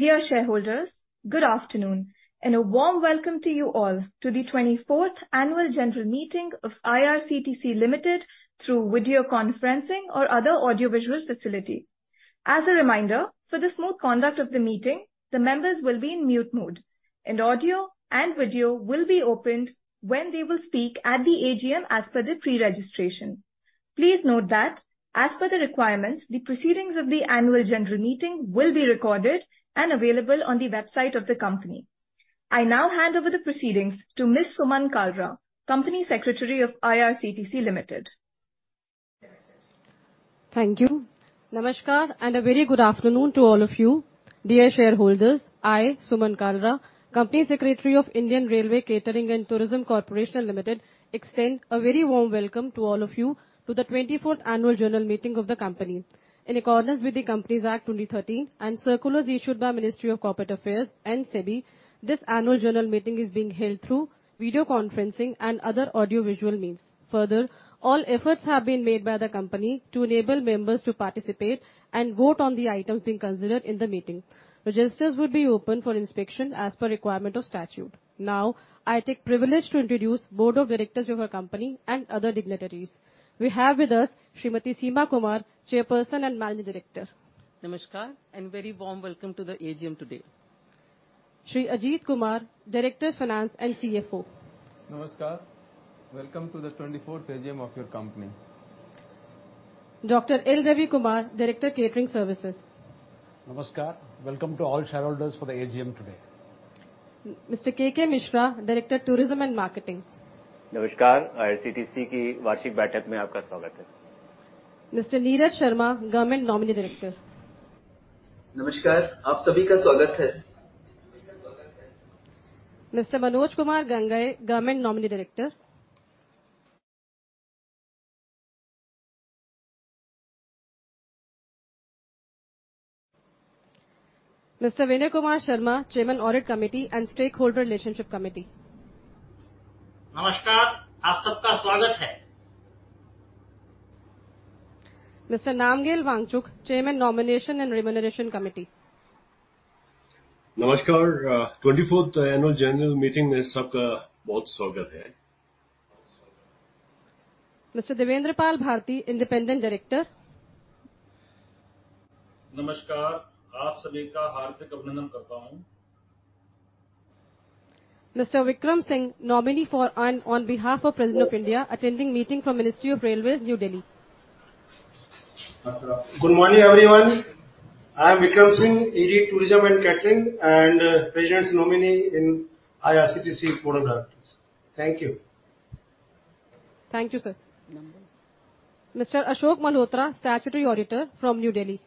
Dear shareholders, good afternoon, and a warm welcome to you all to the 24th Annual General Meeting of IRCTC Limited, through video conferencing or other audiovisual facility. As a reminder, for the smooth conduct of the meeting, the members will be in mute mode, and audio and video will be opened when they will speak at the AGM as per the pre-registration. Please note that as per the requirements, the proceedings of the annual general meeting will be recorded and available on the website of the company. I now hand over the proceedings to Ms. Suman Kalra, Company Secretary of IRCTC Limited. Thank you. Namaskar, and a very good afternoon to all of you. Dear shareholders, I, Suman Kalra, Company Secretary of Indian Railway Catering and Tourism Corporation Limited, extend a very warm welcome to all of you to the 24th Annual General Meeting of the company. In accordance with the Companies Act 2013, and circulars issued by Ministry of Corporate Affairs and SEBI, this annual general meeting is being held through video conferencing and other audiovisual means. Further, all efforts have been made by the company to enable members to participate and vote on the items being considered in the meeting. Registers will be open for inspection as per requirement of statute. Now, I take privilege to introduce Board of Directors of our company and other dignitaries. We have with us Srimati Seema Kumar, Chairperson and Managing Director. Namaskar, and very warm welcome to the AGM today. Shri Ajit Kumar, Director Finance and CFO. Namaskar. Welcome to the 24th AGM of your company. Dr. L. Ravi Kumar, Director, Catering Services. Namaskar. Welcome to all shareholders for the AGM today. Mr. K.K. Mishra, Director, Tourism and Marketing. Namaskar, IRCTC- Mr. Neeraj Sharma, Government Nominee Director. Namaskar. Mr. Manoj Kumar Gangai, Government Nominee Director. Mr. Vinay Kumar Sharma, Chairman, Audit Committee and Stakeholder Relationship Committee. Namaskar. Mr. Namgyal Wangchuk, Chairman, Nomination and Remuneration Committee. Namaskar. 24th Annual General Meeting. Mr. Devendra Pal Bharti, Independent Director. Namaskar. Mr. Vikram Singh, nominee for and on behalf of President of India, attending meeting from Ministry of Railways, New Delhi. Namaste. Good morning, everyone. I am Vikram Singh, ED, Tourism and Catering, and President's Nominee in IRCTC Board of Directors. Thank you. Thank you, sir. Mr. Ashok Malhotra, Statutory Auditor from New Delhi.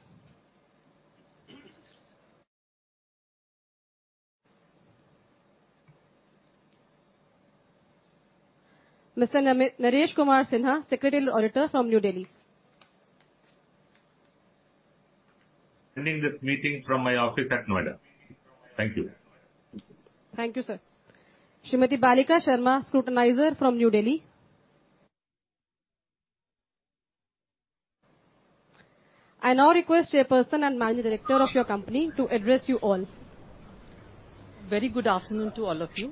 Mr. Naresh Kumar Sinha, Secretarial Auditor from New Delhi. Attending this meeting from my office at Noida. Thank you. Thank you, sir. Srimati Balika Sharma, Scrutinizer from New Delhi. I now request Chairperson and Managing Director of your company to address you all. Very good afternoon to all of you.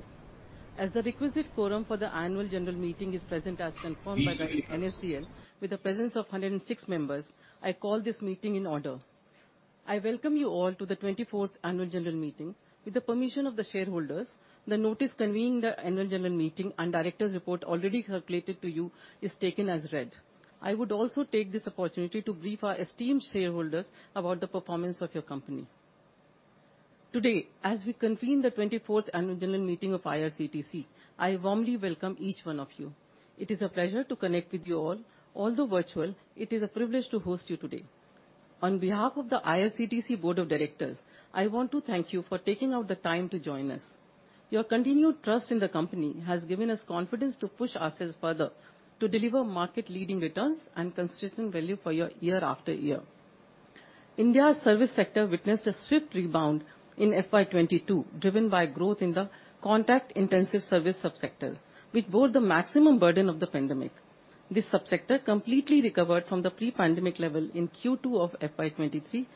As the requisite quorum for the annual general meeting is present, as confirmed by the NSCL, with the presence of 106 members, I call this meeting in order. I welcome you all to the 24th Annual General Meeting. With the permission of the shareholders, the notice convening the annual general meeting and directors report already circulated to you is taken as read. I would also take this opportunity to brief our esteemed shareholders about the performance of your company. Today, as we convene the 24th Annual General Meeting of IRCTC, I warmly welcome each one of you. It is a pleasure to connect with you all. Although virtual, it is a privilege to host you today. On behalf of the IRCTC Board of Directors, I want to thank you for taking out the time to join us. Your continued trust in the company has given us confidence to push ourselves further, to deliver market-leading returns and consistent value for you year after year. India's service sector witnessed a swift rebound in FY 2022, driven by growth in the contact-intensive service subsector, which bore the maximum burden of the pandemic. This subsector completely recovered from the pre-pandemic level in Q2 of FY 2023,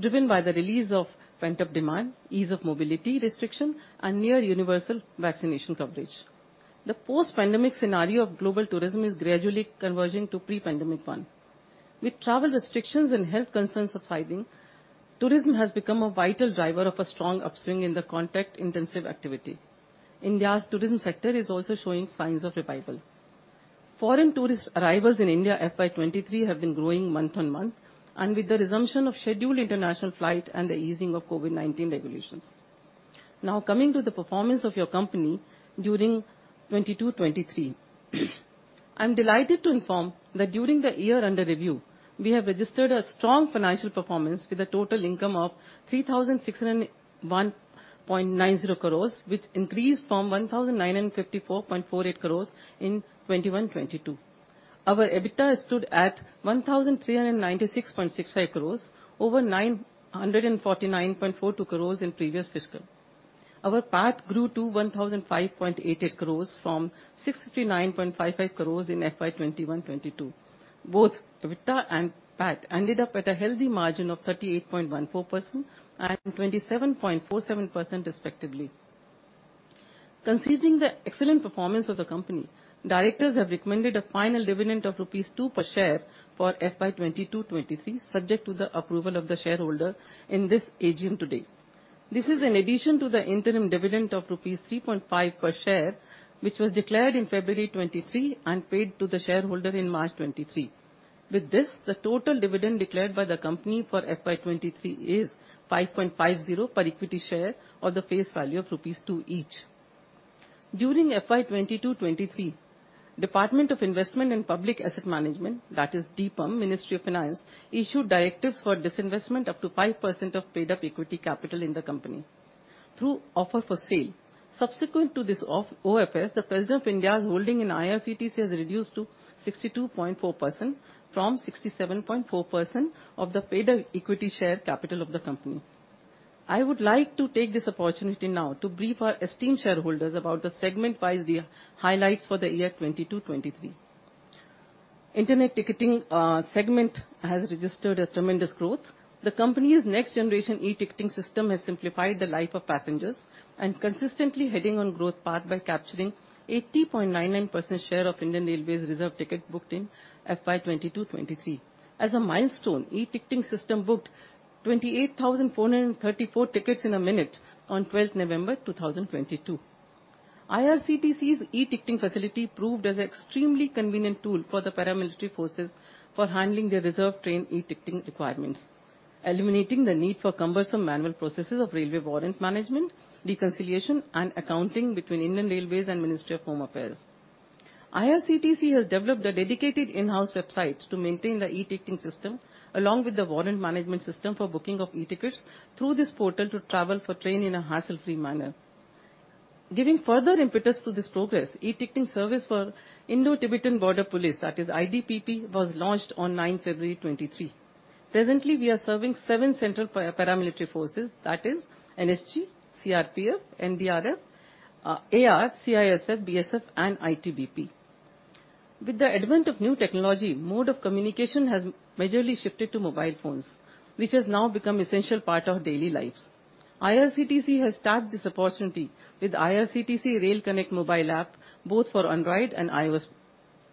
driven by the release of pent-up demand, ease of mobility restriction, and near-universal vaccination coverage. The post-pandemic scenario of global tourism is gradually converging to pre-pandemic one. With travel restrictions and health concerns subsiding, tourism has become a vital driver of a strong upswing in the contact-intensive activity. India's tourism sector is also showing signs of revival. Foreign tourist arrivals in India, FY 2023, have been growing month-on-month, and with the resumption of scheduled international flight and the easing of COVID-19 regulations. Now, coming to the performance of your company during 2022 to 2023. I'm delighted to inform that during the year under review, we have registered a strong financial performance with a total income of 3,601.90 crores, which increased from 1,954.48 crores in 2021-22. Our EBITDA stood at 1,396.65 crores, over 949.42 crores in previous fiscal. Our PAT grew to 1,015.88 crores from 659.55 crores in FY 2021-22. Both EBITDA and PAT ended up at a healthy margin of 38.14% and 27.47%, respectively. Considering the excellent performance of the company, directors have recommended a final dividend of rupees 2 per share for FY 2022 to 2023, subject to the approval of the shareholder in this AGM today. This is in addition to the interim dividend of rupees 3.5 per share, which was declared in February 2023 and paid to the shareholder in March 2023. With this, the total dividend declared by the company for FY 2023 is 5.50 per equity share of the face value of rupees 2 each. During FY 2022-23, Department of Investment and Public Asset Management, that is, DIPAM, Ministry of Finance, issued directives for disinvestment up to 5% of paid-up equity capital in the company through offer for sale. Subsequent to this OFS, the President of India's holding in IRCTC has reduced to 62.4% from 67.4% of the paid-up equity share capital of the company. I would like to take this opportunity now to brief our esteemed shareholders about the segment by the highlights for the year 2022 to 2023. Internet ticketing segment has registered a tremendous growth. The company's next-generation e-ticketing system has simplified the life of passengers, and consistently heading on growth path by capturing 80.99% share of Indian Railways reserve ticket booked in FY 2022 to 2023. As a milestone, e-ticketing system booked 28,434 tickets in a minute on 12th November 2022. IRCTC's e-ticketing facility proved as an extremely convenient tool for the paramilitary forces for handling their reserve train e-ticketing requirements, eliminating the need for cumbersome manual processes of railway warrant management, reconciliation, and accounting between Indian Railways and Ministry of Home Affairs. IRCTC has developed a dedicated in-house website to maintain the e-ticketing system, along with the warrant management system for booking of e-tickets through this portal to travel for train in a hassle-free manner. Giving further impetus to this progress, e-ticketing service for Indo-Tibetan Border Police, that is ITBP, was launched on ninth February 2023. Presently, we are serving seven central paramilitary forces, that is NSG, CRPF, NDRF, AR, CISF, BSF, and ITBP. With the advent of new technology, mode of communication has majorly shifted to mobile phones, which has now become essential part of daily lives. IRCTC has tapped this opportunity with IRCTC Rail Connect mobile app, both for Android and iOS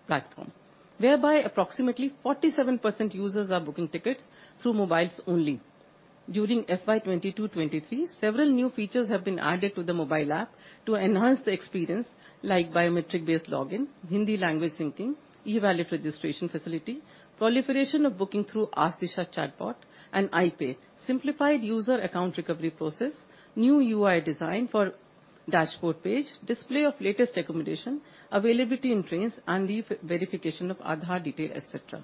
platform, whereby approximately 47% users are booking tickets through mobiles only. During FY 2022-23, several new features have been added to the mobile app to enhance the experience, like biometric-based login, Hindi language syncing, e-wallet registration facility, proliferation of booking through Ask Disha chatbot, and iPay, simplified user account recovery process, new UI design for dashboard page, display of latest accommodation, availability in trains, and the verification of Aadhaar detail, et cetera.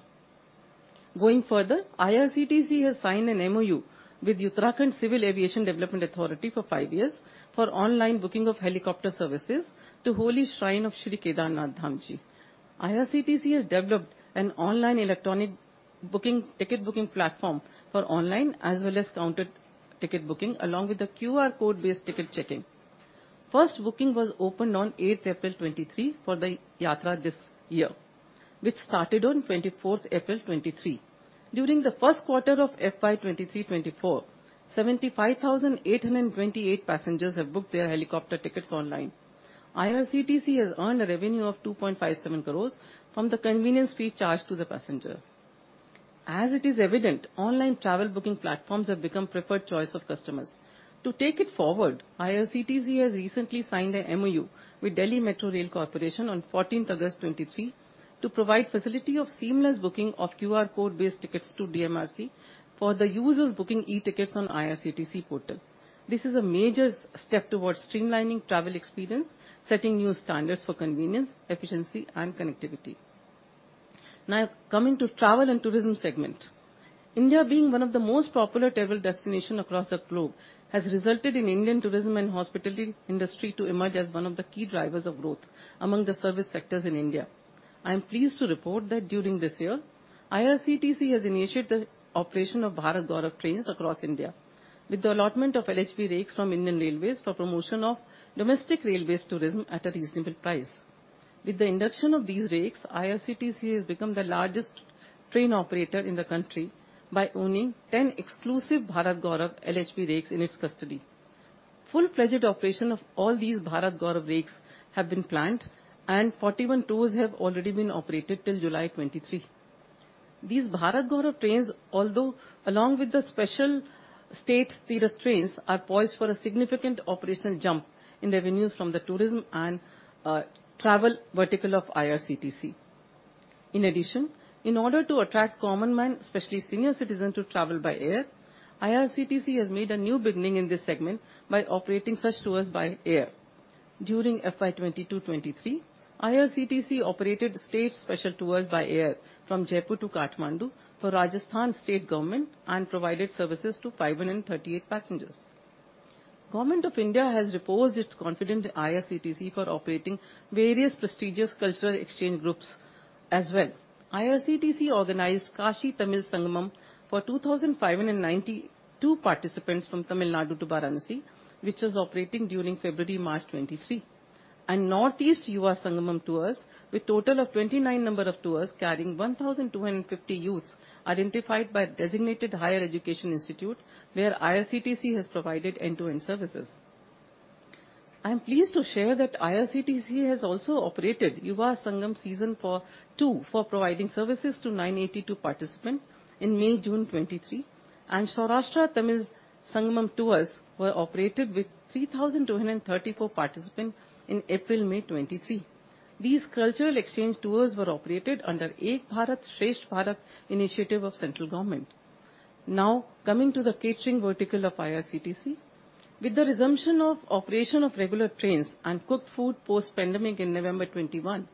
Going further, IRCTC has signed an MoU with Uttarakhand Civil Aviation Development Authority for five years for online booking of helicopter services to holy shrine of Shri Kedarnath Dham. IRCTC has developed an online electronic booking, ticket booking platform for online as well as counter ticket booking, along with the QR code-based ticket checking. First booking was opened on 8th April 2023 for the yatra this year, which started on 24 April 2023. During the first quarter of FY 2023 to 2024, 75,828 passengers have booked their helicopter tickets online. IRCTC has earned a revenue of 2.57 crore from the convenience fee charged to the passenger. As it is evident, online travel booking platforms have become preferred choice of customers. To take it forward, IRCTC has recently signed an MoU with Delhi Metro Rail Corporation on 14 August 2023 to provide facility of seamless booking of QR code-based tickets to DMRC for the users booking e-tickets on IRCTC portal. This is a major step towards streamlining travel experience, setting new standards for convenience, efficiency, and connectivity. Now, coming to travel and tourism segment. India, being one of the most popular travel destination across the globe, has resulted in Indian tourism and hospitality industry to emerge as one of the key drivers of growth among the service sectors in India. I am pleased to report that during this year, IRCTC has initiated the operation of Bharat Gaurav trains across India, with the allotment of LHB rakes from Indian Railways for promotion of domestic railways tourism at a reasonable price. With the induction of these rakes, IRCTC has become the largest train operator in the country by owning 10 exclusive Bharat Gaurav LHB rakes in its custody. Full-fledged operation of all these Bharat Gaurav rakes have been planned, and 41 tours have already been operated till July 2023. These Bharat Gaurav trains, although along with the special state tourist trains, are poised for a significant operational jump in revenues from the tourism and travel vertical of IRCTC. In addition, in order to attract common man, especially senior citizens, to travel by air, IRCTC has made a new beginning in this segment by operating such tours by air. During FY 2022-23, IRCTC operated state special tours by air from Jaipur to Kathmandu for Rajasthan State Government and provided services to 538 passengers. Government of India has reposed its confidence in IRCTC for operating various prestigious cultural exchange groups as well. IRCTC organized Kashi Tamil Sangamam for 2,592 participants from Tamil Nadu to Varanasi, which was operating during February-March 2023. and Northeast Yuva Sangamam tours, with total of 29 number of tours carrying 1,250 youths, identified by Designated Higher Education Institute, where IRCTC has provided end-to-end services. I am pleased to share that IRCTC has also operated Yuva Sangam season for two, for providing services to 982 participants in May, June 2023, and Saurashtra Tamil Sangamam tours were operated with 3,234 participants in April, May 2023. These cultural exchange tours were operated under Ek Bharat Shreshtha Bharat initiative of central government. Now, coming to the catering vertical of IRCTC. With the resumption of operation of regular trains and cooked food post-pandemic in November 2021,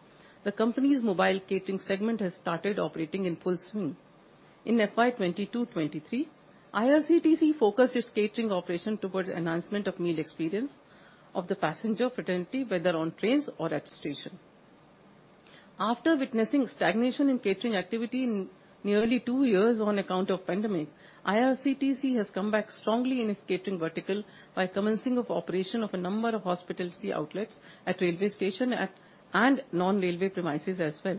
the company's mobile catering segment has started operating in full swing. In FY 2022-2023, IRCTC focused its catering operation towards enhancement of meal experience of the passenger fraternity, whether on trains or at station. After witnessing stagnation in catering activity in nearly two years on account of pandemic, IRCTC has come back strongly in its catering vertical by commencing of operation of a number of hospitality outlets at railway stations and non-railway premises as well.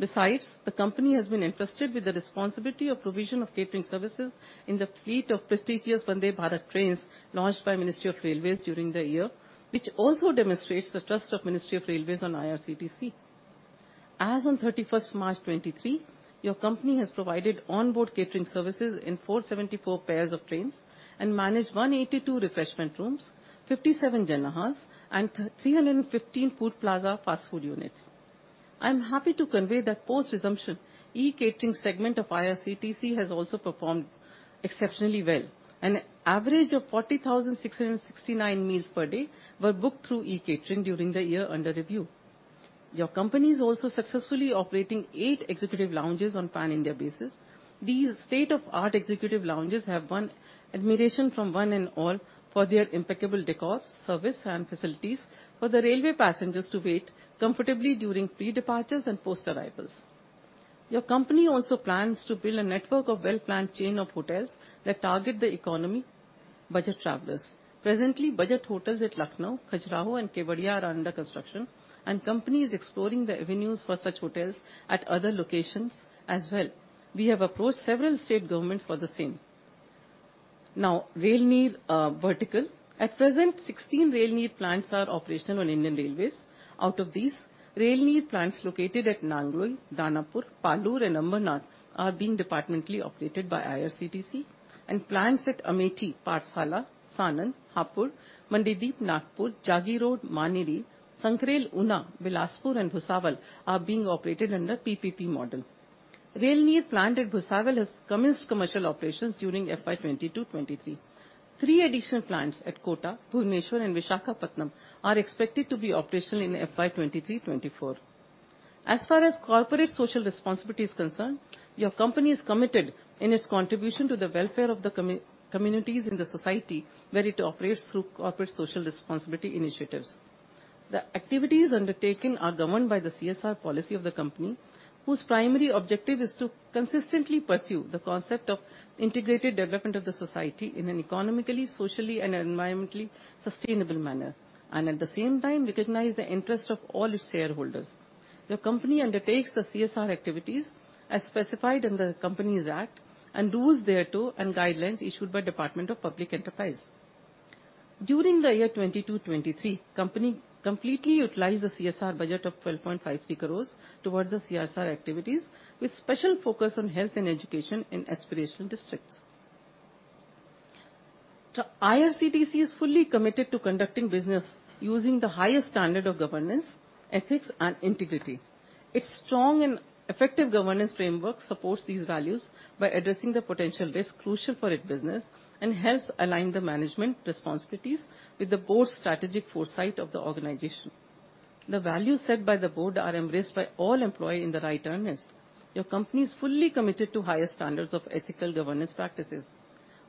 Besides, the company has been entrusted with the responsibility of provision of catering services in the fleet of prestigious Vande Bharat trains, launched by Ministry of Railways during the year, which also demonstrates the trust of Ministry of Railways on IRCTC. As on thirty-first March 2023, your company has provided onboard catering services in 474 pairs of trains and managed 182 refreshment rooms, 57 Jan Aahaar, and 315 Food Plaza fast food units. I'm happy to convey that post-resumption, e-Catering segment of IRCTC has also performed exceptionally well. An average of 40,669 meals per day were booked through e-Catering during the year under review. Your company is also successfully operating eight Executive Lounges on pan-India basis. These state-of-the-art Executive Lounges have won admiration from one and all for their impeccable décor, service, and facilities for the railway passengers to wait comfortably during pre-departures and post-arrivals. Your company also plans to build a network of well-planned chain of hotels that target the economy budget travelers. Presently, budget hotels at Lucknow, Khajuraho, and Kewadia are under construction, and company is exploring the avenues for such hotels at other locations as well. We have approached several state governments for the same. Now, Railneer vertical. At present, sixteen Railneer plants are operational on Indian Railways. Out of these, Railneer plants located at Nangloi, Danapur, Palur, and Amarnath are being departmentally operated by IRCTC, and plants at Amethi, Parsala, Sanand, Hapur, Mandip, Nagpur, Jagiroad, Maneri, Sankrail, Una, Bilaspur, and Bhusaval are being operated under PPP model. Railneer plant at Bhusaval has commenced commercial operations during FY 2022-23. Three additional plants at Kota, Bhubaneswar, and Visakhapatnam are expected to be operational in FY 2023-24. As far as corporate social responsibility is concerned, your company is committed in its contribution to the welfare of the communities in the society where it operates through corporate social responsibility initiatives. The activities undertaken are governed by the CSR policy of the company, whose primary objective is to consistently pursue the concept of integrated development of the society in an economically, socially, and environmentally sustainable manner, and at the same time, recognize the interest of all its shareholders. Your company undertakes the CSR activities as specified in the Companies Act, and rules thereto, and guidelines issued by Department of Public Enterprises. During the year 2022-2023, company completely utilized the CSR budget of 12.53 crore towards the CSR activities, with special focus on health and education in aspirational districts. The IRCTC is fully committed to conducting business using the highest standard of governance, ethics, and integrity. Its strong and effective governance framework supports these values by addressing the potential risks crucial for its business, and helps align the management responsibilities with the board's strategic foresight of the organization. The values set by the board are embraced by all employees in the right earnest. Your company is fully committed to higher standards of ethical governance practices.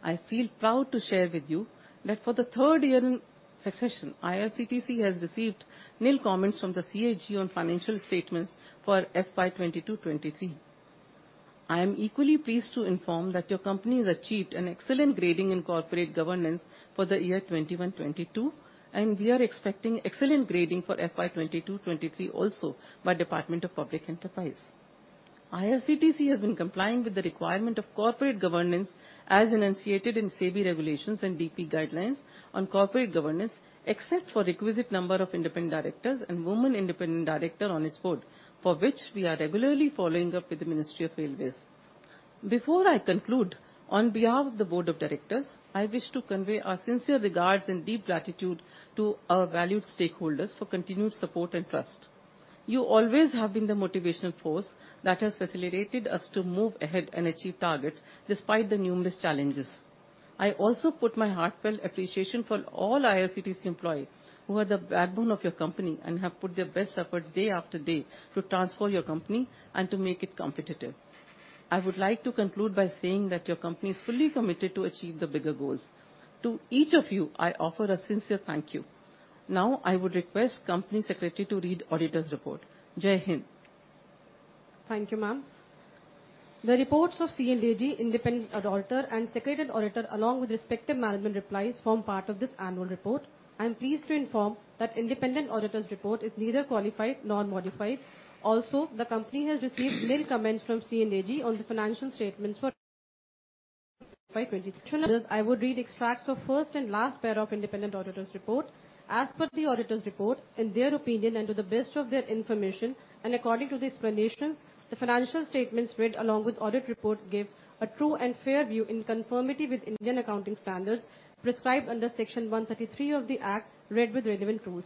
I feel proud to share with you that for the third year in succession, IRCTC has received nil comments from the CAG on financial statements for FY 2022-23. I am equally pleased to inform that your company has achieved an excellent grading in corporate governance for the year 2021-22, and we are expecting excellent grading for FY 2022-23 also, by Department of Public Enterprises. IRCTC has been complying with the requirement of corporate governance as enunciated in SEBI regulations and DPE guidelines on corporate governance, except for requisite number of independent directors and woman independent director on its board, for which we are regularly following up with the Ministry of Railways. Before I conclude, on behalf of the board of directors, I wish to convey our sincere regards and deep gratitude to our valued stakeholders for continued support and trust. You always have been the motivational force that has facilitated us to move ahead and achieve targets, despite the numerous challenges. I also put my heartfelt appreciation for all IRCTC employees, who are the backbone of your company and have put their best efforts day after day to transform your company and to make it competitive. I would like to conclude by saying that your company is fully committed to achieve the bigger goals. To each of you, I offer a sincere thank you. Now, I would request Company Secretary to read auditor's report. Jai Hind!... Thank you, ma'am. The reports of C&AG, independent auditor, and secretarial auditor, along with respective management replies, form part of this annual report. I'm pleased to inform that independent auditor's report is neither qualified nor modified. Also, the company has received nil comments from C&AG on the financial statements for FY 2020. I would read extracts of first and last para of independent auditor's report. As per the auditor's report, in their opinion and to the best of their information, and according to the explanations, the financial statements read along with audit report give a true and fair view in conformity with Indian accounting standards prescribed under Section 133 of the Act, read with relevant rules.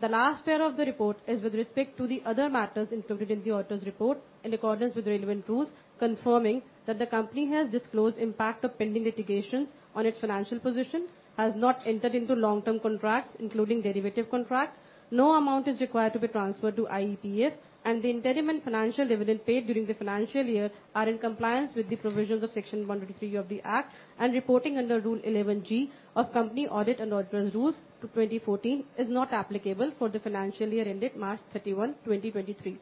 The last part of the report is with respect to the other matters included in the auditor's report, in accordance with relevant rules, confirming that the company has disclosed impact of pending litigations on its financial position, has not entered into long-term contracts, including derivative contract. No amount is required to be transferred to IEPF, and the interim and final dividend paid during the financial year are in compliance with the provisions of Section 133 of the Act, and reporting under Rule 11G of Companies (Audit and Auditors) Rules 2014 is not applicable for the financial year ended March 31, 2023.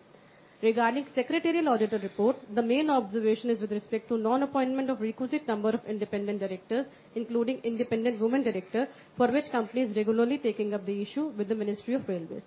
Regarding secretarial auditor report, the main observation is with respect to non-appointment of requisite number of independent directors, including independent woman director, for which company is regularly taking up the issue with the Ministry of Railways.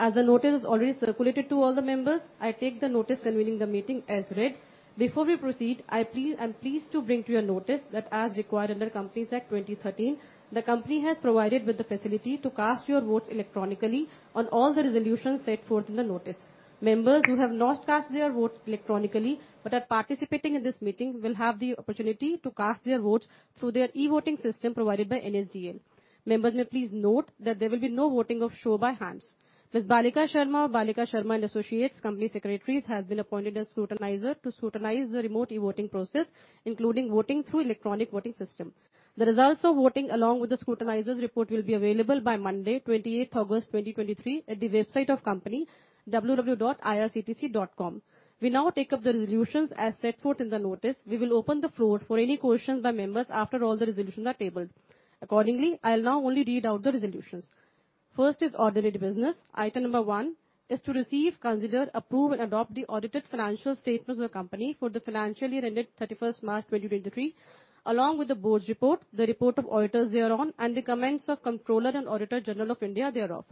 As the notice is already circulated to all the members, I take the notice convening the meeting as read. Before we proceed, please, I'm pleased to bring to your notice that as required under Companies Act 2013, the company has provided with the facility to cast your votes electronically on all the resolutions set forth in the notice. Members who have not cast their vote electronically, but are participating in this meeting, will have the opportunity to cast their votes through their e-voting system provided by NSDL. Members may please note that there will be no voting by show of hands. Ms. Balika Sharma of Balika Sharma and Associates, Company Secretaries, has been appointed as scrutinizer to scrutinize the remote e-voting process, including voting through electronic voting system. The results of voting, along with the scrutinizer's report, will be available by Monday, 28 August 2023, at the website of company www.irctc.com. We now take up the resolutions as set forth in the notice. We will open the floor for any questions by members after all the resolutions are tabled. Accordingly, I'll now only read out the resolutions. First is ordinary business. Item number one is to receive, consider, approve, and adopt the audited financial statements of the company for the financial year ended 31 March 2023, along with the board's report, the report of auditors thereon, and the comments of Comptroller and Auditor General of India thereof.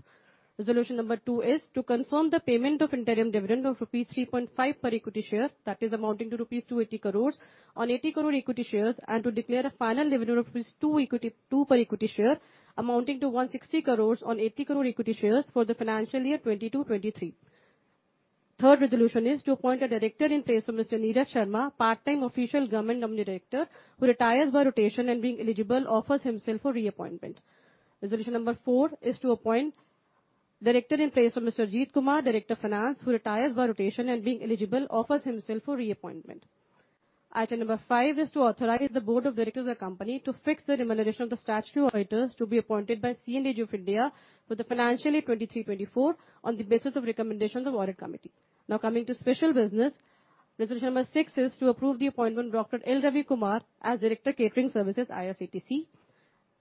Resolution number 2 is to confirm the payment of interim dividend of rupees 3.5 per equity share, that is amounting to rupees 280 crore on 80 crore equity shares, and to declare a final dividend of rupees 2 equity, 2 per equity share, amounting to 160 crore on 80 crore equity shares for the financial year 2022-23. 3rd resolution is to appoint a director in place of Mr. Neeraj Sharma, part-time official government director, who retires by rotation and being eligible, offers himself for reappointment. Resolution number 4 is to appoint director in place of Mr. Ajit Kumar, Director Finance, who retires by rotation and being eligible, offers himself for reappointment. Item number 5 is to authorize the Board of Directors of the company to fix the remuneration of the statutory auditors to be appointed by C&AG of India for the financial year 2023-24, on the basis of recommendations of Audit Committee. Now, coming to special business. Resolution number 6 is to approve the appointment of Dr. L. Ravi Kumar as Director, Catering Services, IRCTC.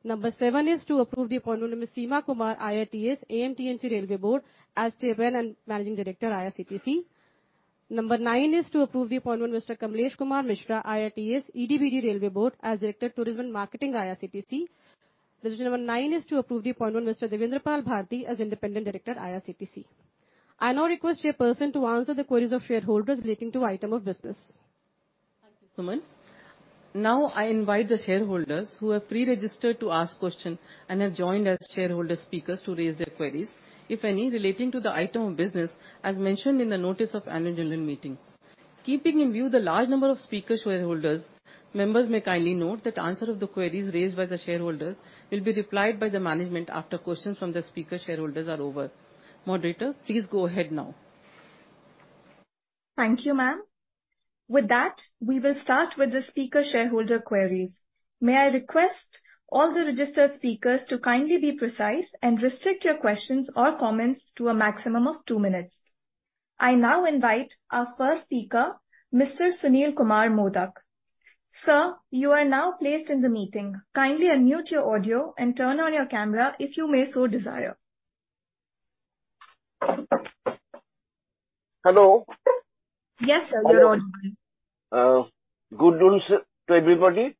Number 7 is to approve the appointment of Seema Kumar, IRTS, AMTNC Railway Board, as Chairman and Managing Director, IRCTC. Number 9 is to approve the appointment Mr. Kamlesh Kumar Mishra, IRTS, EDVD Railway Board, as Director, Tourism and Marketing, IRCTC. Resolution number 9 is to approve the appointment Mr. Devendra Pal Bharti as Independent Director, IRCTC. I now request chairperson to answer the queries of shareholders relating to item of business. Thank you, Suman. Now, I invite the shareholders who have pre-registered to ask question and have joined as shareholder speakers to raise their queries, if any, relating to the item of business, as mentioned in the notice of annual general meeting. Keeping in view the large number of speaker shareholders, members may kindly note that answer of the queries raised by the shareholders will be replied by the management after questions from the speaker shareholders are over. Moderator, please go ahead now. Thank you, ma'am. With that, we will start with the speaker shareholder queries. May I request all the registered speakers to kindly be precise and restrict your questions or comments to a maximum of two minutes. I now invite our first speaker, Mr. Sunil Kumar Modak. Sir, you are now placed in the meeting. Kindly unmute your audio and turn on your camera, if you may so desire. Hello? Yes, hello. Good afternoon to everybody.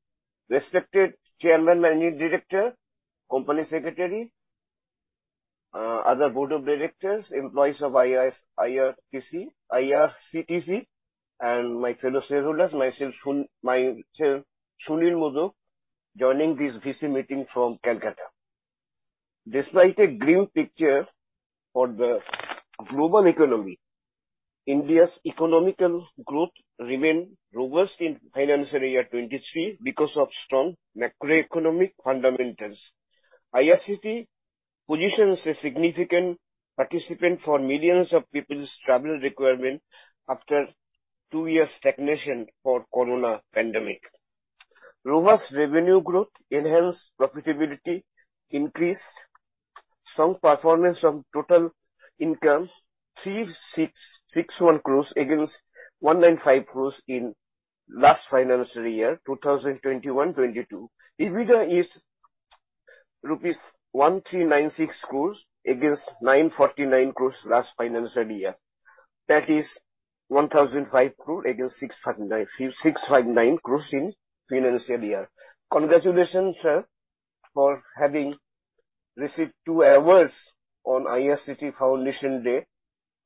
Respected Chairman, Managing Director, Company Secretary, other Board of Directors, employees of IRCTC, and my fellow shareholders. Myself, myself Sunil Modak, joining this VC meeting from Kolkata. Despite a grim picture for the global economy, India's economic growth remain robust in financial year 2023 because of strong macroeconomic fundamentals. IRCTC positions a significant participant for millions of people's travel requirement after two years stagnation for Corona pandemic. Robust revenue growth enhance profitability, increase strong performance from total income, 3,661 crores against 195 crores in last financial year, 2021 to 2022. EBITDA is-... Rupees 1,396 crore against 949 crore last financial year, tax 1,005 crore against 659 crore in financial year. Congratulations sir, for having received two awards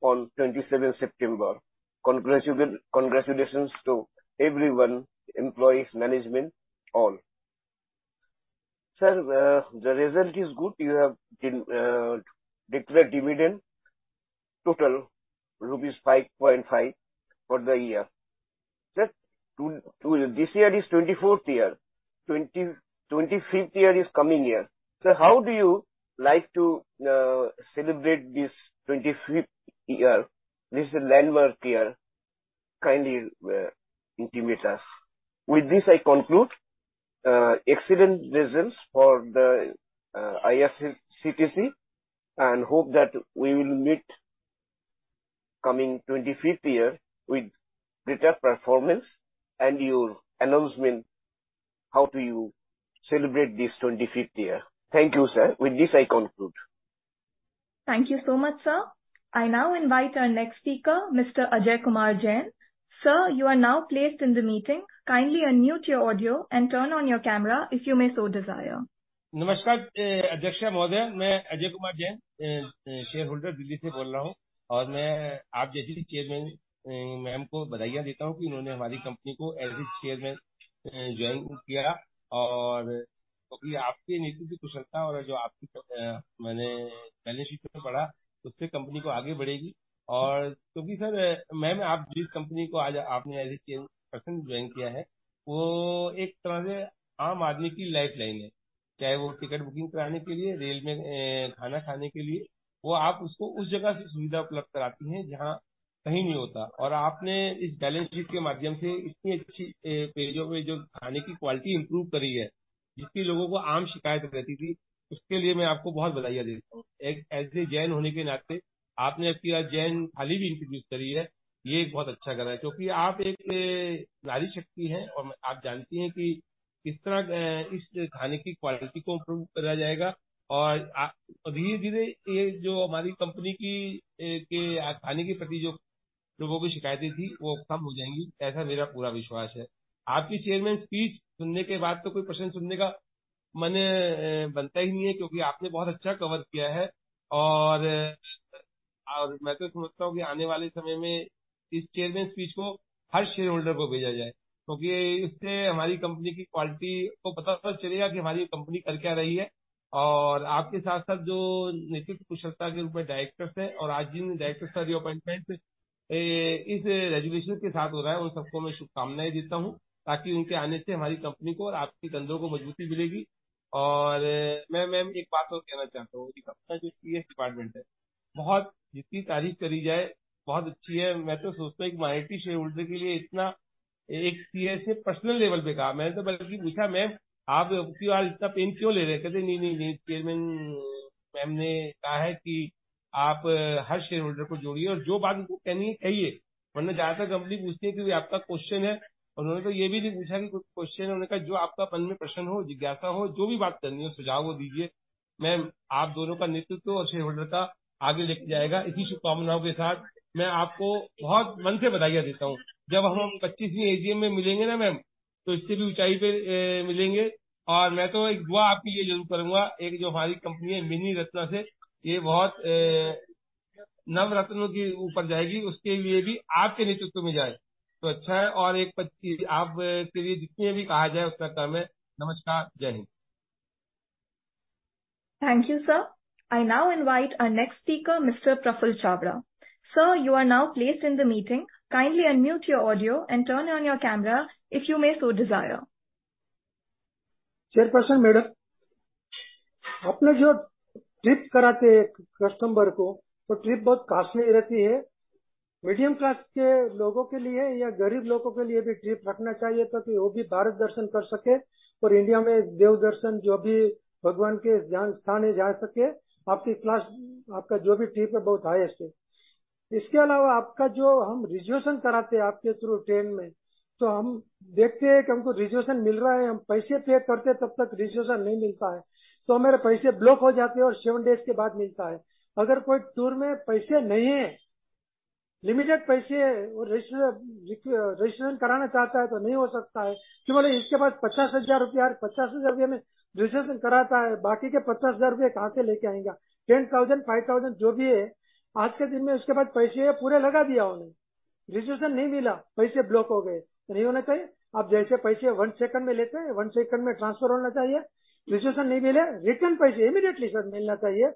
on IRCTC Foundation Day on twenty-seven September. Congratulations, congratulations to everyone, employee, management all. Sir, the result is good. You have declared dividend total rupees 5.5 for the year. Sir two, to this year is twenty-fourth year, twenty, twenty-fifth year is coming year. Sir, how do you like to celebrate this twenty-fifth year? This is landmark year, kindly intimate us. With this I conclude, excellent results for the IRCTC and hope that we will meet coming twenty-fifth year with better performance and your announcement. How do you celebrate this twenty-fifth year? Thank you sir. With this I conclude. Thank you so much sir. I now invite our next speaker Mr. Ajay Kumar Jain. Sir, you are now placed in the meeting. Kindly unmute your audio and turn on your camera, if you may so desire. नमस्कार! अध्यक्ष महोदय, मैं Ajay Kumar Jain, shareholder Delhi से बोल रहा हूं। और मैं आप जैसी चेयरमैन मैम को बधाईयां देता हूं कि उन्होंने हमारी कंपनी को ऐसे चेयरमैन ज्वाइन किया। और आपकी नीति की कुशलता और जो आपकी मैंने बैलेंस शीट में पढ़ा, उससे कंपनी को आगे बढ़ेगी। और क्योंकि सर मैम, आप जिस कंपनी को आज आपने ऐसे चेयरमैन ज्वाइन किया है, वो एक तरह से आम आदमी की लाइफ लाइन है। चाहे वो टिकट बुकिंग कराने के लिए, रेल में खाना खाने के लिए। वो आप उसको उस जगह से सुविधा उपलब्ध कराती हैं, जहां कहीं नहीं होता। और आपने इस बैलेंस शीट के माध्यम से इतनी अच्छी पेजों में जो खाने की क्वालिटी इंप्रूव करी है, जिसकी लोगों को आम शिकायत रहती थी, उसके लिए मैं आपको बहुत बधाईयां देता हूं। एक ऐसे जैन होने के नाते आपने अखीराज जैन थाली भी इंट्रोड्यूस करी है। यह बहुत अच्छा करा है, क्योंकि आप एक नारी शक्ति हैं। और आप जानती हैं कि किस तरह इस खाने की क्वालिटी को इंप्रूव किया जाएगा। और धीरे धीरे यह जो हमारी कंपनी की, के खाने के प्रति जो लोगों की शिकायतें थी, वो कम हो जाएंगी, ऐसा मेरा पूरा विश्वास है। आपकी चेयरमैन स्पीच सुनने के बाद तो कोई प्रश्न सुनने का मन बनता ही नहीं है, क्योंकि आपने बहुत अच्छा कवर किया है। और मैं तो सोचता हूं कि आने वाले समय में इस चेयरमैन स्पीच को हर शेयरहोल्डर को भेजा जाए, क्योंकि इससे हमारी कंपनी की क्वालिटी को पता चलेगा कि हमारी कंपनी कर क्या रही है। और आपके साथ-साथ जो नीति कुशलता के रूप में डायरेक्टर्स हैं। और आज जिन डायरेक्टर्स का रिअपॉइंटमेंट इस रेजोल्यूशन के साथ हो रहा है, उन सबको मैं शुभकामनाएं देता हूं। ताकि उनके आने से हमारी कंपनी को और आपकी कद्रों को मजबूती मिलेगी। और मैं मैम एक बात और कहना चाहता हूं कि अपना जो सीए डिपार्टमेंट है, बहुत जितनी तारीफ करी जाए बहुत अच्छी है। मैं तो सोचता हूं कि माइनॉरिटी शेयरहोल्डर के लिए इतना एक सीए से पर्सनल लेवल पर कहा। मैंने तो बल्कि पूछा मैम, आप उस दिन इतना पेन क्यों ले रहे थे? नहीं, नहीं, नहीं। चेयरमैन मैम ने कहा है कि आप हर शेयरहोल्डर को जोड़िए और जो बात उनको कहनी है, कहिए। वरना ज्यादातर कंपनी पूछती है कि आपका क्वेश्चन है। उन्होंने तो यह भी नहीं पूछा कि क्वेश्चन है। उन्होंने कहा, जो आपका मन में प्रश्न हो, जिज्ञासा हो, जो भी बात करनी हो, सुझाव हो, दीजिए। मैम, आप दोनों का नेतृत्व और शेयरहोल्डर का आगे लेकर जाएगा। इसी शुभकामनाएं के साथ मैं आपको बहुत मन से बधाईयां देता हूं। जब हम पच्चीसवीं एजीएम में मिलेंगे ना मैम, तो इससे भी ऊंचाई पर मिलेंगे और मैं तो एक दुआ आपके लिए जरूर करूंगा। एक जो हमारी कंपनी है, मिनी रत्न से यह बहुत नवरत्नों के ऊपर जाएगी, उसके लिए भी आपके नेतृत्व में जाए तो अच्छा है और एक आप के लिए जितने भी कहा जाए, उतना कम है। नमस्कार, जय Hind! Thank you sir. I now invite our next speaker Mr. Prafull Chawda. Sir, you are now placed in the meeting. Kindly unmute your audio and turn on your camera, if you may so desire. Chairperson Madam, aapne jo trip karate hain, customer ko to trip bahut costly rehti hai. Medium class ke logon ke liye ya garib logon ke liye bhi trip rakhna chahiye taaki vah bhi Bharat darshan kar sakein aur India mein dev darshan jo bhi bhagwan ke sthan hain, ja sakein. Aapki class, aapka jo bhi trip hai, bahut high hai. Iske alava aapka jo hum reservation karate hain, aapke through train mein to hum dekhte hain ki humko reservation mil raha hai. Hum paise pay karte hain, tab tak reservation nahi milta hai to hamare paise block ho jaate hain aur 7 days ke baad milta hai. Agar koi tour mein paise nahi hai, limited paise reservation karana chahta hai to nahi ho sakta hai. Kyun bole? Iske paas INR 50,000 aur INR 50,000 mein reservation karata hai. Baaki ke INR 50,000 kahan se lekar aayega? INR 10,000, INR 5,000 jo bhi hai, aaj ke din mein uske paas paise hain, poore laga diya unhone. Reservation nahi mila, paise block ho gaye. Nahi hona chahiye. Aap jaise paise one second mein lete hain, one second mein transfer hona chahiye. Reservation nahi mile, return paise immediately sir milna chahiye.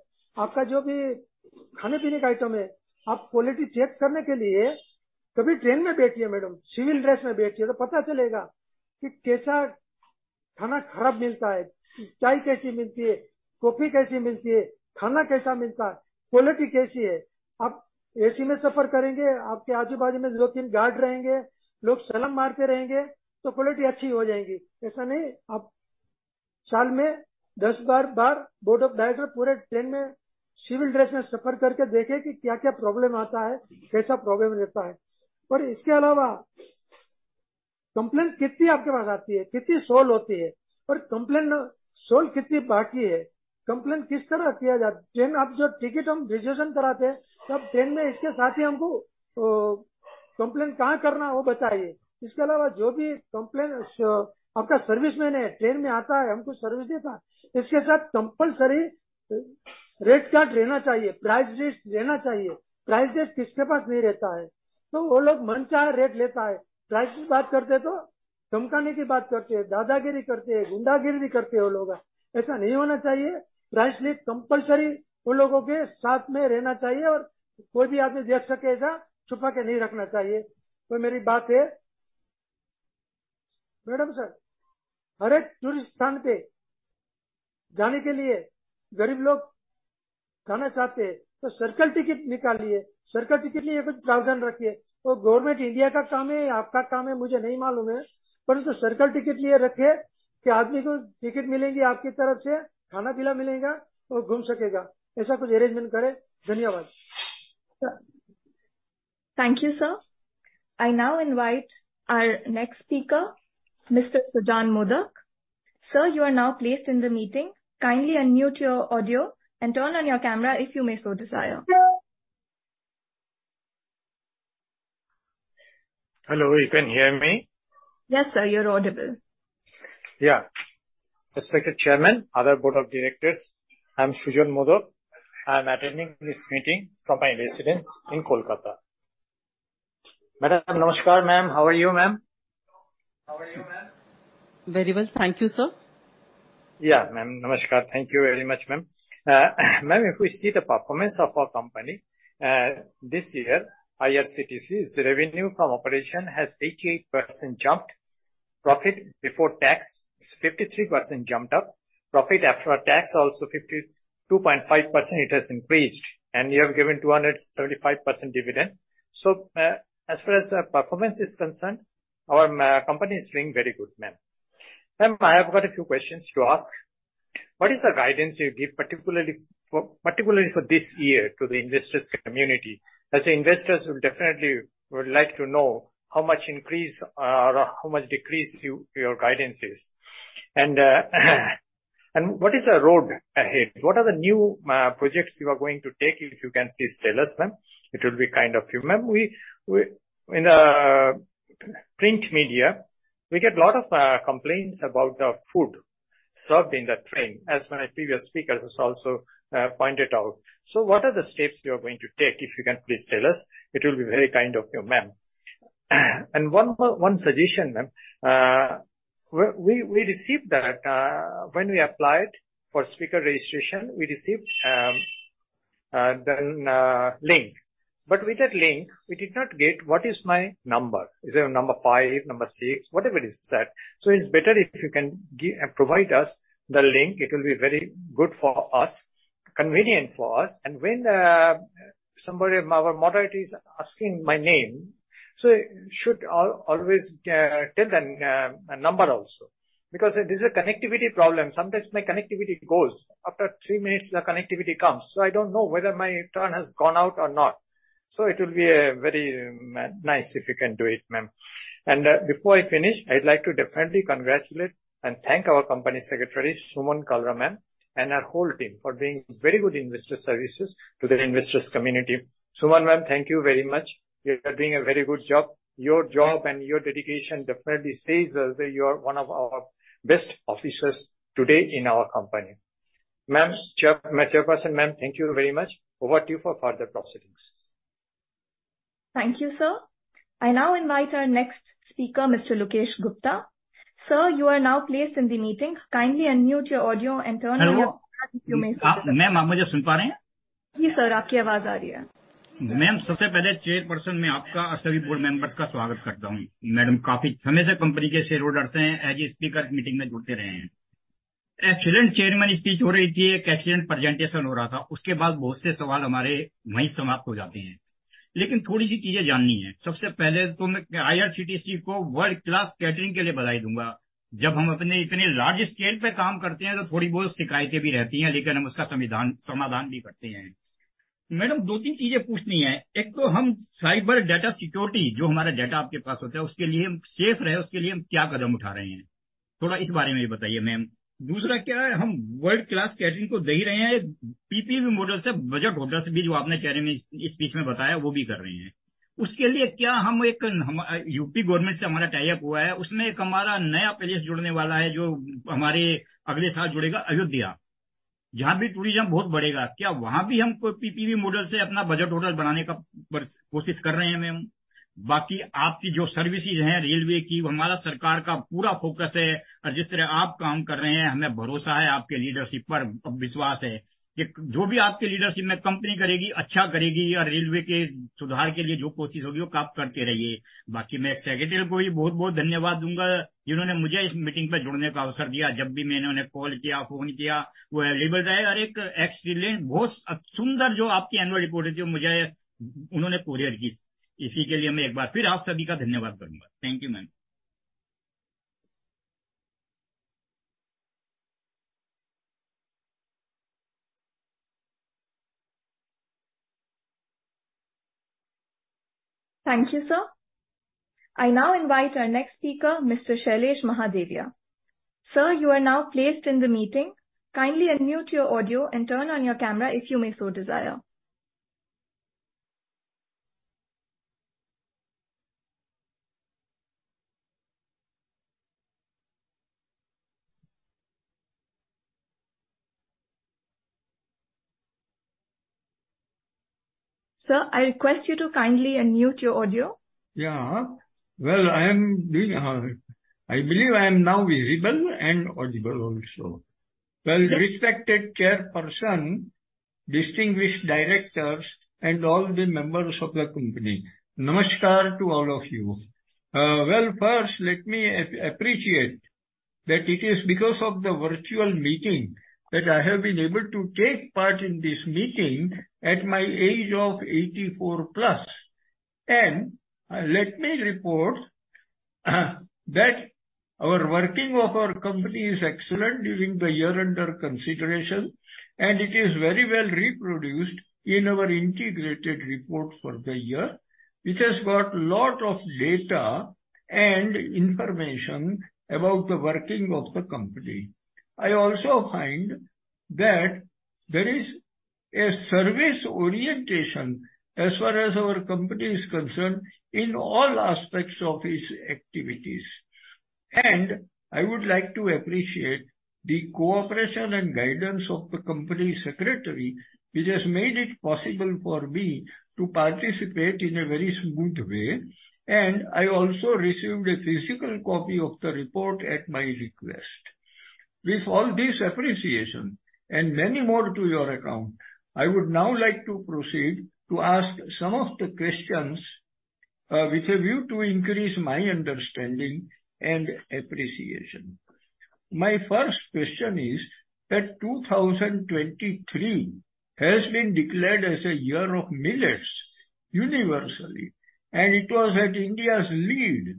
Aapka jo bhi khane pine ka item hai, aap quality check karne ke liye kabhi train mein baithiye madam, civil dress mein baithiye to pata chalega ki kaisa khana kharab milta hai, chai kaisi milti hai, coffee kaisi milti hai, khana kaisa milta hai, quality kaisi hai? आप AC में सफर करेंगे, आपके आजू बाजू में 2-3 guard रहेंगे। लोग सलाम मारते रहेंगे तो क्वालिटी अच्छी हो जाएगी। ऐसा नहीं, आप साल में 10 बार, Board of Directors पूरे ट्रेन में सिविल ड्रेस में सफर करके देखें कि क्या क्या प्रॉब्लम आता है, कैसा प्रॉब्लम रहता है और इसके अलावा...... कंप्लेंट कितनी आपके पास आती है, कितनी Thank you sir! I now invite our next speaker Mr. Sujan Modak. Sir, you are now placed in the meeting. Kindly unmute your audio and turn on your camera, if you may so desire. Hello, you can hear me. Yes sir, you are audible. Respected Chairman and other Board of Directors, I am Sujan Modak. I am attending this meeting from my residence in Kolkata. Madam, namaskar ma'am. How are you ma'am? How are you ma'am. Very well, thank you sir. Yes ma'am, namaskar, thank you very much ma'am. Ma'am, if we see the performance of our company, this year IRCTC's revenue from operations has at 8% jumped, profit before tax 53% jumped up, profit after tax also 52.5% it has increase and you have given 275% dividend. So as far as performance is concerned, our company is doing very good ma'am. Ma'am, I have got a few question to ask. What is the guidance you give particularly, particularly for this year to the investors community? As investors will definitely would like to know how much increase and how much decrease your guidance is and, and what is the road ahead? What are the new projects you are going to take? If you can please tell us ma'am, it will be kind of you. Ma'am we, we, in a print media we get lot of complaint about the food served in the train, as my previous speakers is also pointed out. So what are the steps you are going to take? If you can please tell us, it will be very kind of you ma'am. And one, one suggestion ma'am, we-we received that, when we applied for speaker registration, we received, the link. But with that link we did not get, what is my number? It's number 5, number 6, whatever it is that. So it's better if you can provide us the link, it will be very good for us, convenient for us and when somebody our moderator is asking my name, so you should always tell the number also, because this is a connectivity problem. Sometimes my connectivity goes, after 3 minutes the connectivity comes. So I don't know whether my turn has gone out or not. So it will be a very nice if you can do it ma'am. And before I finish, I would like to definitely congratulate and thank our Company Secretary Suman Kalra ma'am and our whole team for being very good investor services to the investors community. Suman ma'am, thank you very much. You are doing a very good job. Your job and your dedication definitely says you are one of our best officers today in our company. Ma'am, Chair, Chairperson ma'am, thank you very much, over to you for further proceedings. Thank you, sir. I now invite our next speaker, Mr. Lokesh Gupta. Sir, you are now placed in the meeting. Kindly unmute your audio and turn on your... ma'am, आप मुझे सुन पा UP Government se hamara tie up hua hai. Usmein ek hamara naya place judne wala hai, jo hamare agle saal judega Ayodhya, jahaan bhi tourism bahut badhega. Kya wahaan bhi hum PPP model se apna budget hotel banane ki koshish kar rahe hain, ma'am. Baaki aapki jo services hain, railway ki, hamara sarkar ka poora focus hai aur jis tarah aap kaam kar rahe hain, hamein bharosa hai, aapke leadership par vishwas hai ki jo bhi aapki leadership mein company karegi, achha karegi aur railway ke sudhaar ke liye jo koshish hogi, wo aap karte rahiye. Baaki main secretary ko bhi bahut bahut dhanyavaad doonga, jinhone mujhe is meeting mein judne ka avsar diya. Jab bhi maine unhone call kiya, phone kiya, wo available rahe aur ek excellent bahut sundar jo aapki annual report thi, mujhe unhone courier ki. Isi ke liye main ek baar phir aap sabhi ka dhanyavaad karna chahta hoon. Thank you ma'am!... Thank you, sir. I now invite our next speaker, Mr. Shailesh Mahadevia. Sir, you are now placed in the meeting. Kindly unmute your audio and turn on your camera if you may so desire. Sir, I request you to kindly unmute your audio. Yeah. Well, I am doing, I believe I am now visible and audible also. Well- Yes... respected chairperson, distinguished directors and all the members of the company, namaskar to all of you. Well, first, let me appreciate that it is because of the virtual meeting that I have been able to take part in this meeting at my age of 84+. Let me report, that our working of our company is excellent during the year under consideration, and it is very well reproduced in our integrated report for the year, which has got lot of data and information about the working of the company. I also find that there is a service orientation, as far as our company is concerned, in all aspects of its activities. I would like to appreciate the cooperation and guidance of the company secretary, which has made it possible for me to participate in a very smooth way, and I also received a physical copy of the report at my request. With all this appreciation, and many more to your account, I would now like to proceed to ask some of the questions, with a view to increase my understanding and appreciation. My first question is that 2023 has been declared as a year of millets universally, and it was at India's lead.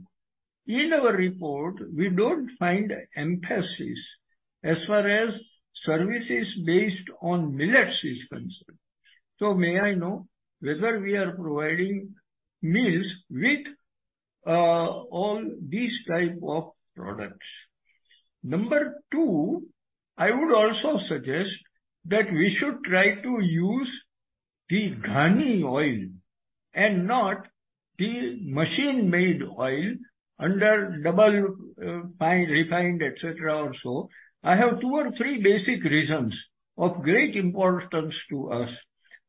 In our report, we don't find emphasis as far as services based on millets is concerned. So may I know whether we are providing meals with, all these type of products? Number 2, I would also suggest that we should try to use the ghani oil and not the machine-made oil under double, fine refined, et cetera, also. I have 2 or 3 basic reasons of great importance to us.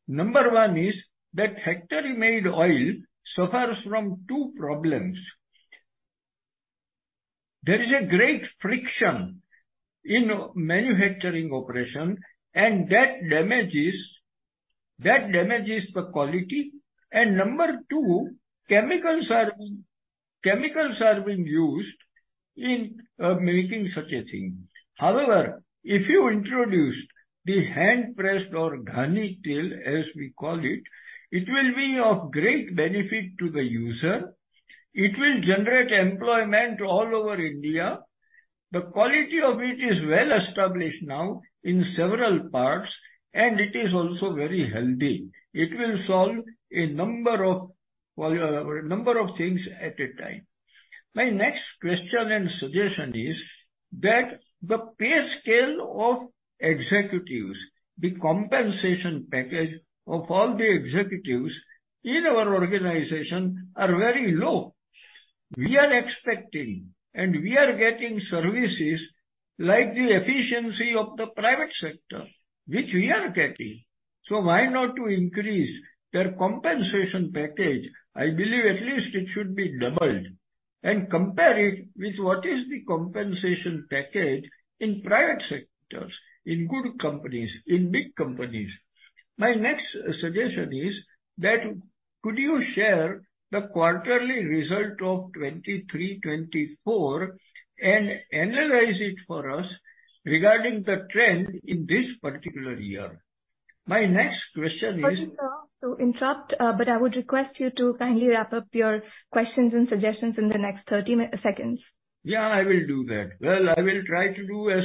Number 1 is that factory-made oil suffers from 2 problems. There is a great friction in manufacturing operation, and that damages the quality. Number 2, chemicals are being used in making such a thing. However, if you introduced the hand-pressed or ghani oil, as we call it, it will be of great benefit to the user. It will generate employment all over India. The quality of it is well established now in several parts, and it is also very healthy. It will solve a number of, well, number of things at a time. My next question and suggestion is that the pay scale of executives, the compensation package of all the executives in our organization are very low. We are expecting, and we are getting services like the efficiency of the private sector, which we are getting, so why not to increase their compensation package? I believe at least it should be doubled, and compare it with what is the compensation package in private sectors, in good companies, in big companies. My next suggestion is that could you share the quarterly result of 2023, 2024 and analyze it for us regarding the trend in this particular year? My next question is- Sorry, sir, to interrupt, but I would request you to kindly wrap up your questions and suggestions in the next 30 seconds. Yeah, I will do that. Well, I will try to do.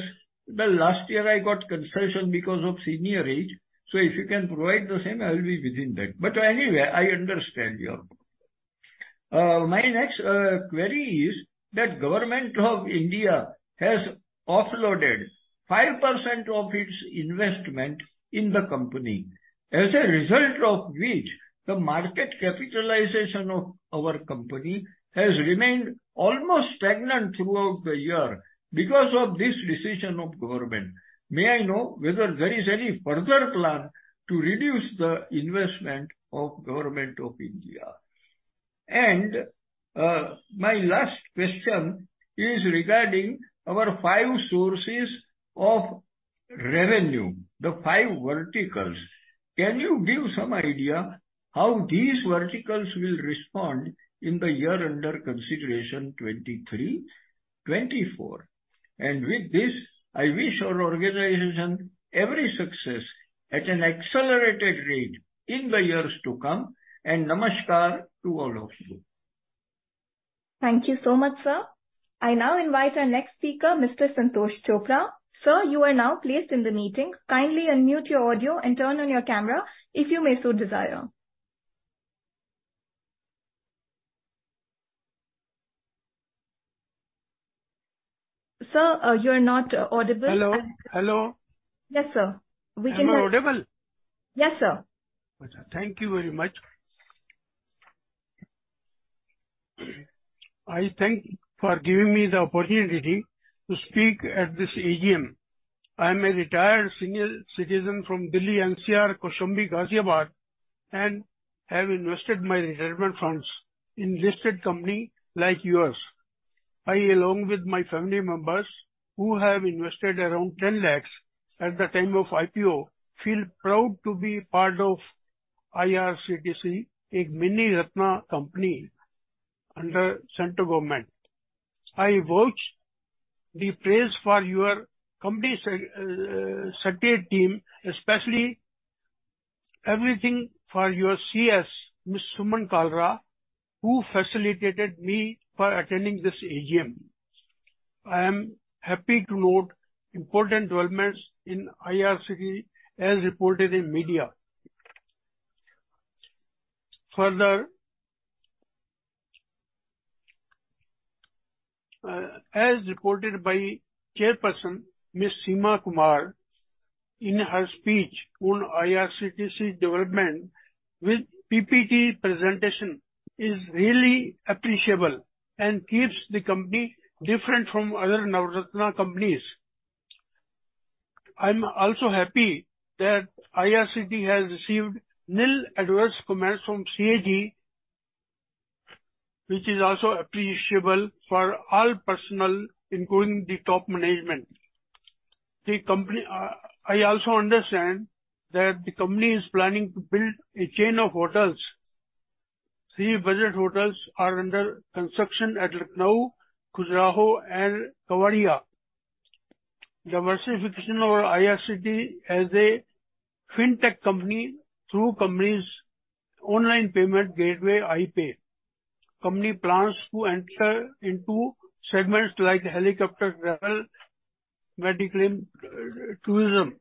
Well, last year I got concession because of senior age, so if you can provide the same, I will be within that. But anyway, I understand you. My next query is that Government of India has offloaded 5% of its investment in the company. As a result of which, the market capitalization of our company has remained almost stagnant throughout the year because of this decision of government. May I know whether there is any further plan to reduce the investment of Government of India? And, my last question is regarding our five sources of revenue, the five verticals. Can you give some idea how these verticals will respond in the year under consideration, 2023, 2024? With this, I wish our organization every success at an accelerated rate in the years to come, and namaskar to all of you.... Thank you so much, sir. I now invite our next speaker, Mr. Santosh Chopra. Sir, you are now placed in the meeting. Kindly unmute your audio and turn on your camera, if you may so desire. Sir, you are not audible. Hello? Hello. Yes, sir. We can hear- Am I audible? Yes, sir. Thank you very much. I thank for giving me the opportunity to speak at this AGM. I am a retired senior citizen from Delhi, NCR, Kaushambi, Ghaziabad, and have invested my retirement funds in listed company like yours. I, along with my family members, who have invested around 10 lakh at the time of IPO, feel proud to be part of IRCTC, a Miniratna company under central government. I vouch the praise for your company secretary team, especially everything for your CS, Ms. Suman Kalra, who facilitated me for attending this AGM. I am happy to note important developments in IRCTC, as reported in media. Further, as reported by Chairperson Ms. Seema Kumar in her speech on IRCTC development with PPT presentation, is really appreciable and keeps the company different from other Navratna companies. I'm also happy that IRCTC has received nil adverse comments from CAG, which is also appreciable for all personnel, including the top management. The company, I also understand that the company is planning to build a chain of hotels. Three budget hotels are under construction at Lucknow, Khajuraho and Kewadia. Diversification over IRCTC as a fintech company through company's online payment gateway, iPay. Company plans to enter into segments like helicopter travel, medical and tourism.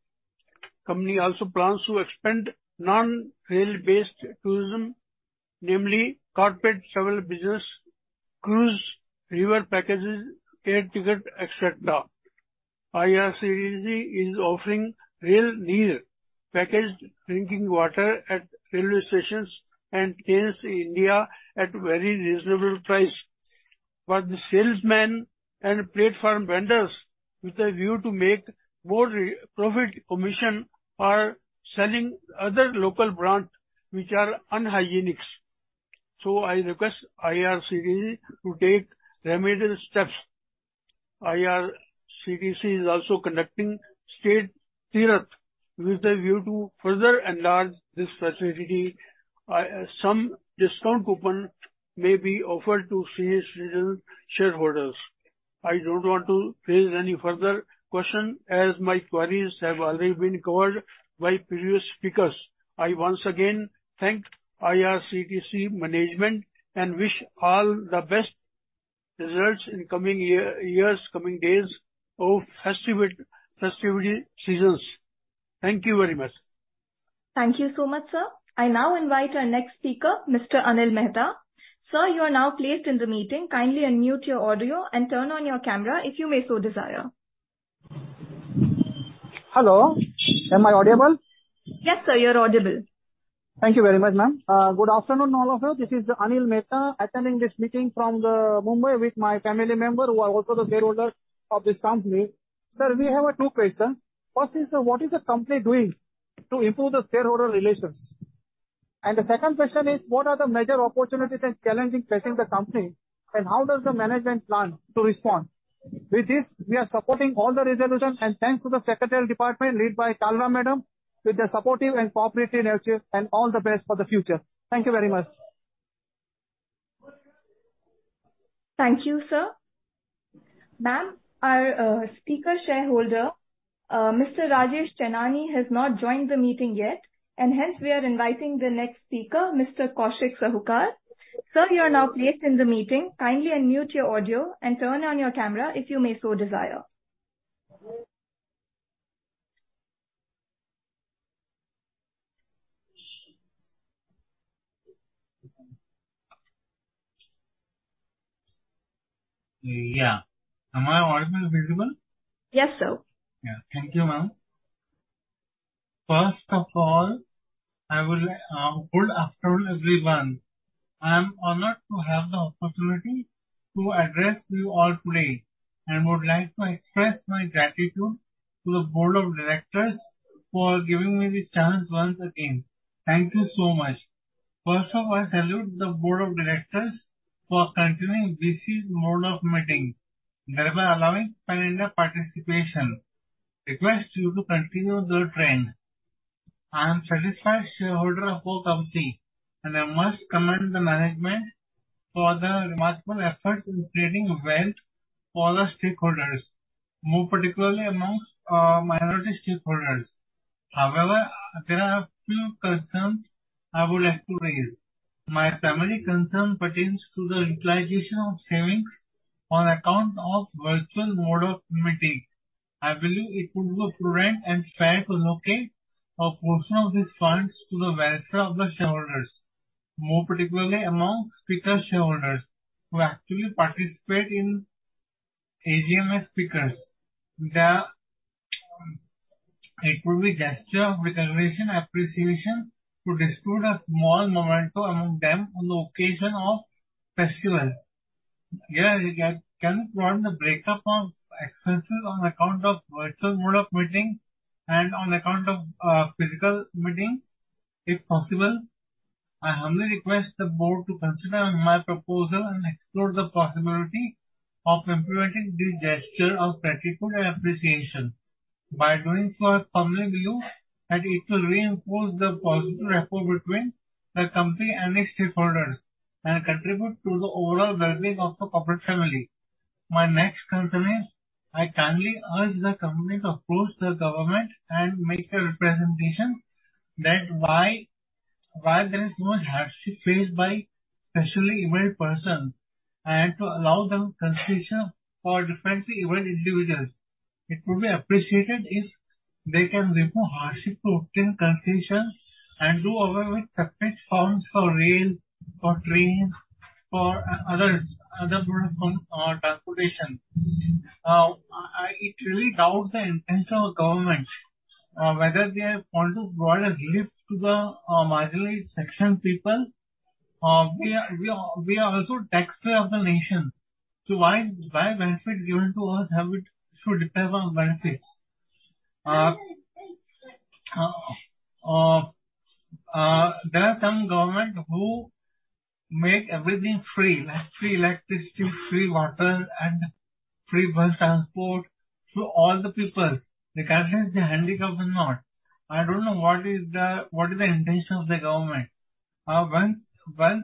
Company also plans to expand non-rail based tourism, namely corporate travel business, cruise, river packages, air ticket, et cetera. IRCTC is offering Railneer packaged drinking water at railway stations and trains in India at very reasonable price. But the salesmen and platform vendors, with a view to make more profit commission, are selling other local brand which are unhygienic. So I request IRCTC to take remedial steps. IRCTC is also conducting state tirath, with a view to further enlarge this facility. Some discount coupon may be offered to senior citizen shareholders. I don't want to raise any further question as my queries have already been covered by previous speakers. I once again thank IRCTC management and wish all the best results in coming year, years, coming days of festive, festivity seasons. Thank you very much. Thank you so much, sir. I now invite our next speaker, Mr. Anil Mehta. Sir, you are now placed in the meeting. Kindly unmute your audio and turn on your camera, if you may so desire. Hello, am I audible? Yes, sir, you're audible. Thank you very much, ma'am. Good afternoon, all of you. This is Anil Mehta, attending this meeting from Mumbai with my family member, who are also the shareholder of this company. Sir, we have two questions. First is, what is the company doing to improve the shareholder relations? And the second question is: What are the major opportunities and challenges facing the company, and how does the management plan to respond? With this, we are supporting all the resolution, and thanks to the secretariat department led by Kalra Madam, with their supportive and cooperative nature. And all the best for the future. Thank you very much. Thank you, sir. Ma'am, our speaker shareholder, Mr. Rajesh Chenani, has not joined the meeting yet, and hence we are inviting the next speaker, Mr. Kaushik Sahukar. Sir, you are now placed in the meeting. Kindly unmute your audio and turn on your camera, if you may so desire. Yeah. Am I audible and visible? Yes, sir. Yeah. Thank you, ma'am. First of all, good afternoon, everyone. I am honored to have the opportunity to address you all today, and would like to express my gratitude to the board of directors for giving me this chance once again. Thank you so much. First of all, I salute the board of directors for continuing this year's mode of meeting, thereby allowing calendar participation. Request you to continue the trend. I am satisfied shareholder of your company, and I must commend the management for their remarkable efforts in creating wealth for the stakeholders, more particularly amongst minority stakeholders. However, there are a few concerns I would like to raise. My primary concern pertains to the utilization of savings on account of virtual mode of meeting. I believe it would be appropriate and fair to allocate a portion of these funds to the welfare of the shareholders, more particularly among speaker shareholders who actually participate in AGM as speakers. It will be gesture of recognition, appreciation to distribute a small memento among them on the occasion of festival. Yeah, you can, can you provide the breakup of expenses on account of virtual mode of meeting and on account of, physical meetings, if possible? I humbly request the board to consider my proposal and explore the possibility of implementing this gesture of gratitude and appreciation. By doing so, I firmly believe that it will reinforce the positive rapport between the company and its stakeholders and contribute to the overall well-being of the corporate family. My next concern is, I kindly urge the company to approach the government and make a representation that why there is so much hardship faced by specially abled person, and to allow them concession for differently-abled individuals. It would be appreciated if they can remove hardship to obtain concession and do away with separate forms for rail, for train, for others, other mode of transportation. I, it really doubts the intention of the government, whether they have want to provide a lift to the marginalized section people. We are also taxpayer of the nation, so why benefits given to us have it should depend on benefits? There are some government who make everything free, like free electricity, free water, and free bus transport to all the people, regardless they're handicapped or not. I don't know what is the intention of the government.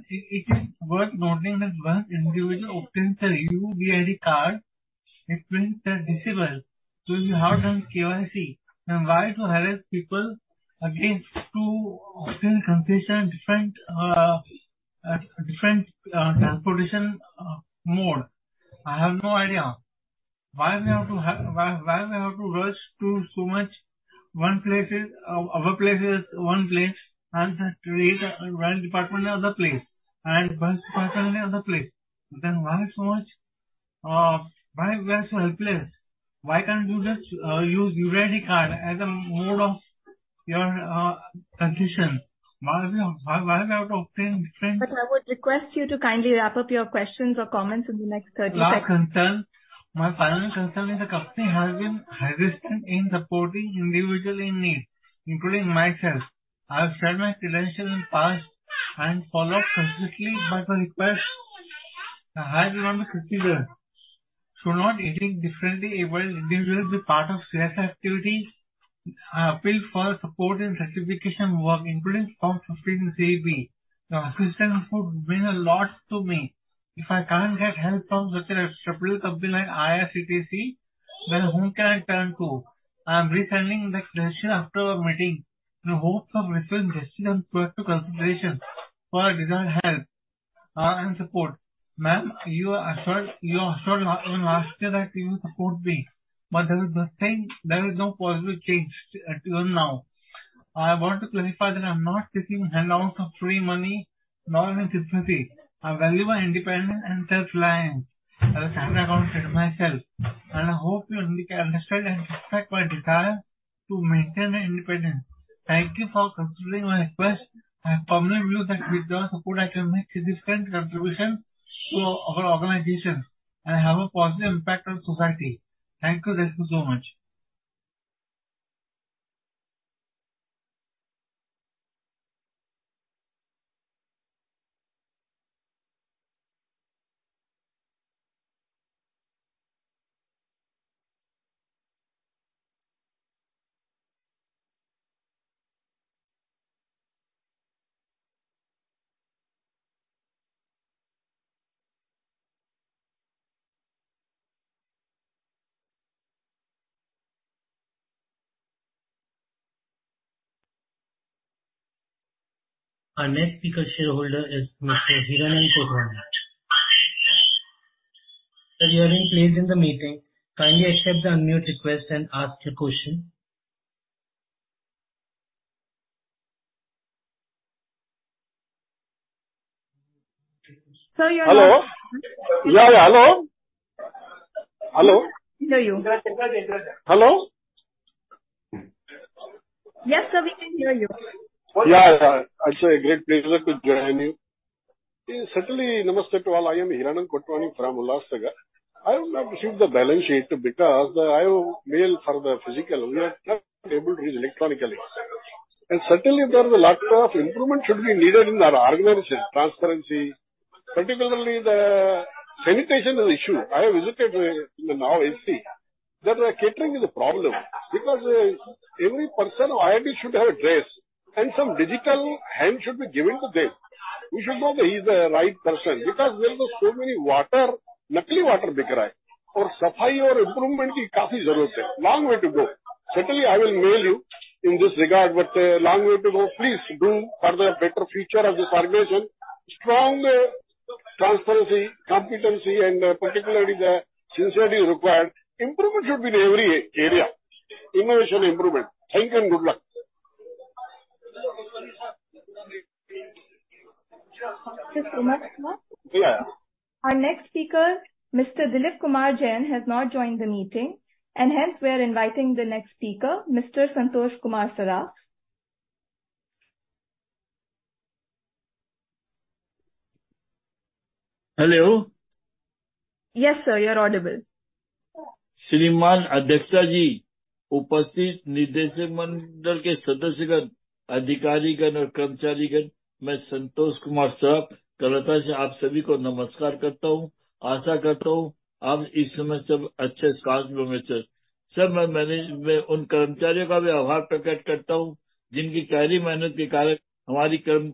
It is worth noting that once individual obtains a unique ID card, it means they're disabled, so you have done KYC, then why to harass people again to obtain concession different different transportation mode? I have no idea. Why we have to rush to so much, one place is our place is one place, and the rail department is another place, and bus department is another place. Then why so much? Why we are so helpless? Why can't you just use UID card as a mode of your concession? Why we have to obtain different- I would request you to kindly wrap up your questions or comments in the next 30 seconds. Last concern. My final concern is the company has been hesitant in supporting individual in need, including myself. I've shared my credentials in the past and followed consistently by the request, I have not been considered. Should not eating differently abled individuals be part of CSR activities, build for support and certification work, including Form 15CA/CB. Your assistance would mean a lot to me. If I can't get help from such a reputable company like IRCTC, then whom can I turn to? I am resending the credential after our meeting in hopes of receiving justice and positive consideration for our desired help, and support. Ma'am, you assured last year that you will support me, but there is nothing, there is no positive change even now. I want to clarify that I'm not seeking handout of free money nor any sympathy. I value my independence and self-reliance. I look after myself, and I hope you understand and respect my desire to maintain my independence. Thank you for considering my request. I firmly believe that with your support, I can make significant contributions to our organizations and have a positive impact on society. Thank you. Thank you so much. Our next speaker shareholder is Mr. Hiranand Kotwani. Sir, you are in place in the meeting. Kindly accept the unmute request and ask your question. Sir, you are- Hello? Yeah, yeah, hello? Hello. We hear you. Hello? Yes, sir, we can hear you. Yeah, yeah. It's a great pleasure to join you. Certainly, namaste to all. I am Hiranand Kotwani from Ulhasnagar. I would not receive the balance sheet because I have mailed for the physical, we are not able to read electronically. Certainly, there is a lot of improvement should be needed in our organization, transparency, particularly the sanitation is an issue. I have visited in the new AC, that the catering is a problem, because every person of IRCTC should have a dress and some digital hand should be given to them.... you should know he is right person because there is so many water, fake water being sold and cleanliness and improvement is greatly needed. Long way to go. I will mail you in this regard but long way to go please do for the better future of this organization strong transparency, competency and particularly the sincerely required improvement should be in every area. Innovation improvement. Thank you and good luck! Thank you so much. Our next speaker Mr. Dilip Kumar Jain has not joined the meeting and hence we are inviting the next speaker. Mr. Santosh Kumar Saraf. Hello. Yes sir, you are audible. श्रीमान अध्यक्षा जी। उपस्थित निदेशक मंडल के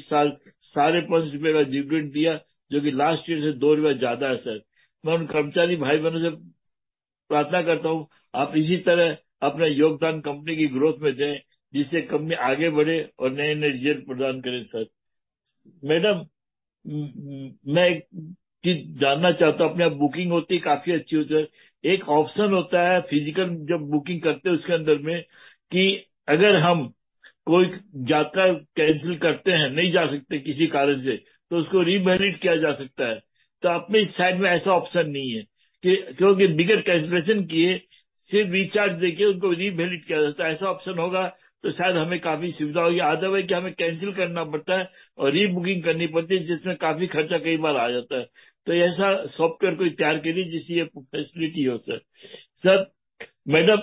सदस्यगण, अधिकारीगण और कर्मचारीगण। मैं संतोष कुमार सराफ, कोलकाता से आप सभी को नमस्कार करता हूं। आशा करता हूं आप इस समय सब अच्छे स्वस्थ होंगे। सर, मैं उन कर्मचारियों का भी आभार प्रकट करता हूं, जिनकी कड़ी मेहनत के कारण हमारी कंपनी अच्छा रिजल्ट प्रदान कर रही है और हमें इस साल INR 5.5 का डिविडेंड दिया, जो कि लास्ट ईयर से INR 2 ज्यादा है। सर, मैं उन कर्मचारी भाई-बहनों से प्रार्थना करता हूं। आप इसी तरह अपना योगदान कंपनी की ग्रोथ में दें, जिससे कंपनी आगे बढ़े और नए-नए रिजल्ट प्रदान करें। सर मैडम, मैं एक चीज जानना चाहता हूं। अपनी बुकिंग होती काफी अच्छी होती है। एक ऑप्शन होता है फिजिकल जब बुकिंग करते हैं उसके अंदर में कि अगर हम कोई यात्रा कैंसिल करते हैं, नहीं जा सकते। किसी कारण से तो उसको रीवैलिड किया जा सकता है तो अपनी साइट में ऐसा ऑप्शन नहीं है कि क्योंकि विदाउट कैंसिलेशन किए सिर्फ रिचार्ज देकर उनको रीवैलिड किया जाता है। ऐसा ऑप्शन होगा तो शायद हमें काफी सुविधा होगी। अन्यथा हमें कैंसिल करना पड़ता है और री-बुकिंग करनी पड़ती है, जिसमें काफी खर्चा कई बार आ जाता है तो ऐसा सॉफ्टवेयर को तैयार करिए, जिसमें ये फैसिलिटी हो। सर सर मैडम,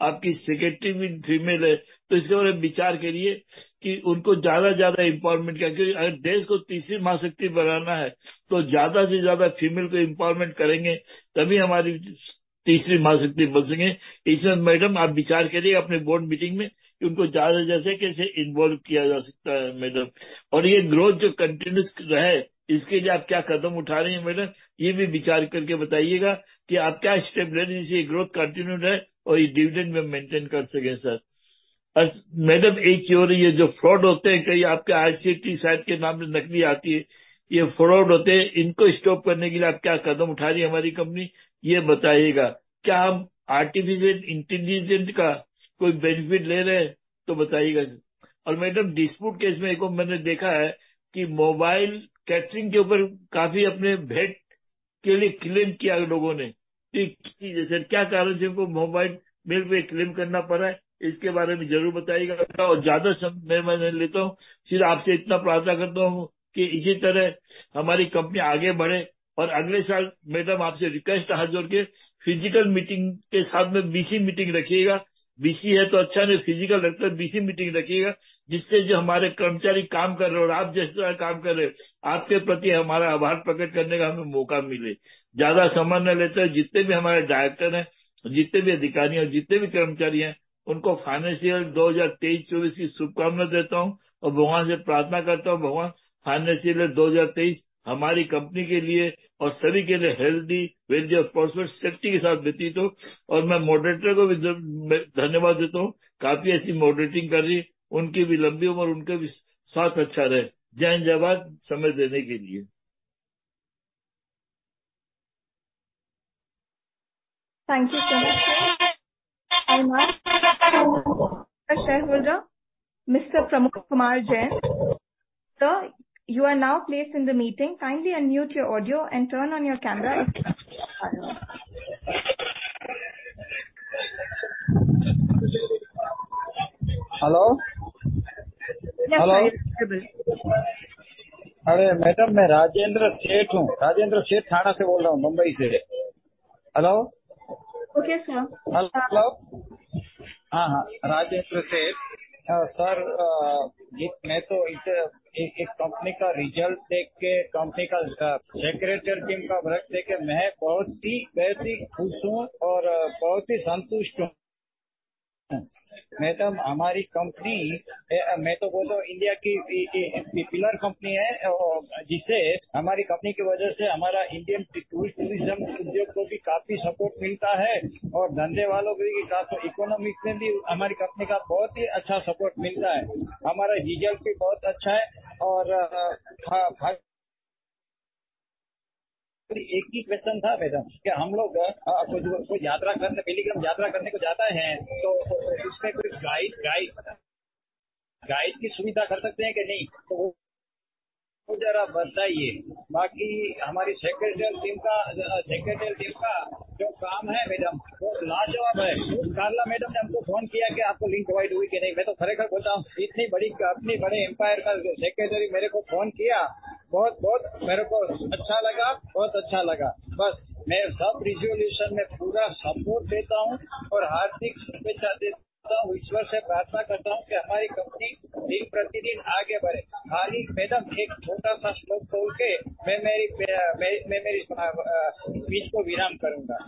आपके यहां जो परमानेंट फीमेल एंप्लॉयी हैं, उनकी 8% संख्या है। मैडम तो आप खुद चेयरमैन हैं, आपकी सेक्रेटरी भी फीमेल है तो इसके बारे में विचार करिए कि उनको ज्यादा से ज्यादा एम्पावरमेंट किया। अगर देश को तीसरी महाशक्ति बनाना है तो ज्यादा से ज्यादा फीमेल को एम्पावरमेंट करेंगे, तभी हम तीसरी महाशक्ति बन सकेंगे। इसमें मैडम आप विचार करिए, अपने बोर्ड मीटिंग में उनको ज्यादा से ज्यादा कैसे इन्वॉल्व किया जा सकता है। मैडम और यह ग्रोथ जो कंटीन्यूअस रहे, इसके लिए आप क्या कदम उठा रहे हैं, मैडम यह भी विचार करके बताइएगा कि आप क्या स्टेप ले रही हैं। ग्रोथ कंटीन्यूअस रहे और यह डिविडेंड को मेंटेन कर सकें। सर मैडम, एक और यह जो फ्रॉड होते हैं, कई आपके IRCTC साइट के नाम से नकली आती हैं। यह फ्रॉड होते हैं, इनको स्टॉप करने के लिए आप क्या कदम उठा रही हैं। हमारी कंपनी यह बताइएगा क्या हम आर्टिफिशियल इंटेलिजेंस का कोई बेनिफिट ले रहे हैं तो बताइएगा और मैडम डिस्प्यूट केस में एक और मैंने देखा है कि मोबाइल कैटरिंग के ऊपर काफी अपने बिल के लिए क्लेम किया लोगों ने। एक क्या कारण से उनको मोबाइल बिल पे क्लेम करना पड़ रहा है, इसके बारे में जरूर बताइएगा और ज्यादा समय नहीं लेता हूं। सिर्फ आपसे इतना प्रार्थना करता हूं कि इसी तरह हमारी कंपनी आगे बढ़े और अगले साल। मैडम, आपसे रिक्वेस्ट है कि फिजिकल मीटिंग के साथ में VC मीटिंग रखिएगा। VC है तो अच्छा नहीं, फिजिकल रखकर VC मीटिंग रखिएगा, जिससे जो हमारे कर्मचारी काम कर रहे हैं और आप जिस तरह काम कर रहे हैं, आपके प्रति हमारा आभार प्रकट करने का हमें मौका मिले। ज्यादा समय न लेते हुए जितने भी हमारे डायरेक्टर हैं, जितने भी अधिकारी और जितने भी कर्मचारी हैं, उनको FY 2023-24 की शुभकामनाएं देता हूं और भगवान से प्रार्थना करता हूं। भगवान FY 2023 हमारी कंपनी के लिए और सभी के लिए हेल्दी, रिच और प्रॉस्पेरस सेफ्टी के साथ बीती हो और मैं मॉडरेटर को भी धन्यवाद देता हूं। काफी अच्छी मॉडरेटिंग कर रही हैं। उनकी भी लंबी उम्र और उनका भी स्वास्थ्य अच्छा रहे। जय हिंद! जय भारत! समय देने के लिए। Thank you so much. Shareholder Mr. Pramukh Kumar Jain, sir, you are now placed in the meeting. Kindly unmute your audio and turn on your camera. Hello. Hello, arre madam, main Rajendra Seth hoon. Rajendra Seth Thane se bol raha hoon. Mumbai se. Hello. Okay sir. Hello हां हां Rajendra Seth. Sir, मैं तो इस company का result देखकर, company का secretary team का work देखकर मैं बहुत ही बहुत ही खुश हूं और बहुत ही संतुष्ट हूं। मैडम, हमारी कंपनी मैं तो बोलूं इंडिया की पिलर कंपनी है, जिससे हमारी कंपनी के वजह से हमारा इंडियन टूरिस्ट टूरिज्म उद्योग को भी काफी सपोर्ट मिलता है और धंधे वालों के लिए भी काफी इकोनॉमिक्स में भी हमारी कंपनी का बहुत ही अच्छा सपोर्ट मिलता है। हमारा रिजल्ट भी बहुत अच्छा है और। एक ही क्वेश्चन था मैडम कि हम लोग कोई यात्रा करने, तीर्थ यात्रा करने को जाता है तो उसमें कोई गाइड की सुविधा कर सकते हैं कि नहीं तो वो जरा बताइए। बाकी हमारी सेक्रेटरी टीम का जो काम है, मैडम वो लाजवाब है। कार्ला मैडम ने हमको फोन किया कि आपको लिंक प्रोवाइड हुई कि नहीं, मैं तो सारे घर बोलता हूं। इतनी बड़ी कंपनी बड़े एम्पायर का सेक्रेटरी मेरे को फोन किया। बहुत बहुत मेरे को अच्छा लगा, बहुत अच्छा लगा। बस मैं सब रिजोल्यूशन में पूरा सपोर्ट देता हूं और हार्दिक शुभकामनाएं देता हूं। ईश्वर से प्रार्थना करता हूं कि हमारी कंपनी दिन प्रतिदिन आगे बढ़े। खाली मैडम, एक छोटा सा श्लोक बोलकर मैं मेरी स्पीच को विराम करूंगा।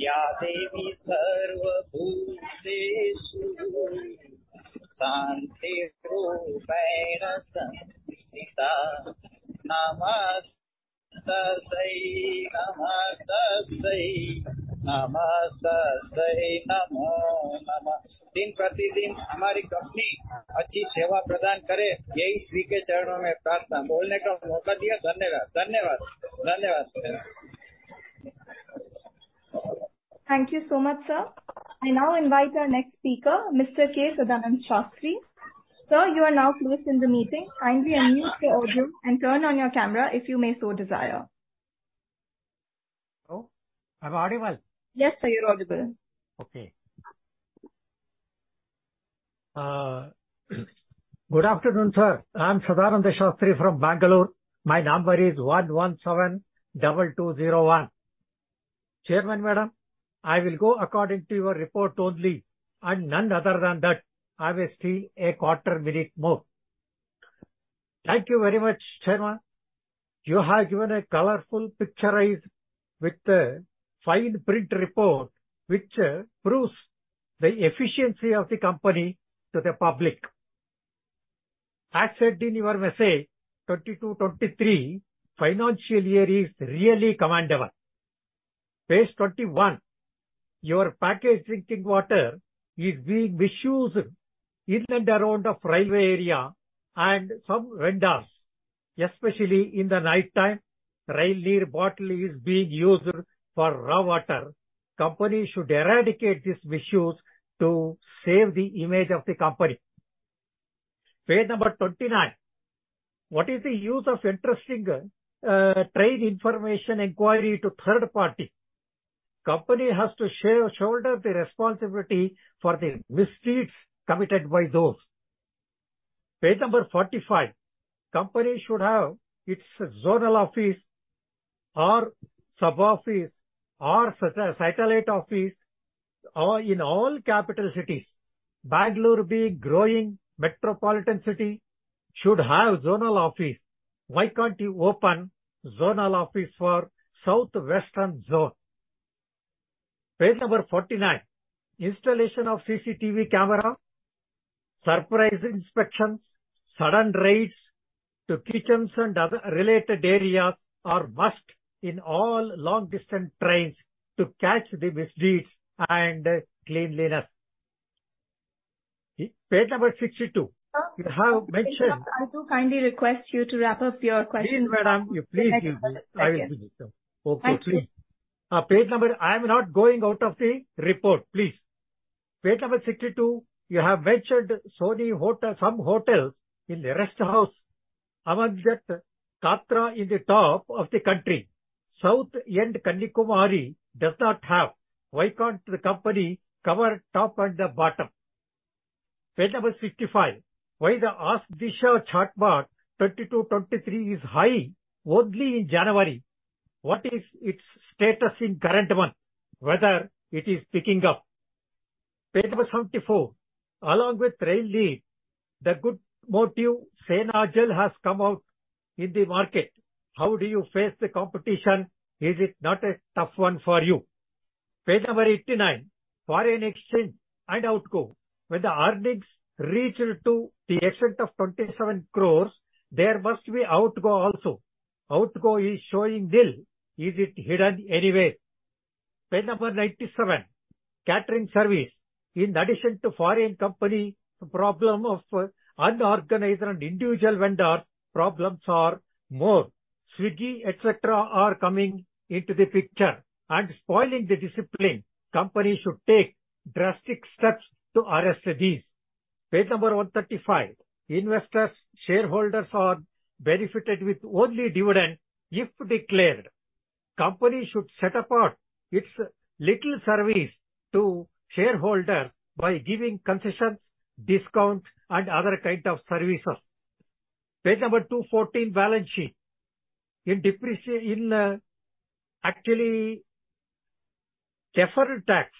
या देवी सर्व भूतेषु।...Shanti rupen samshrita. Namaste sai, namaste sai, namaste sai. Namo namah. Din pratidin hamari company achhi seva pradhan kare yahi Shri ke charno mein prarthana. Bolne ka mauka diya. Dhanyavad. Dhanyavad. Dhanyavad. Thank you so much, sir. I now invite our next speaker, Mr. K. Sadanand Shastri. Sir, you are now placed in the meeting. Kindly unmute your audio and turn on your camera if you may so desire. Hello, am I audible? Yes, sir, you're audible. Okay. Good afternoon, sir. I'm Sadanand Shastri from Bangalore. My number is 1172201. Chairman, Madam, I will go according to your report only and none other than that. I waste a quarter minute more. Thank you very much, Chairman. You have given a colorful picturize with the fine print report, which proves the efficiency of the company to the public. As said in your message, 2022-23 financial year is really commendable. Page 21, your packaged drinking water is being misused in and around of railway area and some vendors, especially in the nighttime, Railneer bottle is being used for raw water. Company should eradicate this misuse to save the image of the company. Page number 29. What is the use of interesting trade information inquiry to third party? Company has to share—shoulder the responsibility for the misdeeds committed by those. Page number 45. Company should have its zonal office or sub-office or satellite office all in all capital cities. Bangalore, being growing metropolitan city, should have zonal office. Why can't you open zonal office for southwestern zone? Page number 49. Installation of CCTV camera, surprise inspections, sudden raids to kitchens and other related areas are must in all long-distance trains to catch the misdeeds and cleanliness. Page number 62. Sir- You have mentioned- I do kindly request you to wrap up your question. Please, madam, please give me. Thank you. Okay, please. Page number... I'm not going out of the report, please. Page number 62, you have mentioned so many hotel, some hotels in the rest house, among that Katra in the top of the country. South, and Kanyakumari does not have. Why can't the company cover top and the bottom? Page number 65. Why the Ask Disha chatbot 2022-23 is high only in January. What is its status in current month, whether it is picking up? Page number 74. Along with Railneer, the good motive, Sena Jal has come out in the market. How do you face the competition? Is it not a tough one for you? Page number 89, foreign exchange and outgo. When the earnings reached to the extent of 27 crore, there must be outgo also. Outgo is showing nil. Is it hidden anywhere? Page number 97, catering service. In addition to foreign company, problem of unorganized and individual vendors, problems are more. Swiggy, et cetera, are coming into the picture and spoiling the discipline. Company should take drastic steps to arrest these. Page number 135. Investors, shareholders are benefited with only dividend if declared. Company should set apart its little service to shareholders by giving concessions, discounts, and other kind of services. Page number 214, balance sheet. Actually, in deferred tax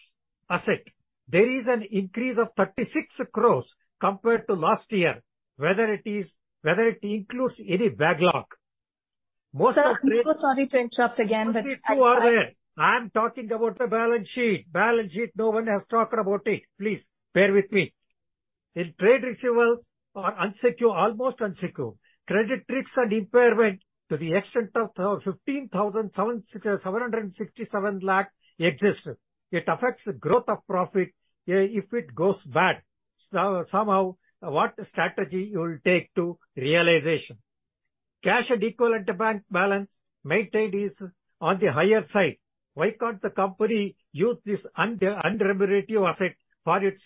asset, there is an increase of 36 crore compared to last year, whether it is, whether it includes any backlog. Most of the- Sir, I'm so sorry to interrupt again, but- I'm talking about the balance sheet. Balance sheet, no one has talked about it. Please bear with me. In trade receivables are unsecured, almost unsecured. Credit risks and impairment to the extent of 15,767 lakh exist. It affects the growth of profit, if it goes bad. So somehow, what strategy you will take to realization? Cash and equivalent bank balance maintained is on the higher side. Why can't the company use this unremunerative asset for its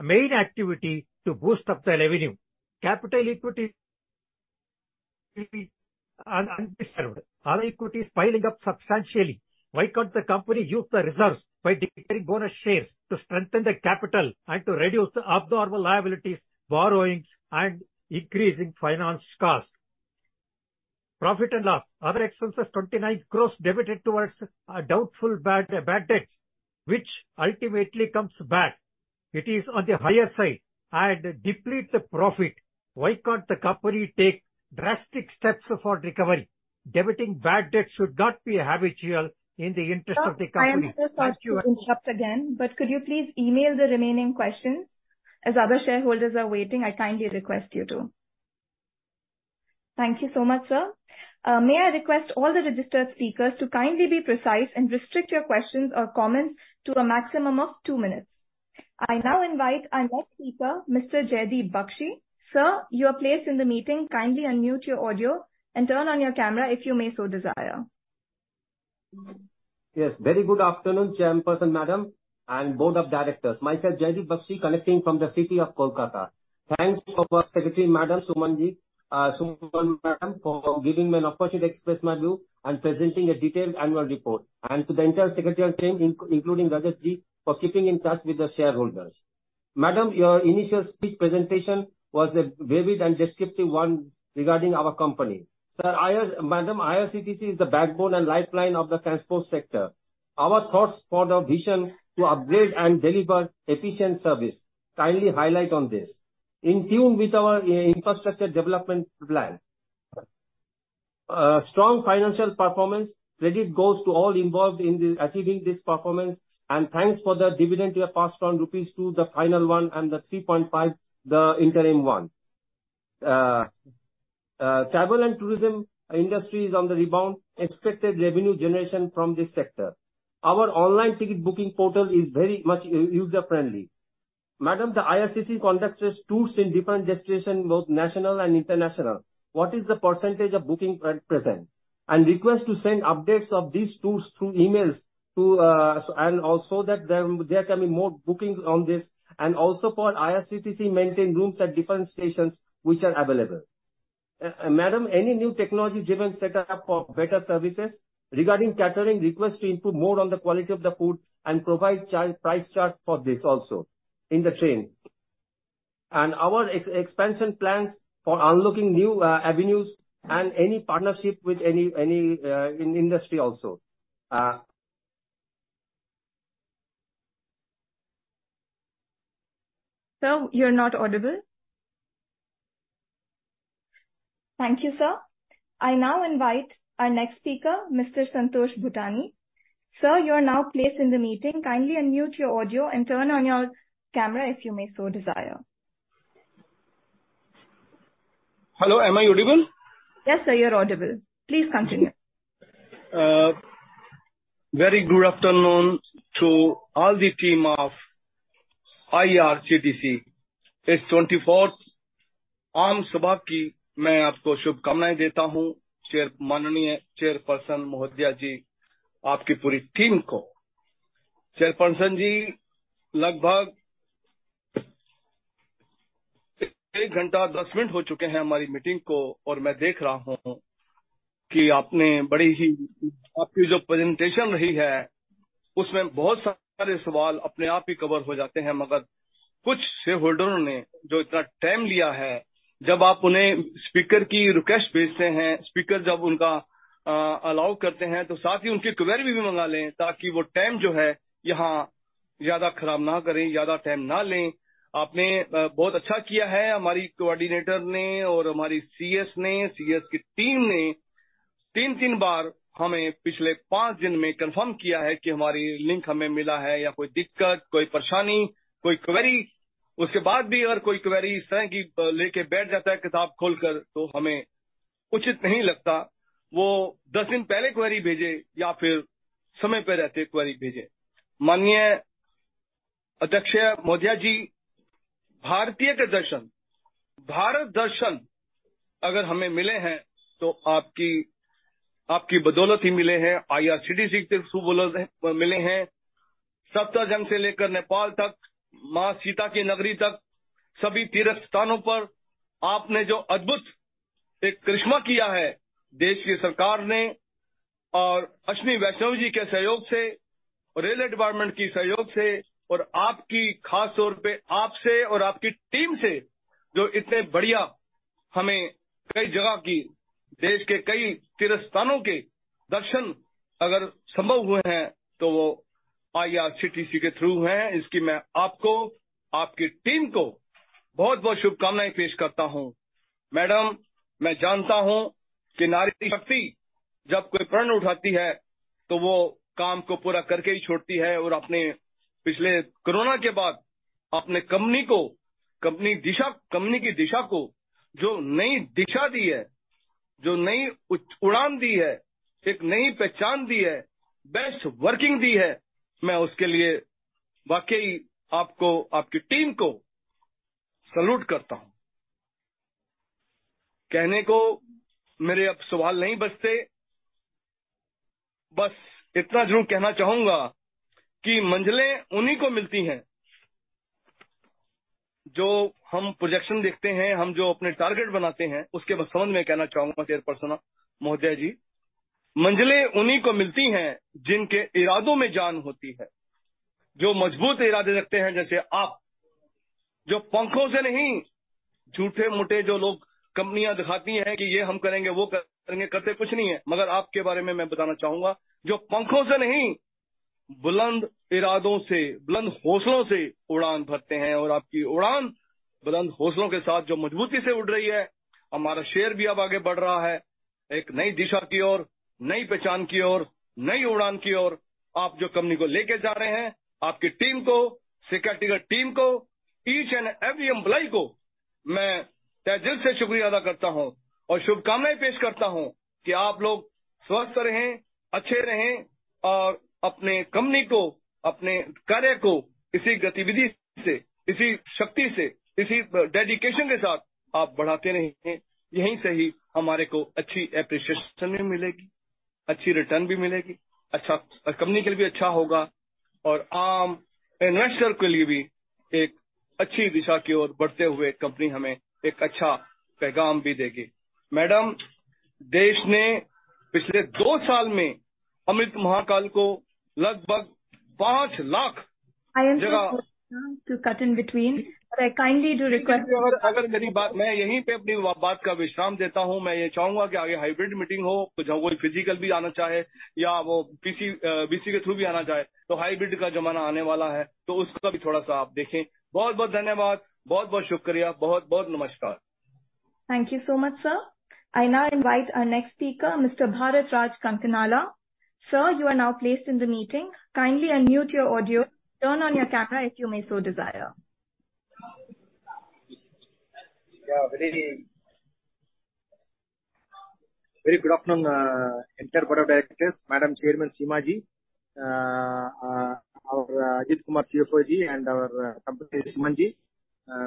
main activity to boost up the revenue? Capital equity is undeserved. All equity is piling up substantially. Why can't the company use the reserves by declaring bonus shares to strengthen the capital and to reduce the abnormal liabilities, borrowings, and increasing finance cost? Profit and loss. Other expenses, 29 crore debited towards a doubtful bad bad debts, which ultimately comes back. It is on the higher side and deplete the profit. Why can't the company take drastic steps for recovery?... Debiting bad debts should not be habitual in the interest of the company. I am so sorry to interrupt again, but could you please email the remaining question? As other shareholders are waiting, I kindly request you to. Thank you so much sir! May I request all the registered speakers to kindly be precise and restrict your question and comments to a maximum of two minutes. I now invite our speaker Mister Jaideep Bakshi. Sir, you are placed in the meeting, kindly unmute your audio and turn on your camera if you may so desire. Yes, very good afternoon Chairperson Madam and Board of Directors. Myself Jaydeep Bakshi, connecting from the city of Kolkata. Thanks for Secretary Madam Suman Ji, Suman Madam for giving me an opportunity, express my view and presenting a detail annual report and to the entire secretary team, including Rajat Ji for keeping in touch with the shareholder. Madam, your initial speech presentation was a vivid and description one regarding our company. Sir Iyers, Madam IRCTC is the backbone and lifeline of the transport sector. Our thoughts for the vision to upgrade and deliver efficient service. Kindly highlight on this. In tune with our infrastructure development plan. Strong financial performance credit goes to all involved in achieving this performance and thanks for the dividend you have passed on rupees 2 the final one and the 3.5 the interim one. Travel and Tourism industry on the rebound, expected revenue generation from this sector. Our online ticket booking portal is very much user friendly. Madam, the IRCTC conducts tours in different destinations, both national and international. What is the percentage of booking present? And request to send updates of this through emails to a... and so that there can be more booking on this and also for IRCTC maintained rooms at different stations, which are available. Madam, any new technology driven setup for better services? Regarding catering request to improve more on the quality of the food and provide price chart for this also, in the train. And our expansion plans for unlocking new avenues and any partnership with any, any industry also a... Sir, you are not audible. Thank you sir. I now invite our next speaker Mr. Santosh Bhutani. Sir, you are now placed in the meeting, kindly unmute your audio and turn on your camera, if you may so desire. Hello, am I audible? Yes sir, you are audible, please continue. A... Very good afternoon to all the team of अद्भुत एक करिश्मा किया है, देश की सरकार ने और अश्विनी वैष्णव जी के सहयोग से और रेल विभाग की सहयोग से और आपकी खास तौर पर आपसे और आपकी टीम से, जो इतने बढ़िया हमें कई जगह की देश के कई तीर्थ स्थानों के दर्शन अगर संभव हुए हैं तो वो आईआरसीटीसी के थ्रू हैं। इसकी मैं आपको और आपकी टीम को बहुत-बहुत शुभकामनाएं पेश करता हूं। मैडम, मैं जानता हूं कि नारी शक्ति जब कोई प्रण उठाती है तो वह काम को पूरा करके ही छोड़ती है और अपने पिछले कोरोना के बाद अपने कंपनी को, कंपनी दिशा, कंपनी की दिशा को जो नई दिशा दी है, जो नई उड़ान दी है, एक नई पहचान दी है, बेस्ट वर्किंग दी है। मैं उसके लिए वाकई आपको और आपकी टीम को सलूट करता हूं। कहने को मेरे अब सवाल नहीं बचते। बस इतना जरूर कहना चाहूंगा कि मंजिलें उन्हीं को मिलती हैं, जो हम प्रोजेक्शन देखते हैं। हम जो अपने टारगेट बनाते हैं, उसके संबंध में कहना चाहूंगा चेयरपर्सन महोदया जी। मंजिलें उन्हीं को मिलती हैं, जिनके इरादों में जान होती है। जो मजबूत इरादे रखते हैं, जैसे आप। जो पंखों से नहीं झूठे मोटे जो लोग कंपनियां दिखाती हैं कि ये हम करेंगे, वो करेंगे, करते कुछ नहीं है। मगर आपके बारे में मैं बताना चाहूंगा जो पंखों से नहीं...... बुलंद इरादों से, बुलंद हौसलों से उड़ान भरते हैं, और आपकी उड़ान बुलंद हौसलों के साथ जो मजबूती से उड़ रही है, हमारा शेयर भी अब आगे बढ़ रहा है। एक नई दिशा की ओर, नई पहचान की ओर, नई उड़ान की ओर। आप जो कंपनी को लेकर जा रहे हैं, आपकी टीम को, secretariat team को, each and every employee को मैं सच्चे दिल से शुक्रिया अदा करता हूं और शुभकामनाएं पेश करता हूं कि आप लोग स्वस्थ रहें, अच्छे रहें और अपनी कंपनी को, अपने कार्य को इसी गतिविधि से, इसी शक्ति से, इसी dedication के साथ आप बढ़ाते रहें। यहीं से ही हम को अच्छी appreciation भी मिलेगी, अच्छी returns भी मिलेगी, अच्छी कंपनी के लिए भी अच्छा होगा और common investor के लिए भी एक अच्छी दिशा की ओर बढ़ते हुए कंपनी हमें एक अच्छा message भी देगी। Madam, देश ने पिछले 2 साल में Amrit Mahotsav को लगभग 5 लाख जगह- I am so sorry to cut in between, kindly do request. अगर मेरी बात, मैं यहीं पर अपनी बात का विश्राम देता हूं। मैं यह चाहूंगा कि आगे हाइब्रिड मीटिंग हो, जहां कोई फिजिकल भी आना चाहे या वो पीसी, वीसी के थ्रू भी आना चाहे, तो हाइब्रिड का जमाना आने वाला है, तो उसका भी थोड़ा सा आप देखें। बहुत-बहुत धन्यवाद, बहुत-बहुत शुक्रिया, बहुत-बहुत नमस्कार। Thank you so much, sir. I now invite our next speaker, Mr. Bharat Raj Kanthala. Sir, you are now placed in the meeting. Kindly unmute your audio, turn on your camera, if you may so desire. Yeah, very, very good afternoon! Entire Board of Directors, Madam Chairman Seema ji, uh, uh, our Ajit Kumar CFO ji and our company Suman ji.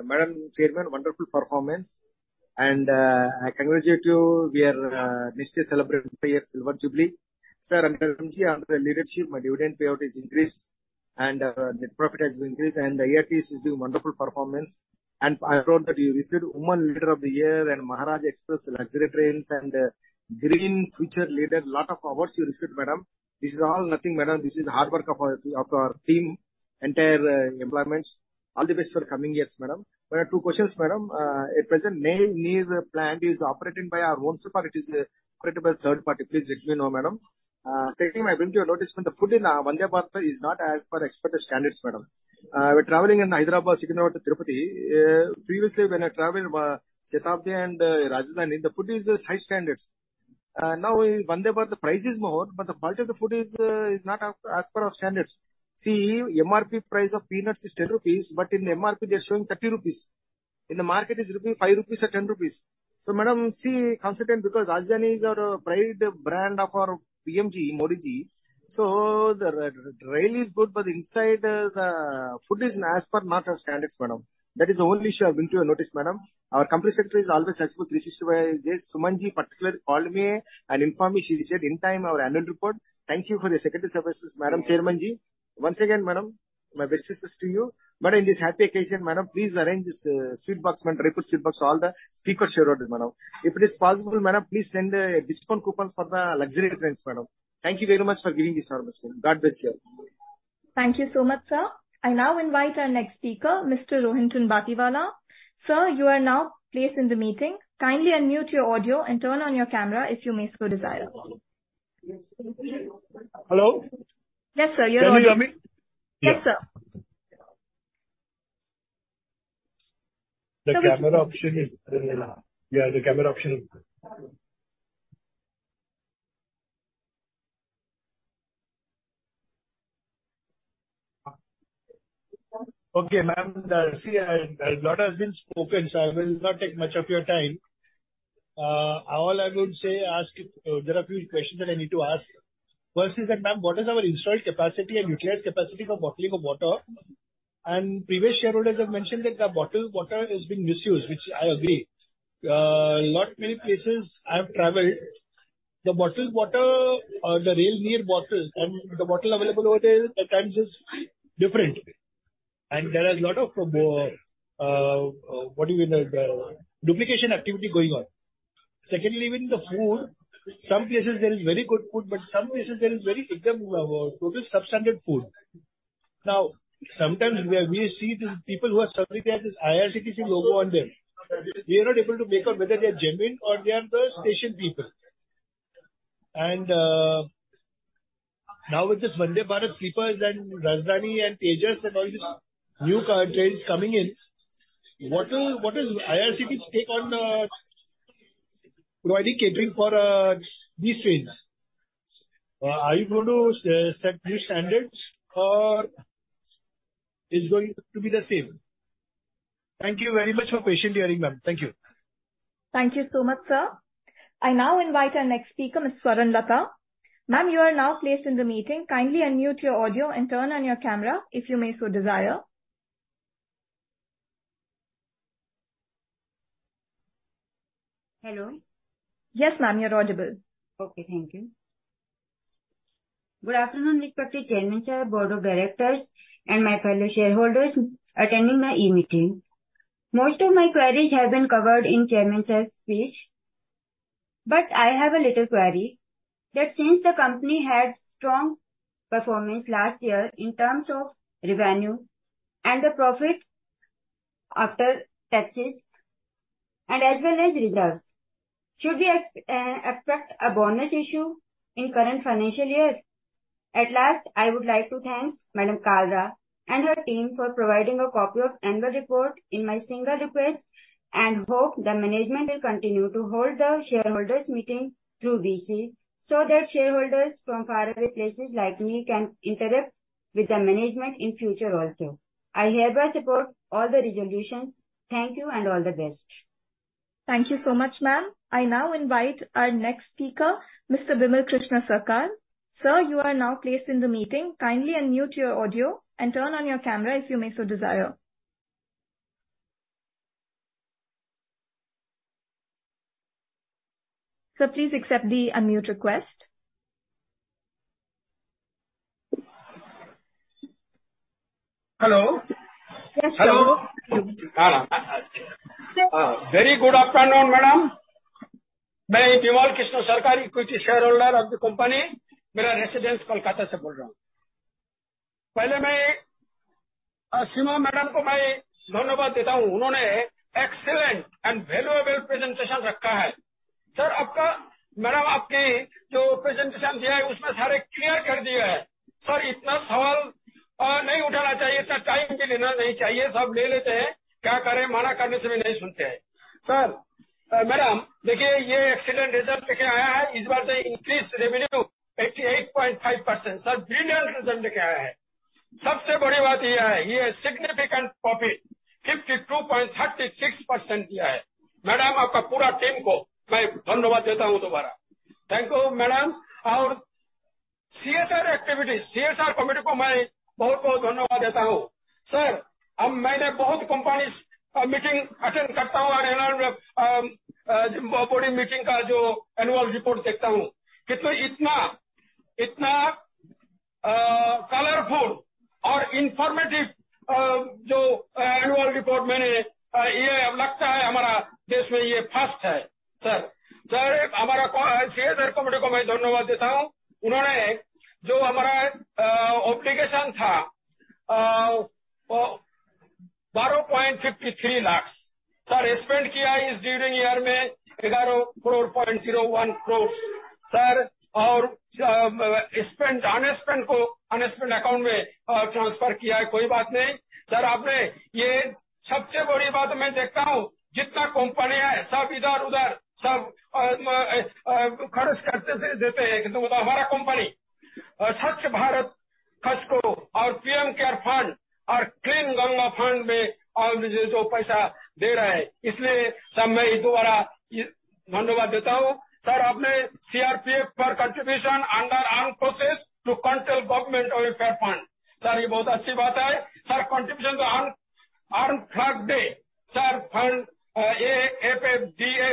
Madam Chairman, wonderful performance and I congratulations to you. We are just celebrating our silver jubilee. Sir and Madam ji, under the leadership my dividend payout is increase and net profit has increase and the year is being wonderful performance and I thought you received Woman Leader of the Year and Maharajas' Express luxury trains and Green Future Leader, lot of awards you received, Madam. This is all nothing Madam, this is hard work of our team, entire employment. All the best for coming years, Madam. My two question, Madam. At present many Railneer plant is operating by our own self and it is operated by third party. Please let me know, Madam. Second, I bring to your notice on the food in Vande Bharat is not as per expected standard, Madam. We are traveling in Hyderabad, Secunderabad to Tirupati. Previously, when I travel Shatabdi and Rajdhani, the food is high standard. Now, in Vande Bharat the price is more, but the quality of the food is not as per our standard. See, MRP price of peanuts is 10 rupees, but in the MRP they are showing 30 rupees. In the market it is 5 rupees and 10 rupees. So Madam, we are concerned, because Rajdhani is our pride brand of our PM ji, Modi ji. So the rail is good, but inside the food is not as per standard, Madam. That is the only issue I bring to your notice, Madam. Our company sector is always approachable 365 days. Suman ji particularly called me and informed me, she said in time our annual report. Thank you for the secretarial services, Madam Chairman ji. Once again, Madam, my best wishes to you. Madam, in this happy occasion Madam, please arrange this nice sweet box, Madam, nice sweet box all the speakers shareholder, Madam. If it is possible, Madam, please send discount coupons for the luxury trains, Madam. Thank you very much for giving me this opportunity. God bless you! Thank you so much, sir. I now invite our next speaker, Mr. Rohinton Batliwala. Sir, you are now placed in the meeting. Kindly unmute your audio and turn on your camera, if you so desire. Hello! Yes, sir, you are on... Can you hear me? Yes, sir. The camera option is... yeah, the camera option. Okay, ma'am, see, a lot has been spoken, so I will not take much of your time. All I would say ask, there are a few questions that I need to ask. First is that, ma'am, what is our installed capacity and utilized capacity for bottling of water? And previous shareholders have mentioned that the bottled water is being misused, which I agree. Lot many places I have traveled, the bottled water, the Railneer bottle and the bottle available over there, at times is different and there is lot of... What you mean, the duplication activity going on. Secondly, in the food, some places there is very good food, but some places there is very, too just, substandard food. Now, sometimes we see the people who are serving, they have this IRCTC logo on them. We are not able to make out whether they are genuine or they are the station people. And now, with this Vande Bharat sleepers and Rajdhani and Tejas and all this new trains coming in, what is, what is IRCTC take on the providing catering for these trains? Are you going to set new standards or it is going to be the same? Thank you very much for patient hearing, ma'am. Thank you. Thank you so much, sir. I now invite our next speaker, Miss Swarlata. Ma'am, you are now placed in the meeting. Kindly unmute your audio and turn on your camera, if you may so desire. Hello! Yes ma'am, you are audible. Okay, thank you. Good afternoon, respected Chairman, Board of Directors and my fellow shareholders, attending my e-meeting. Most of my queries have been covered in Chairman Sir's speech. But I have a little query, that since the company had strong performance last year in terms of revenue and the profit.... after taxes and as well as results. Should we effect a bonus issue in current financial year? At last, I would like to thank Madam Kalra and your team for providing a copy of annual report in my single request and hope the management will continue to hold the shareholders meeting through VC. So that shareholders from far away places like me can interact with the management in future also. I hereby support all the resolution. Thank you and all the best! Thank you so much, ma'am. I now invite our next speaker, Mr. Vimal Krishna Sarkar. Sir, you are now placed in the meeting. Kindly unmute your audio and turn on your camera, if you so desire. Sir, please accept the unmute request. Hello, hello! Yes, very good afternoon madam. I am Vimal Krishna Sarkar, equity shareholder of the company. I am speaking from my residence in Kolkata. First, I thank Seema madam. I thank. They have kept an excellent and valuable presentation. Sir, thank you madam, the presentation that you have given, in that everything has been cleared. Sir, so many questions should not have been raised, time should not have been taken either. Everyone takes it. What to do, they don't even listen when refused. Sir, madam see, this has brought excellent results. This time revenue has increased at 8.5%. Sir, it has brought brilliant results. The biggest thing is that it has given significant profit of 52.36%. Madam, I thank your entire team again. Thank you madam and CSR activities. I thank the CSR committee very very much. Sir, now I attend many companies' meetings and the annual body meeting, the annual report that I see, in that so much, so much a... Colorful and informative, uh, the annual report I saw, it seems this is first in our country. Sir, sir, I thank our CSR committee. They have what our obligation was, uh... 12.53 lakh spent during year in 11.01 crore and unspent to unspent account transferred. No problem sir, you have this biggest thing I see. As many companies are, all here there all spend do. But that our company Swachh Bharat Kosh and PM CARES Fund and Clean Ganga Fund in which money giving are. Therefore sir I by this thank give. Sir, you have CRPF on contribution under ARM process to control government welfare fund. Sir, this very good thing is. Sir, contribution to armed forces flag day fund AFFDA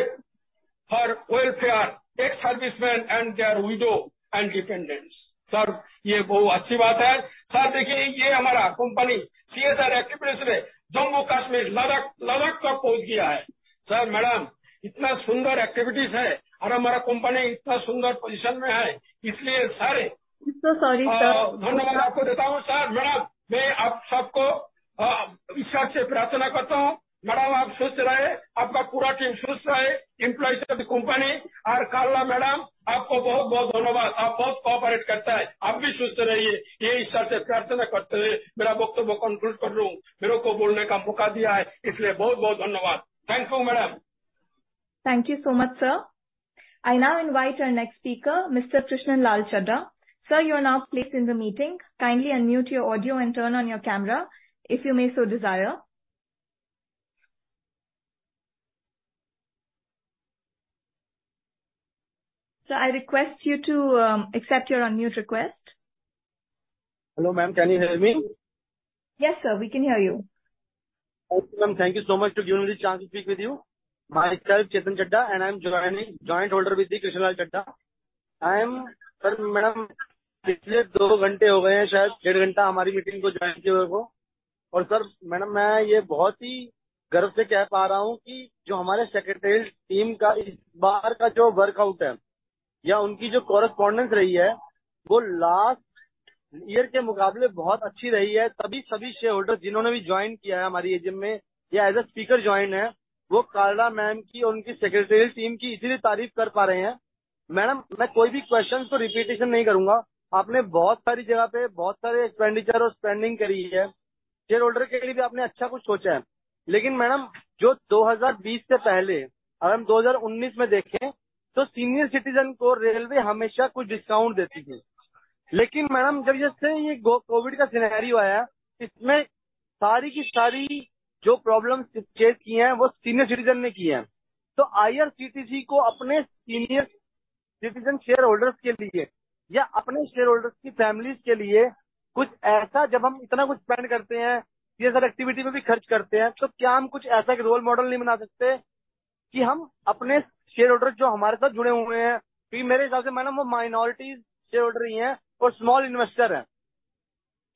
for welfare, ex-servicemen and their widow and dependent. Sir, this very good thing is. Sir, see this our company CSR activities in Jammu Kashmir, Ladakh, Ladakh till reached has. Sir, madam so much beautiful activities is and our company so much beautiful position in is, therefore sir. So sorry, sir. धन्यवाद आपको देता हूं। Sir, madam मैं आप सबको विश्वास से प्रार्थना करता हूं। मैडम, आप स्वस्थ रहें, आपका पूरा टीम स्वस्थ रहे। एंप्लॉईज ऑफ द कंपनी और कलरा मैडम आपको बहुत बहुत धन्यवाद, आप बहुत कोऑपरेट करते हैं। आप भी स्वस्थ रहिए। यह ईश्वर से प्रार्थना करते हुए मेरा वक्तव्य पूरा कर लूं। मुझे बोलने का मौका दिया है इसलिए बहुत बहुत धन्यवाद। Thank you madam. Thank you so much sir. I now invite our next speaker Mr. Krishna Lal Chaddha. Sir, you are now placed in the meeting. Kindly unmute your audio and turn on your camera, if you may so desire. Sir, I request you to accept your unmute request. Hello ma'am, can you hear me? Yes sir, we can hear you. Thank you so much to give me the chance to speak with you. Myself Chetan Chaddha and I am joining joint holder with the Krishna Lal Chaddha. I am sir, madam, last 2 hours have passed. Perhaps 1.5 hours we have joined our meeting and sir madam, I am able to say this with great pride that whatever our secretary team’s this time workout is or their correspondence has been, it has been much better compared to last year. That is why all shareholders who have also joined, in our AGM or as a speaker joined. They are able to praise Karla ma’am and their secretary team so much. Madam, I will not repeat any question. You have done a lot of expenditure and spending at many places. You have also thought something good for shareholders. But madam, before 2020 if we see in 2019 then railway always used to give some discount to senior citizens. But madam, since this COVID scenario came, all the problems that are there, senior citizens have faced them. So IRCTC for its senior citizen shareholders or for the family of its shareholders something like that when we spend so much, also spend in CSR activity, so can we not make some such role model that our shareholders who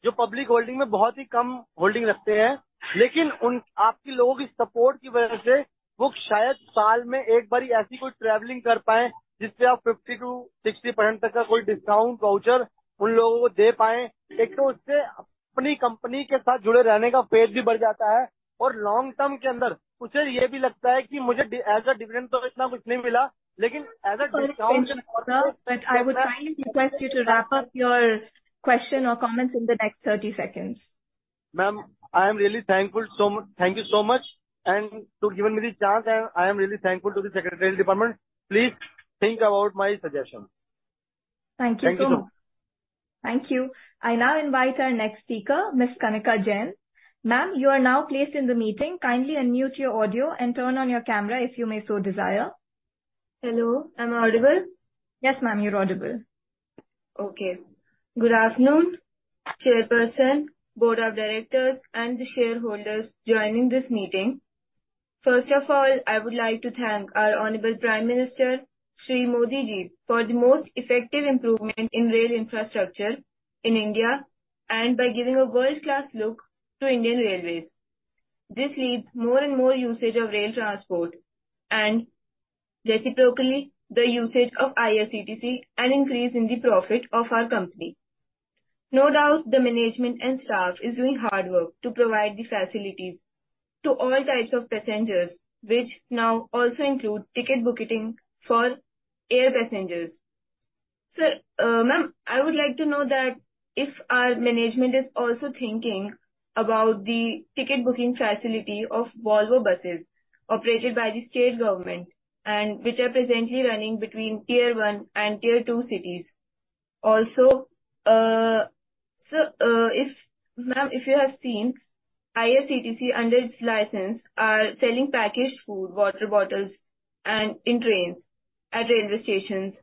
are connected with us, according to me madam they are minority shareholders and small investors. ...jo public holding में बहुत ही कम holding रखते हैं। लेकिन उन आपकी लोगों की support की वजह से वो शायद साल में एक बार ही ऐसी कोई traveling कर पाएं, जिससे आप 50%-60% तक का कोई discount voucher उन लोगों को दे पाएं। एक तो उससे अपनी company के साथ जुड़े रहने का पेज भी बढ़ जाता है और long term के अंदर उसे यह भी लगता है कि मुझे as a dividend तो इतना कुछ नहीं मिला, लेकिन as a discount- Sir, but I would kindly request you to wrap up your question or comments in the next 30 seconds. Ma'am, I am really thankful. Thank you so much and to given me the chance. I am really thankful to the secretarial department. Please think about my suggestion. Thank you so much. Thank you. Thank you. I now invite our next speaker, Miss Kanika Jain. Ma'am, you are now placed in the meeting. Kindly unmute your audio and turn on your camera, if you may so desire. Hello, am I audible? Yes, ma'am, you're audible. Okay. Good afternoon, Chairperson, Board of Directors, and shareholders joining this meeting. First of all, I would like to thank our Honorable Prime Minister, Shri Modi Ji, for the most effective improvement in rail infrastructure in India and by giving a world-class look to Indian Railways. This leads more and more usage of rail transport and reciprocally the usage of IRCTC and increase in the profit of our company. No doubt, the management and staff is doing hard work to provide the facilities to all types of passengers, which now also include ticket booking for air passengers. Sir, ma'am, I would like to know that if our management is also thinking about the ticket booking facility of Volvo buses operated by the state government and which are presently running between Tier One and Tier Two cities. Also, sir, if, ma'am, if you have seen, IRCTC, under its license, are selling packaged food, water bottles, and in trains at railway stations.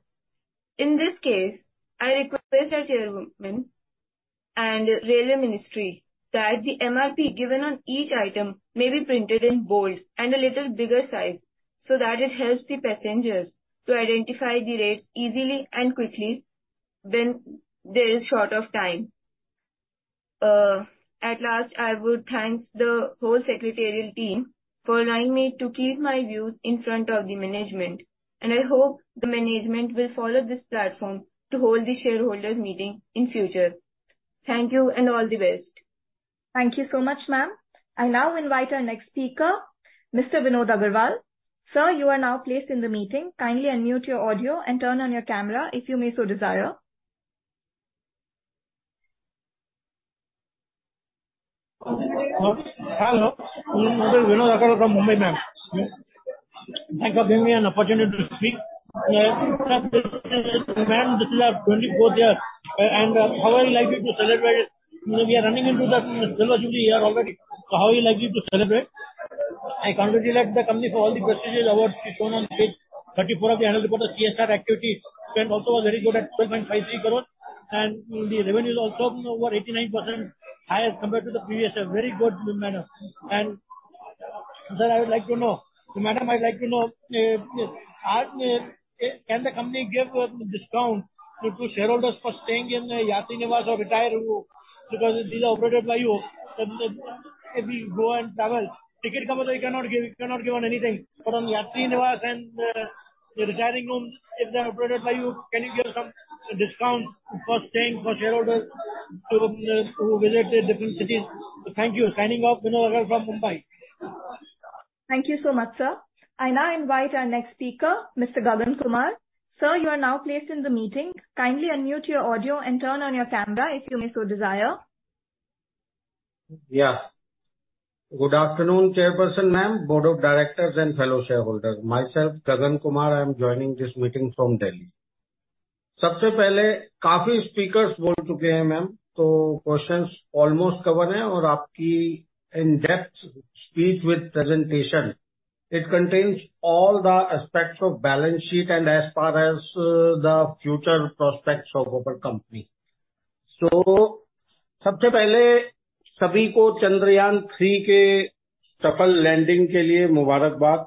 In this case, I request our chairman and railway ministry that the MRP given on each item may be printed in bold and a little bigger size, so that it helps the passengers to identify the rates easily and quickly when there is short of time. At last, I would thank the whole secretarial team for allowing me to keep my views in front of the management, and I hope the management will follow this platform to hold the shareholders meeting in future. Thank you and all the best. Thank you so much, ma'am. I now invite our next speaker, Mr. Vinod Agarwal. Sir, you are now placed in the meeting. Kindly unmute your audio and turn on your camera, if you may so desire. Hello, this is Vinod Agarwal from Mumbai, ma'am. Thank you for giving me an opportunity to speak. Ma'am, this is our twenty-fourth year, and how are you likely to celebrate it? We are running into the silver jubilee year already, so how are you likely to celebrate? I congratulate the company for all the prestigious awards shown on page 34 of the annual report of CSR activity, and also was very good at 12.53 crore, and the revenue is also over 89% higher compared to the previous year. Very good, ma'am. And sir, I would like to know, madam, I'd like to know, can the company give a discount to shareholders for staying in the Yatri Niwas or retire home? Because these are operated by you. So if you go and travel, ticket cover, you cannot give, you cannot give on anything. But on Yatri Niwas and the retiring rooms, if they are operated by you, can you give some discounts for staying for shareholders to who visit the different cities? Thank you. Signing off, Vinod Agarwal from Mumbai. Thank you so much, sir. I now invite our next speaker, Mr. Gagan Kumar. Sir, you are now placed in the meeting. Kindly unmute your audio and turn on your camera, if you may so desire. Yes. Good afternoon, chairperson, ma'am, board of directors and fellow shareholders. Myself, Gagan Kumar. I am joining this meeting from Delhi. Sabse pehle kaafi speakers bol chuke hain ma'am, to question almost cover hai aur aapki in depth speech with presentation, it contains all the aspects of balance sheet and as far as the future prospects of our company. So sabse pehle sabhi ko Chandrayaan-3 ke safal landing ke liye mubarakbaad,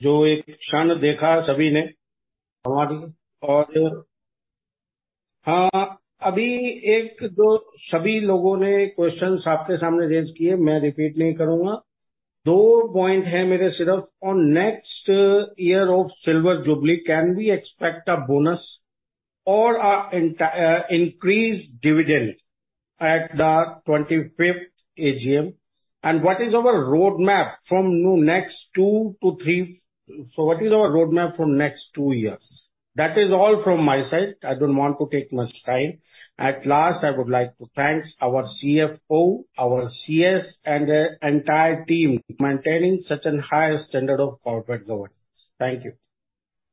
jo ek kshan dekha sabhi ne hamari. Aur... haan, abhi ek jo sabhi logon ne question aapke saamne raise kiye, main repeat nahi karunga. Do point hain mere sirf on next year of silver jubilee, can we expect a bonus and an interim increase dividend at the 25th AGM, and what is our roadmap from next 2 to 3... so what is our roadmap for next 2 years? That is all from my side. I don't want to take much time. At last, I would like to thank our CFO, our CS and the entire team, maintaining such a higher standard of corporate governance. Thank you.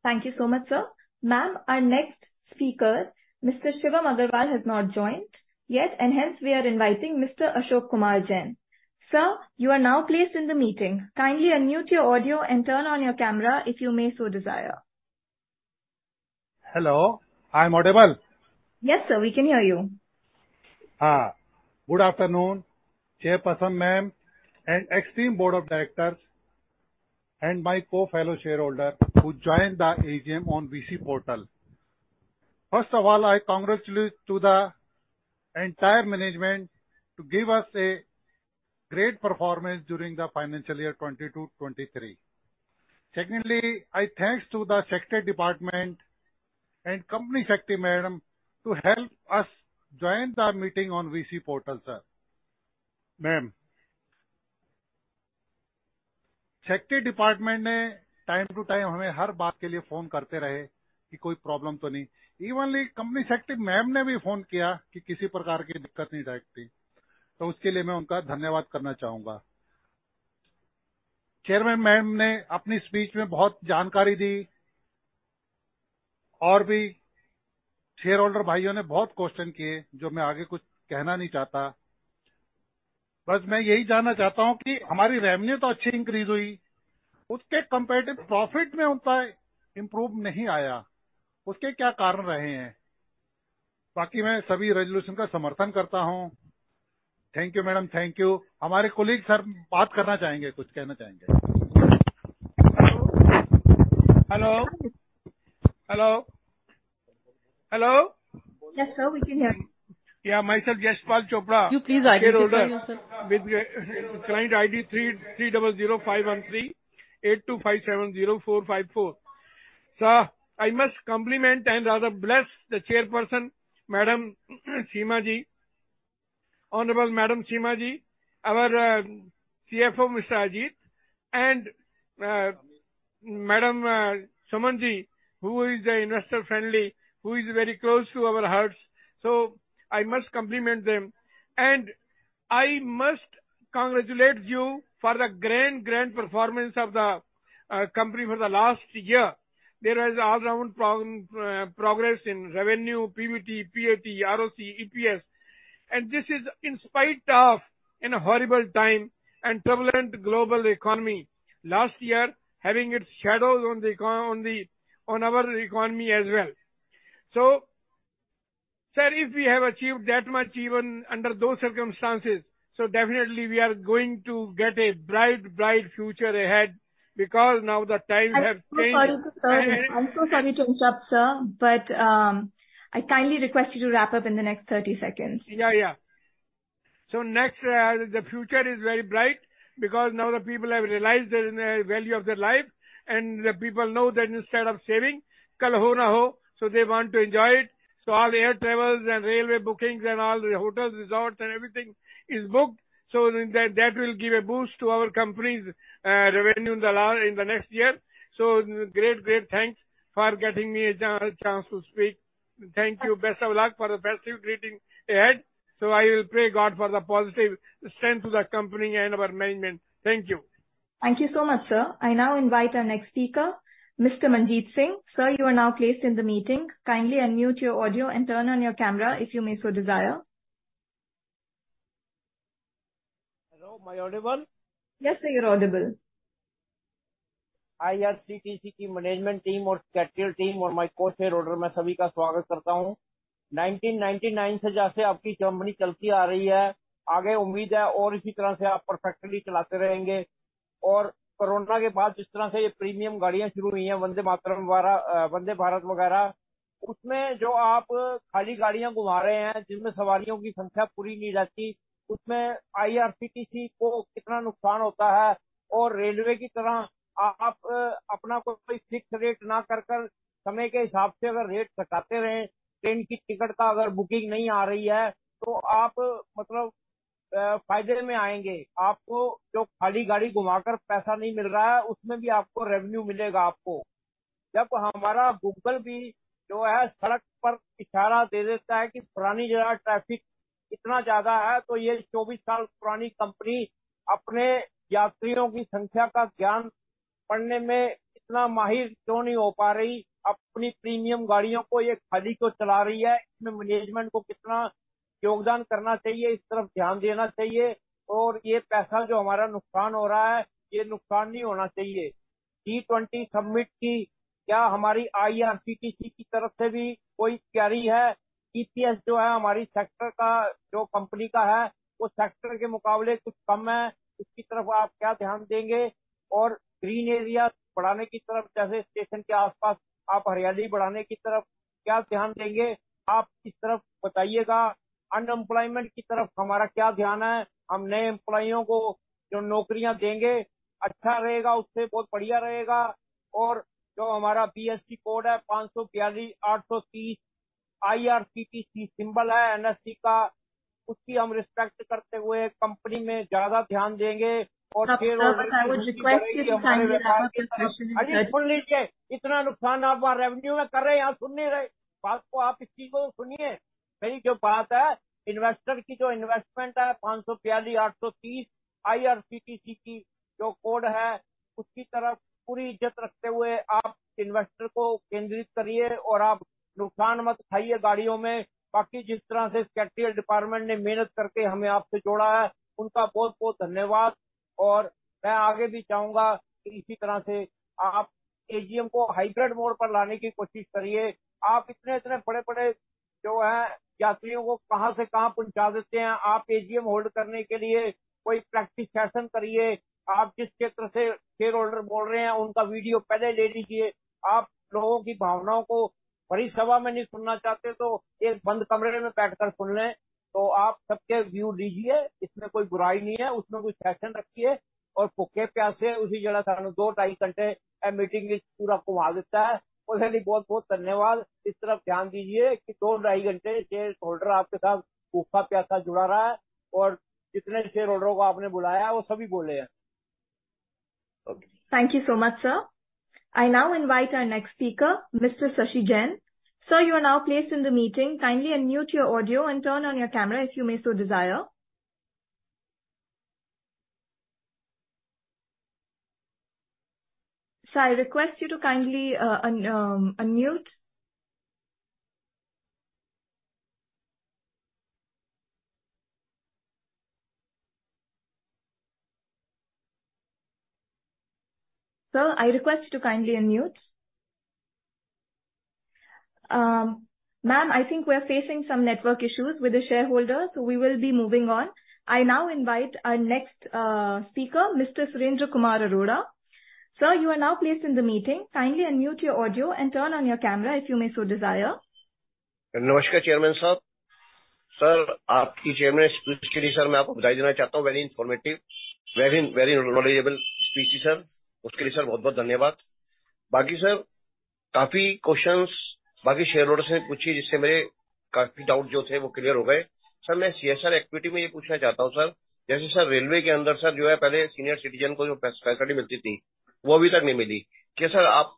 Thank you so much, sir. Ma'am, our next speaker, Mr. Shivam Agarwal has not joined yet and hence we are inviting Mr. Ashok Kumar Jain. Sir, you are now placed in the meeting. Kindly unmute your audio and turn on your camera, if you may so desire. Hello, I am audible? Yes, sir, we can hear you. Good afternoon, Chairperson Ma'am and esteemed board of directors, and my fellow shareholders who joined the AGM on VC portal. First of all, I congratulations to the entire management to give us a great performance during the financial year 2023. Secondly, I thanks to the secretariat department and company secretary madam to help us join the meeting on VC portal, sir. Ma'am! Security Department ने time to time हमें हर बात के लिए phone करते रहे कि कोई problem तो नहीं। Company Secretary madam ने भी phone किया कि किसी प्रकार की दिक्कत नहीं आएगी, तो उसके लिए मैं उनका धन्यवाद करना चाहूंगा। Chairman madam ने अपनी speech में बहुत जानकारी दी और अन्य shareholder भाइयों ने बहुत question किए, जो मैं आगे कुछ कहना नहीं चाहता। बस मैं यही जानना चाहता हूं कि हमारी revenue तो अच्छी increase हुई, उसके comparative profit में उतना improve नहीं आया। उसके क्या कारण रहे हैं? बाकी मैं सभी resolution का समर्थन करता हूं। Thank you madam, thank you। हमारे colleague sir बात करना चाहेंगे, कुछ कहना चाहेंगे। Hello, hello, hello. Yes sir, we can hear you. Yeah, myself Jaipal Chopra. You please identify yourself. Client ID 33051382570454. Sir, I must compliment and rather bless the Chairperson Madam Seema Ji, Honorable Madam Seema Ji, our CFO Mister Ajit and Madam Suman Ji, who is the investor friendly, who is very close to our hearts. So I must compliment them and I must congratulate you for the grand grand performance of the company for the last year. There is all round progress in revenue, PBT, PAT, ROC, EPS and this is in spite of in a horrible time and turbulent global economy. Last year having its shadows on the, on our economy as well. So sir, if we have achieved that much even under those circumstances, so definitely we are going to get a bright bright future ahead, because now the time have changed. I am so sorry to interrupt sir, but I kindly request you to wrap up in the next 30 seconds. Yeah, yeah. So next the future is very bright because now the people have realized the value of the life and people know that instead of saying Kal Ho Naa Ho. So they want to enjoy it. So all air travels and railway booking and hotel, resort and everything is booked. So that will give a boost to our company's revenue in the last, in the next year. So great great thanks for getting me chance to speak. Thank you, best of luck for the best greetings ahead. So I will pray God for the positive strength to the company and our management. Thank you. Thank you so much, sir. I now invite our next speaker, Mr. Manjeet Singh. Sir, you are now placed in the meeting. Kindly unmute your audio and turn on your camera if you may so desire. Hello, am I audible? Yes sir, you are audible. IRCTC की management team और secretary team और my को shareholder मैं सभी का स्वागत करता हूं। 1999 से जैसे आपकी कंपनी चलती आ रही है, आगे उम्मीद है और इसी तरह से आप परफेक्टली चलाते रहेंगे और कोरोना के बाद जिस तरह से प्रीमियम गाड़ियां शुरू हुई हैं, वंदे मातरम द्वारा वंदे भारत वगैरह, उसमें जो आप खाली गाड़ियां घुमा रहे हैं, जिनमें सवारियों की संख्या पूरी नहीं रहती, उसमें आईआरसीटीसी को कितना नुकसान होता है और रेलवे की तरह आप अपना कोई फिक्स रेट न करके समय के हिसाब से अगर रेट बदलते रहे, ट्रेन की टिकट का अगर बुकिंग नहीं आ रही है तो आप मतलब फायदे में आएंगे। आपको जो खाली गाड़ी घुमाकर पैसा नहीं मिल रहा है, उसमें भी आपको रेवेन्यू मिलेगा आपको। जब हमारा गूगल भी जो है, सड़क पर इशारा दे देता है कि पुरानी जो ट्रैफिक इतना ज्यादा है तो यह 24 साल पुरानी कंपनी अपने यात्रियों की संख्या का ज्ञान पढ़ने में इतना माहिर क्यों नहीं हो पा रही? अपनी प्रीमियम गाड़ियों को यह खाली क्यों चला रही है, इसमें मैनेजमेंट को कितना योगदान करना चाहिए, इस तरफ ध्यान देना चाहिए और यह पैसा जो हमारा नुकसान हो रहा है, यह नुकसान नहीं होना चाहिए। टी ट्वेंटी सबमिट की क्या हमारी IRCTC की तरफ से भी कोई क्वेरी है? EPS जो है हमारे सेक्टर का, जो कंपनी का है, वो सेक्टर के मुकाबले कुछ कम है। उसकी तरफ आप क्या ध्यान देंगे और ग्रीन एरिया बढ़ाने की तरफ, जैसे स्टेशन के आसपास आप हरियाली बढ़ाने की तरफ क्या ध्यान देंगे? आप इस तरफ बताइएगा। अनएमप्लॉयमेंट की तरफ हमारा क्या ध्यान है? हम नए एंप्लॉय को जो नौकरियां देंगे, अच्छा रहेगा, उससे बहुत बढ़िया रहेगा और जो हमारा BSE कोड है, 542830 IRCTC सिंबल है NSE का, उसकी हम रिस्पेक्ट करते हुए कंपनी में ज्यादा ध्यान देंगे और - Sir, I would request you to kindly wrap up your question... अरे, सुन लीजिए, इतना नुकसान आप हमारे रेवेन्यू में कर रहे हैं, आप सुन नहीं रहे। बात को आप इसी को सुनिए। मेरी जो बात है, इन्वेस्टर की जो इन्वेस्टमेंट है, 542830 आईआरसीटीसी की जो कोड है, उसकी तरफ पूरी इज्जत रखते हुए आप इन्वेस्टर को केंद्रित करिए और आप नुकसान मत खाइए गाड़ियों में। बाकी जिस तरह से सेक्रेटरी डिपार्टमेंट ने मेहनत करके हमें आपसे जोड़ा है, उनका बहुत बहुत धन्यवाद और मैं आगे भी चाहूंगा कि इसी तरह से आप एजीएम को हाइब्रिड मोड पर लाने की कोशिश करिए। आप इतने बड़े बड़े...... जो है यात्रियों को कहां से कहां पहुंचा देते हैं। आप एजीएम होल्ड करने के लिए कोई प्रैक्टिस सेशन करिए। आप किस क्षेत्र से शेयरहोल्डर बोल रहे हैं, उनका वीडियो पहले ले लीजिए। आप लोगों की भावनाओं को भरी सभा में नहीं सुनना चाहते तो एक बंद कमरे में बैठकर सुन लें तो आप सबके व्यू लीजिए। इसमें कोई बुराई नहीं है। उसमें कुछ सेशन रखिए और भूखे प्यासे उसी तरह 2-2.5 घंटे मीटिंग में पूरा घुमा देता है। उसके लिए बहुत बहुत धन्यवाद। इस तरफ ध्यान दीजिए कि 2-2.5 घंटे शेयर होल्डर आपके साथ भूखा प्यासा जुड़ा रहा है और जितने शेयरहोल्डर को आपने बुलाया, वो सभी बोले हैं। Thank you so much sir. I now invite next speaker Mr. Shashi Jain. Sir, you are now placed in the meeting kindly unmute your audio and turn on your camera, if you may so desire. Sir I request you to kindly un-un-unmute. Sir, I request to kindly unmute. Ma'am, I think we are facing some network issues with the shareholder. So we will be moving on. I now invite our next speaker Mr. Surendra Kumar Arora. Sir, you are now placed in the meeting, kindly unmute your audio and turn on your camera, if you may so desire. नमस्कार chairman साहब! Sir, आपकी chairman speech के लिए sir, मैं आपको बधाई देना चाहता हूं। Very informative very very knowledgeable speech sir, उसके लिए सर बहुत बहुत धन्यवाद। बाकी सर, काफी questions बाकी shareholders ने पूछे, जिससे मेरे काफी doubts जो थे वो clear हो गए। सर, मैं CSR activity में यह पूछना चाहता हूं सर जैसे सर, रेलवे के अंदर सर जो है, पहले senior citizen को जो facility मिलती थी, वो अभी तक नहीं मिली। क्या सर, आप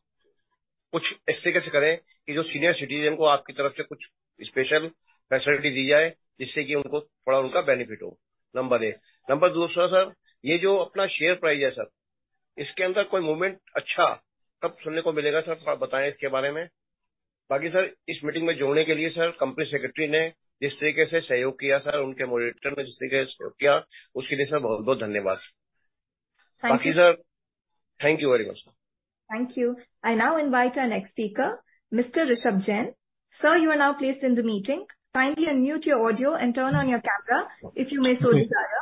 कुछ इस तरीके से करें कि जो senior citizen को आपकी तरफ से कुछ special facility दी जाए, जिससे कि उनको थोड़ा उनका benefit हो। Number 1। Number 2, दूसरा सर, यह जो अपना share price है सर, इसके अंदर कोई movement अच्छा कब सुनने को मिलेगा? सर थोड़ा बताएं इसके बारे में। बाकी सर, इस मीटिंग में जुड़ने के लिए सर, कंपनी सेक्रेटरी ने जिस तरीके से सहयोग किया, सर, उनके मॉडेरेटर ने जिस तरीके से सहयोग किया, उसके लिए सर बहुत बहुत धन्यवाद। Thank you. Baaki sir, thank you very much sir. Thank you. I now invite our next speaker Mr. Rishabh Jain. Sir, you are now placed in the meeting, kindly unmute your audio and turn on your camera, if you may so desire.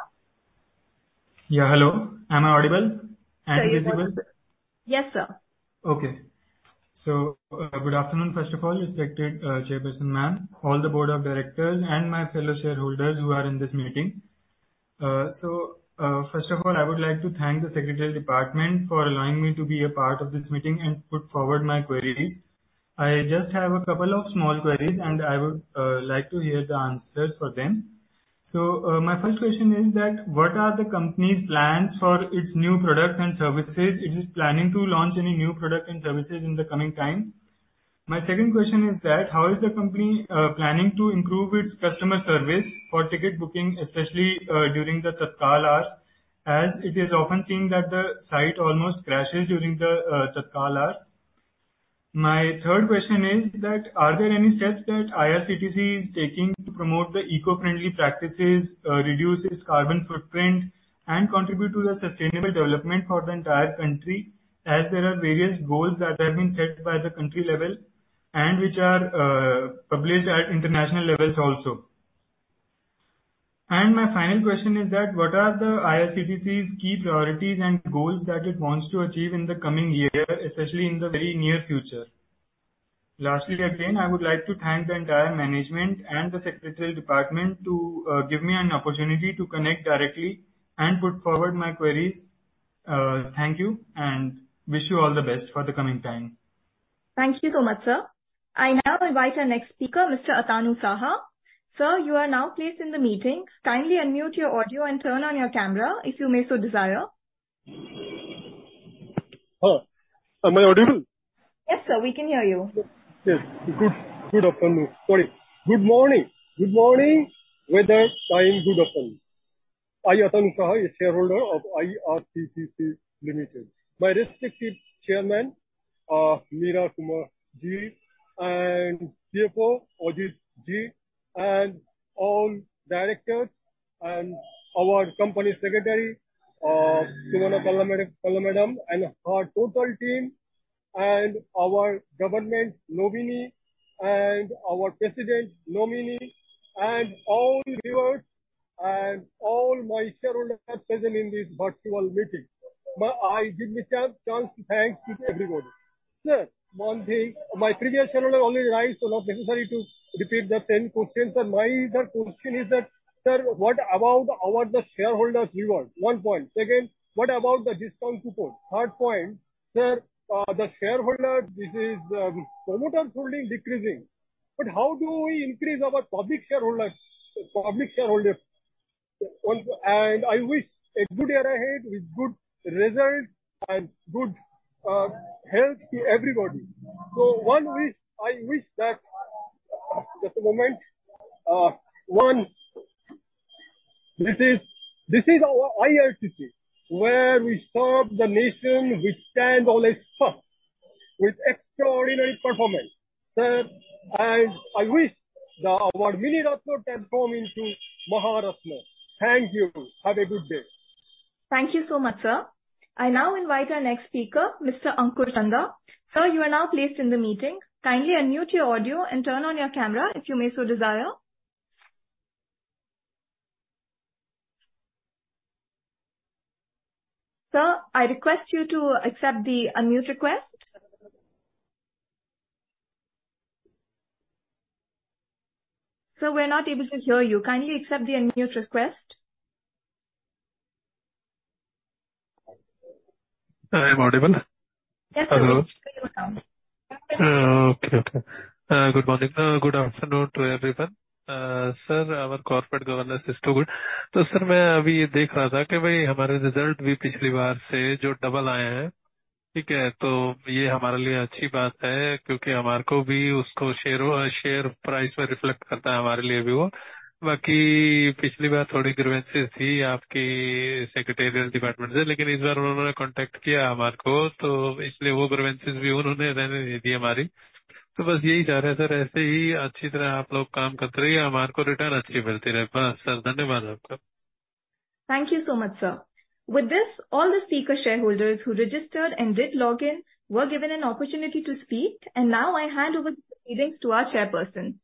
Hello, am I audible and visible? Yes sir. Okay, so good afternoon. First of all, respected Chairman Ma'am, all the Board of Directors and my fellow shareholders who are in this meeting. So first of all, I would like to thank the Secretarial Department for allowing me to be a part of this meeting and put forward my queries. I just have a couple of small queries and I would like to hear the answers for them. So my first question is that, what are the company plans for its new products and services? Is it planning to launch any new product and services in the coming time. My second question is that, how is the company planning to improve its customer service for ticket booking, specially during the tatkal hours, as it is often seen that the site almost crash during the tatkal hours. My third question is that, are there any steps that IRCTC is taking to promote the eco-friendly practices, reduce carbon footprint and contribute to the sustainable development for the entire country. As there are various goals that have been set by the country level and which are published at international level also. And my final question is that, what are the IRCTC's priorities and goals that wants to achieve in the coming year, specially in the very near future. Lastly, again, I would like to thank the entire management and the secretary department to give me an opportunity to connect directly and put forward my queries. Thank you and wish you all the best for the coming time. Thank you so much sir. I now invite our next speaker Mr. Atanu Saha. Sir, you are now placed in the meeting, kindly unmute your audio and turn on your camera, if you may so desire. Yes, am I audible? Yes sir, we can hear you. Yes good, good afternoon, morning, good morning, good morning. Weather, fine good afternoon. I am Atanu Saha, shareholder of IRCTC Limited. My respective Chairman Seema Kumar ji and CFO Ajit ji and all directors and our company secretary Suman Kalra Madam, and our total team and our government nominee and our president nominee and all viewers and all my shareholders present in this virtual meeting. I give me chance to thanks to everybody. Sir, one thing my previous shareholder already raised, so not necessary to repeat the same question. Sir my question is that sir, what about our the shareholder rewards? One point. Second, what about the discount coupon? Third point, sir, the shareholder, this is promoters holding decreasing but how do we increase our public shareholder, public shareholder. And I wish a good year ahead with good result and good health to everybody. So one wish, I wish that just a moment, one this is, this is our IRCTC, where we serve the nation, we stand always first with extraordinary performance. Sir, I I wish the our Miniratna form in to Maharatna. Thank you. Have a good day. ...Thank you so much, sir. I now invite our next speaker, Mr. Ankur Chanda. Sir, you are now placed in the meeting. Kindly unmute your audio and turn on your camera if you may so desire. Sir, I request you to accept the unmute request. Sir, we're not able to hear you. Kindly accept the unmute request. I am audible? Yes, sir. Hello. Okay, okay. Good morning. Good afternoon to everyone. Sir, our corporate governance is too good. So, sir,... Thank you so much, sir. With this, all the speaker shareholders who registered and did log in were given an opportunity to speak, and now I hand over the proceedings to our Chairperson.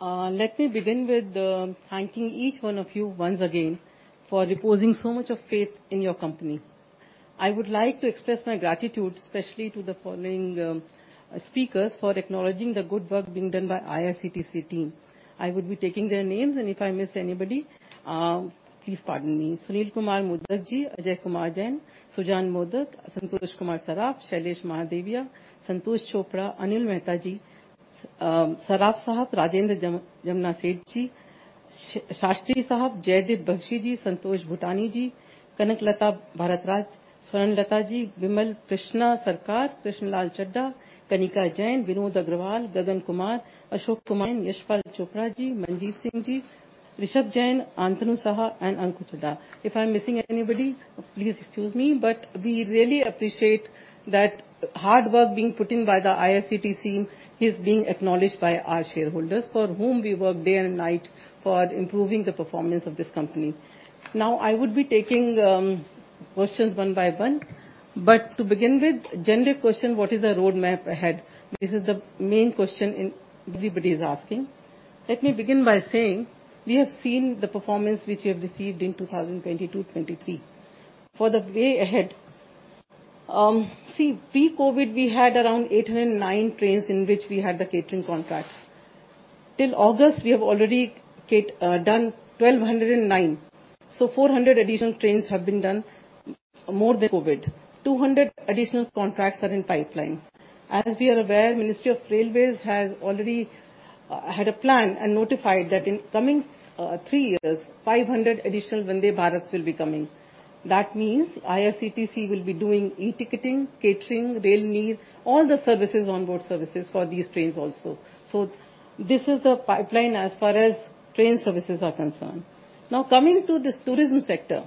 Let me begin with thanking each one of you once again for reposing so much of faith in your company. I would like to express my gratitude, especially to the following speakers, for acknowledging the good work being done by IRCTC team. I would be taking their names, and if I miss anybody, please pardon me. Sunil Kumar Modak Ji, Ajay Kumar Jain, Sujan Modak, Santosh Kumar Saraf, Shailesh Mahadevia, Santosh Chopra, Anil Mehta Ji, Saraf Sahib, Rajendra Jamnases Ji, Shastri Sahib, Jaideep Bakshi Ji, Santosh Bhutani Ji, Kanaklata Bharat Raj, Swaranlata Ji, Vimal Krishna Sarkar, Krishna Lal Chadda, Kanika Jain, Vinod Agrawal, Gagan Kumar, Ashok Kumar, Yashpal Chopra Ji, Manjeet Singh Ji, Rishabh Jain, Atanu Saha, and Ankur Chanda. If I'm missing anybody, please excuse me. But we really appreciate that hard work being put in by the IRCTC is being acknowledged by our shareholders, for whom we work day and night for improving the performance of this company. Now, I would be taking questions one by one, but to begin with, general question: What is the roadmap ahead? This is the main question and everybody is asking. Let me begin by saying we have seen the performance which we have received in 2022-23. For the way ahead, see, pre-COVID, we had around 809 trains in which we had the catering contracts. Till August, we have already done 1209, so 400 additional trains have been done more than COVID. 200 additional contracts are in pipeline. As we are aware, Ministry of Railways has already had a plan and notified that in coming 3 years, 500 additional Vande Bharats will be coming. That means IRCTC will be doing e-ticketing, catering, Railneer, all the services on board services for these trains also. So this is the pipeline as far as train services are concerned. Now, coming to this tourism sector.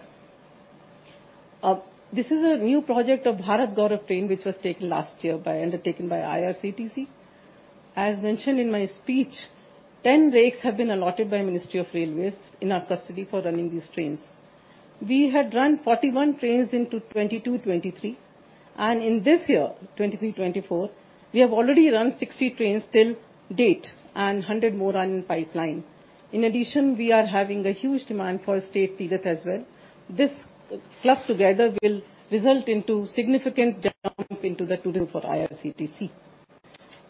This is a new project of Bharat Gaurav Train, which was taken last year undertaken by IRCTC. As mentioned in my speech, 10 rakes have been allotted by Ministry of Railways in our custody for running these trains. We had run 41 trains in 2022-23, and in this year, 2023-24, we have already run 60 trains till date, and 100 more are in pipeline. In addition, we are having a huge demand for state tourism as well. This fluff together will result into significant jump into the tourism for IRCTC.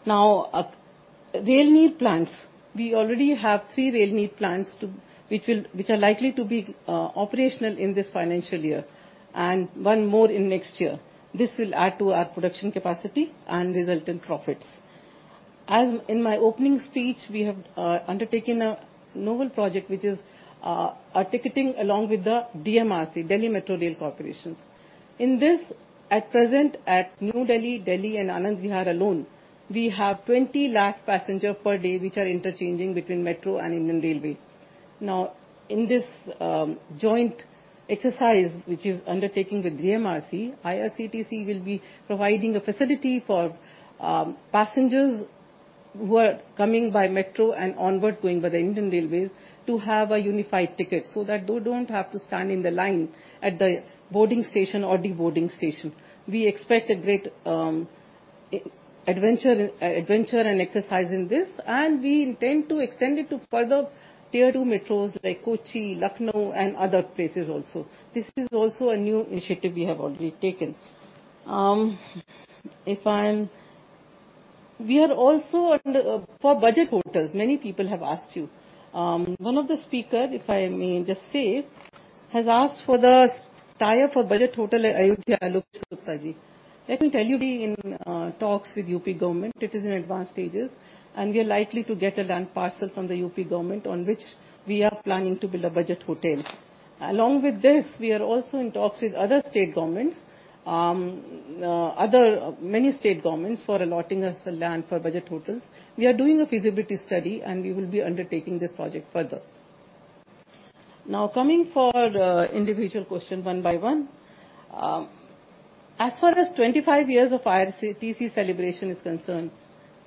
Now, Railneer plants. We already have three Railneer plants which are likely to be operational in this financial year and one more in next year. This will add to our production capacity and result in profits. As in my opening speech, we have undertaken a novel project, which is a ticketing along with the DMRC, Delhi Metro Rail Corporation. In this, at present, at New Delhi, Delhi, and Anand Vihar alone, we have 20 lakh passengers per day, which are interchanging between Metro and Indian Railways. Now, in this joint exercise, which is undertaking with DMRC, IRCTC will be providing a facility for passengers who are coming by Metro and onwards going by the Indian Railways to have a unified ticket, so that they don't have to stand in the line at the boarding station or deboarding station. We expect a great adventure and exercise in this, and we intend to extend it to further tier two metros like Kochi, Lucknow, and other places also. This is also a new initiative we have already taken. We are also under for budget hotels. Many people have asked you. One of the speakers, if I may just say, has asked for the tie-up for budget hotel at Ayodhya, Alok Gupta Ji. Let me tell you, we in talks with UP government, it is in advanced stages, and we are likely to get a land parcel from the UP government, on which we are planning to build a budget hotel. Along with this, we are also in talks with other state governments, many state governments for allotting us a land for budget hotels. We are doing a feasibility study, and we will be undertaking this project further. Now, coming for the individual question one by one. As far as 25 years of IRCTC celebration is concerned,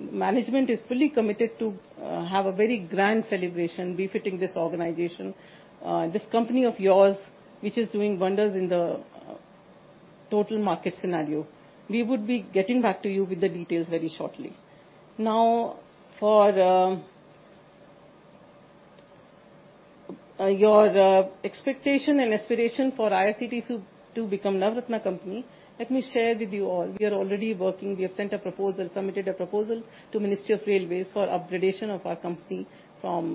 management is fully committed to have a very grand celebration befitting this organization. This company of yours, which is doing wonders in the total market scenario. We would be getting back to you with the details very shortly. Now, for your expectation and aspiration for IRCTC to become Navratna company, let me share with you all. We are already working. We have sent a proposal, submitted a proposal to Ministry of Railways for upgradation of our company from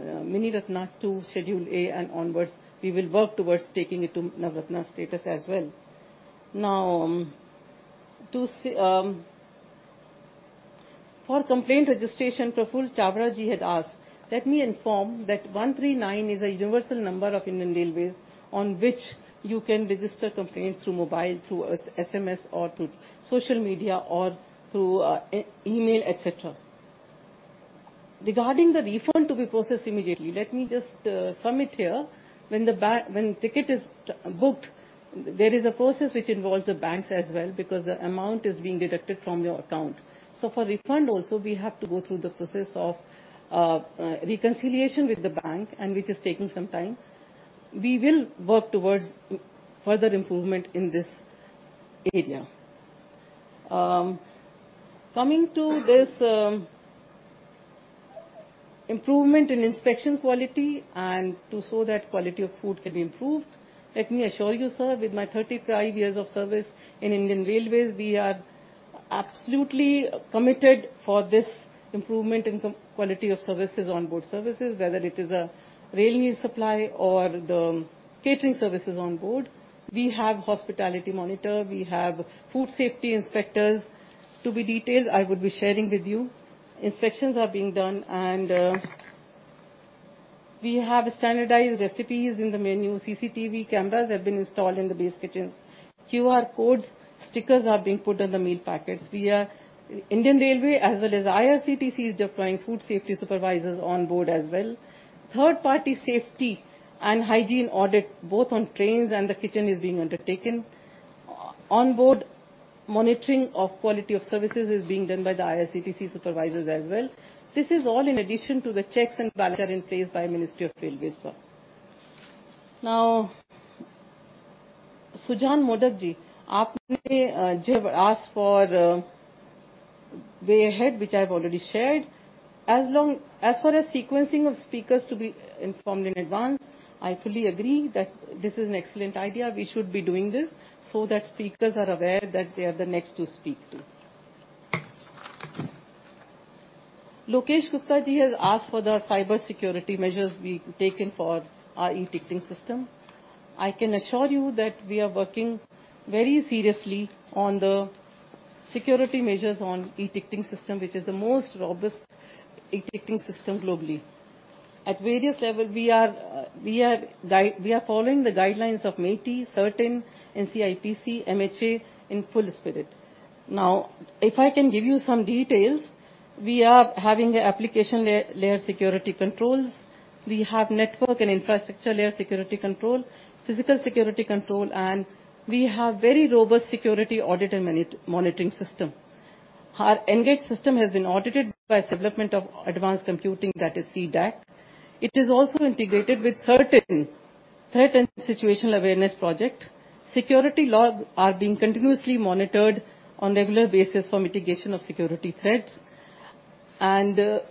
Miniratna to Schedule A and onwards. We will work towards taking it to Navratna status as well. Now, for complaint registration, Prafull Chawla Ji had asked. Let me inform that 139 is a universal number of Indian Railways, on which you can register complaints through mobile, through SMS, or through social media, or through email, etc. Regarding the refund to be processed immediately, let me just submit here. When ticket is booked, there is a process which involves the banks as well, because the amount is being deducted from your account. So for refund also, we have to go through the process of reconciliation with the bank and which is taking some time. We will work towards further improvement in this area. Coming to this, improvement in inspection quality and to so that quality of food can be improved. Let me assure you, sir, with my 35 years of service in Indian Railways, we are absolutely committed for this improvement in com quality of services on board services, whether it is a Railneer supply or the catering services on board. We have hospitality monitor, we have food safety inspectors. To be detailed, I would be sharing with you. Inspections are being done, and we have standardized recipes in the menu. CCTV cameras have been installed in the base kitchens. QR codes, stickers are being put on the meal packets. We are, Indian Railways, as well as IRCTC, deploying food safety supervisors on board as well. Third-party safety and hygiene audit, both on trains and the kitchen, is being undertaken. On board, monitoring of quality of services is being done by the IRCTC supervisors as well. This is all in addition to the checks and balances in place by Ministry of Railways, sir. Now, Sujan Modak Ji, aapne ji asked for way ahead, which I've already shared. As far as sequencing of speakers to be informed in advance, I fully agree that this is an excellent idea. We should be doing this so that speakers are aware that they are the next to speak to. Lokesh Gupta Ji has asked for the cybersecurity measures being taken for our e-ticketing system. I can assure you that we are working very seriously on the security measures on e-ticketing system, which is the most robust e-ticketing system globally. At various levels, we are following the guidelines of MeitY, CERT-In, NCIPC, MHA, in full spirit. Now, if I can give you some details, we are having application layer security controls, we have network and infrastructure layer security control, physical security control, and we have very robust security audit and monitoring system. Our engaged system has been audited by Centre for Development of Advanced Computing, that is, C-DAC. It is also integrated with CERT-In, Threat and Situational Awareness project. Security log are being continuously monitored on regular basis for mitigation of security threats. Our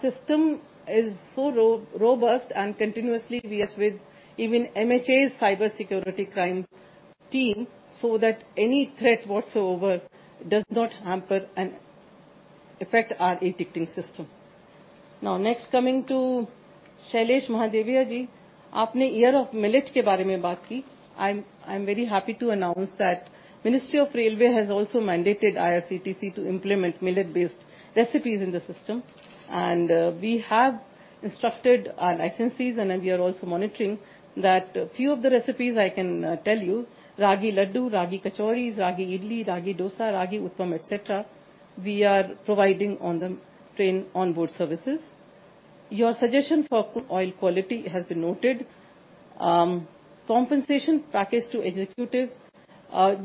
system is so robust and continuously we are with even MHA's cybersecurity crime team, so that any threat whatsoever does not hamper and affect our e-ticketing system. Now, next, coming to Shailesh Mahadevia Ji, aapne year of millet ke bare mein baat ki. I'm very happy to announce that Ministry of Railways has also mandated IRCTC to implement millet-based recipes in the system. We have instructed our licensees, and we are also monitoring, that a few of the recipes I can tell you, Ragi laddu, Ragi kachoris, Ragi idli, Ragi dosa, Ragi uthappam, et cetera, we are providing on the train on board services. Your suggestion for cook oil quality has been noted. Compensation package to executive,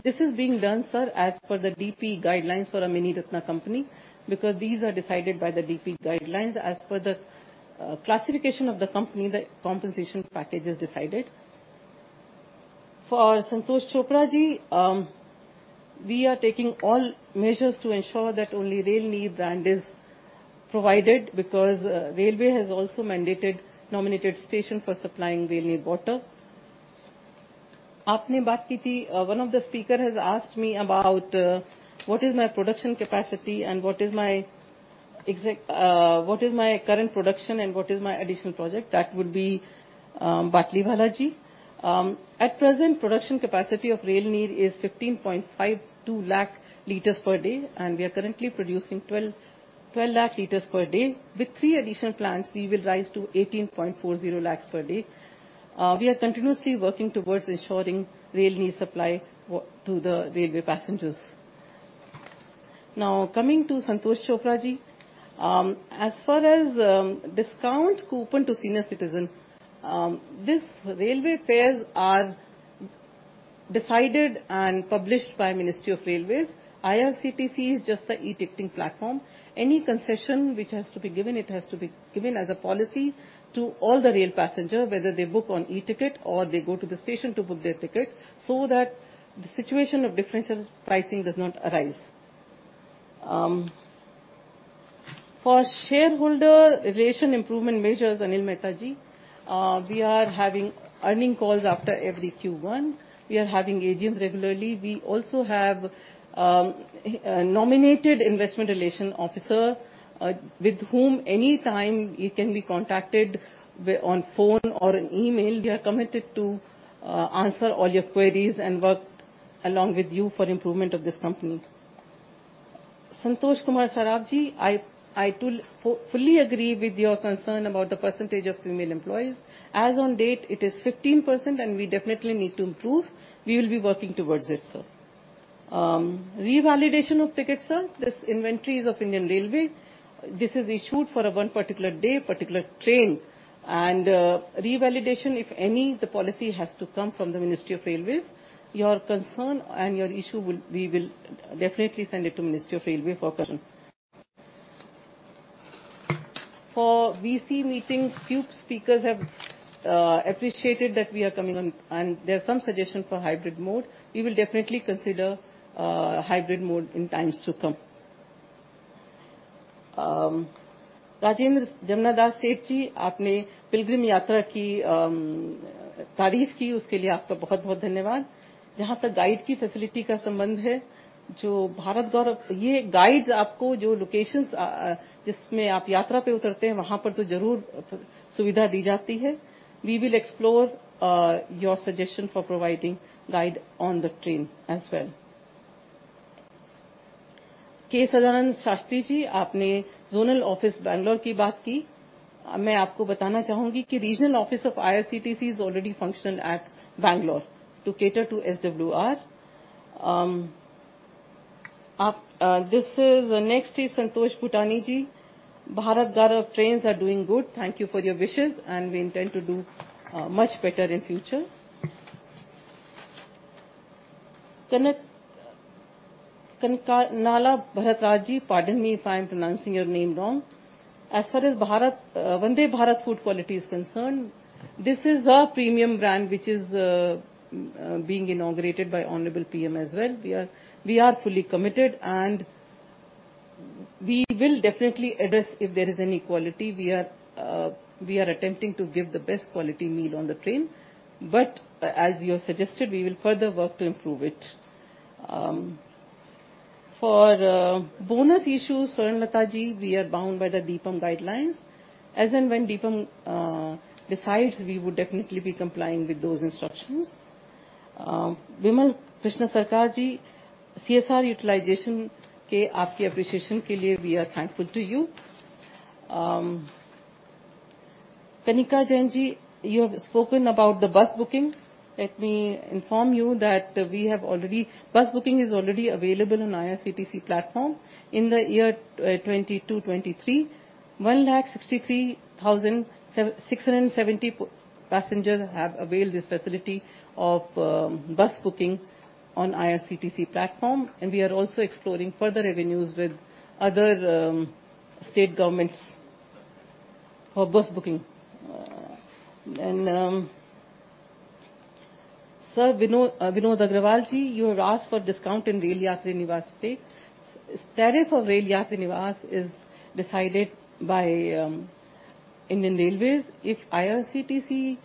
this is being done, sir, as per the DP guidelines for a Miniratna company, because these are decided by the DP guidelines. As per the classification of the company, the compensation package is decided. For Santosh Chopra Ji, we are taking all measures to ensure that only Railneer brand is provided, because Railway has also mandated nominated station for supplying Railneer water. Aapne baat ki thi, one of the speaker has asked me about what is my production capacity and what is my current production and what is my additional project? That would be Batliwala Ji. At present, production capacity of Railneer is 15.52 lakh liters per day, and we are currently producing 12 lakh liters per day. With three additional plants, we will rise to 18.40 lakhs per day. We are continuously working towards ensuring Railneer supply to the railway passengers. Now, coming to Santosh Chopra Ji, as far as discount coupon to senior citizen, this railway fares are decided and published by Ministry of Railways. IRCTC is just the e-ticketing platform. Any concession which has to be given, it has to be given as a policy to all the rail passenger, whether they book on e-ticket or they go to the station to book their ticket, so that the situation of differential pricing does not arise. For shareholder relation improvement measures, Anil Mehta Ji, we are having earnings calls after every Q1. We are having AGMs regularly. We also have a nominated investor relations officer, with whom anytime you can be contacted on phone or an email. We are committed to answer all your queries and work along with you for improvement of this company. Santosh Kumar Saraf Ji, I too fully agree with your concern about the percentage of female employees. As on date, it is 15%, and we definitely need to improve. We will be working towards it, sir. Revalidation of tickets, sir. This inventory is of Indian Railways. This is issued for one particular day, particular train, and revalidation, if any, the policy has to come from the Ministry of Railways. Your concern and your issue will we will definitely send it to Ministry of Railways for concern. For BC meetings, few speakers have appreciated that we are coming on, and there are some suggestions for hybrid mode. We will definitely consider hybrid mode in times to come. Rajendra Jamnadas Seth Ji, we will explore your suggestion for providing guide on the train as well. K. Sadanand Shastri Ji, you have spoken about the zonal office Bangalore. I would like to tell you that the regional office of IRCTC is already functioning at Bangalore to cater to SWR. Next is Santosh Bhutani Ji. Bharat Gaurav trains are doing good. Thank you for your wishes, and we intend to do much better in future. Kanak-Kanaka Nala Bharat Raj Ji, pardon me if I'm pronouncing your name wrong. As far as Bharat Vande Bharat food quality is concerned, this is a premium brand which is being inaugurated by Honorable PM as well. We are, we are fully committed, and we will definitely address if there is any quality. We are attempting to give the best quality meal on the train, but as you have suggested, we will further work to improve it. For bonus issues, Surya Lata Ji, we are bound by the DPE guidelines. As and when DPE decides, we would definitely be complying with those instructions. Vimal Krishna Sarkar Ji, CSR utilization, we are thankful to you. Kanika Jain Ji, you have spoken about the bus booking. Let me inform you that we have already. Bus booking is already available on IRCTC platform. In the year 2022-23, 163,670 passengers have availed this facility of bus booking on IRCTC platform, and we are also exploring further revenues with other state governments for bus booking. And, Sir Vinod, Vinod Agrawal Ji, you have asked for discount in Rail Yatri Niwas stay. Tariff of Rail Yatri Niwas is decided by Indian Railways. If IRCTC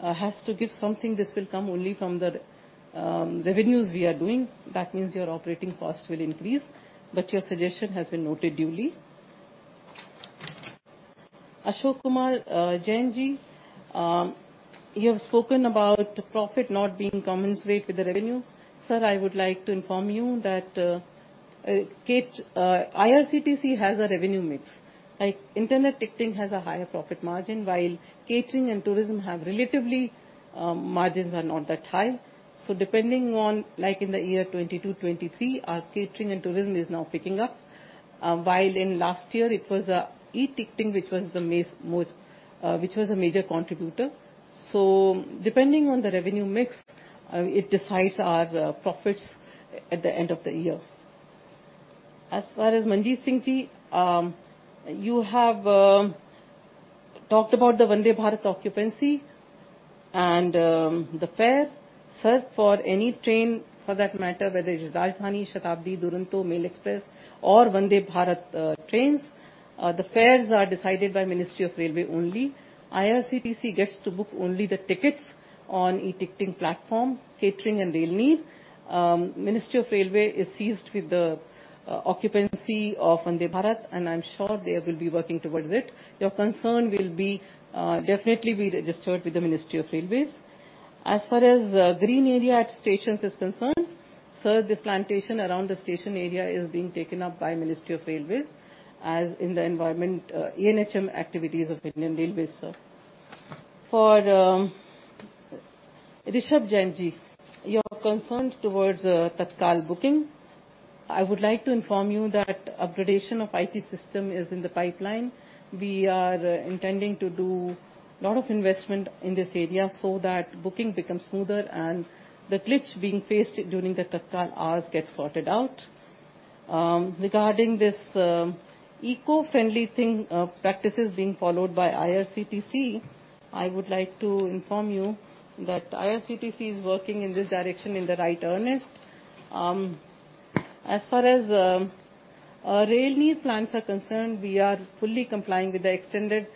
has to give something, this will come only from the revenues we are doing. That means your operating costs will increase, but your suggestion has been noted duly. Ashok Kumar Jain Ji, you have spoken about profit not being commensurate with the revenue. Sir, I would like to inform you that IRCTC has a revenue mix, like, internet ticketing has a higher profit margin, while catering and tourism have relatively margins are not that high. So depending on, like in the year 2022 to 2023, our catering and tourism is now picking up. While in last year, it was e-ticketing, which was a major contributor. So depending on the revenue mix, it decides our profits at the end of the year. As far as Manjeet Singh Ji, you have talked about the Vande Bharat occupancy and the fare. Sir, for any train, for that matter, whether it's Rajdhani, Shatabdi, Duronto, Mail Express, or Vande Bharat trains, the fares are decided by Ministry of Railways only. IRCTC gets to book only the tickets on e-ticketing platform, catering and Rail Neer. Ministry of Railways is seized with the occupancy of Vande Bharat, and I'm sure they will be working towards it. Your concern will definitely be registered with the Ministry of Railways. As far as green area at stations is concerned, sir, this plantation around the station area is being taken up by Ministry of Railways, as in the environment ENHM activities of Indian Railways, sir. For Rishabh Jain Ji, your concerns towards Tatkal booking. I would like to inform you that upgradation of IT system is in the pipeline. We are intending to do a lot of investment in this area so that booking becomes smoother and the glitch being faced during the Tatkal hours gets sorted out. Regarding this eco-friendly thing practices being followed by IRCTC, I would like to inform you that IRCTC is working in this direction in the right earnest. As far as our Railneer plants are concerned, we are fully complying with the extended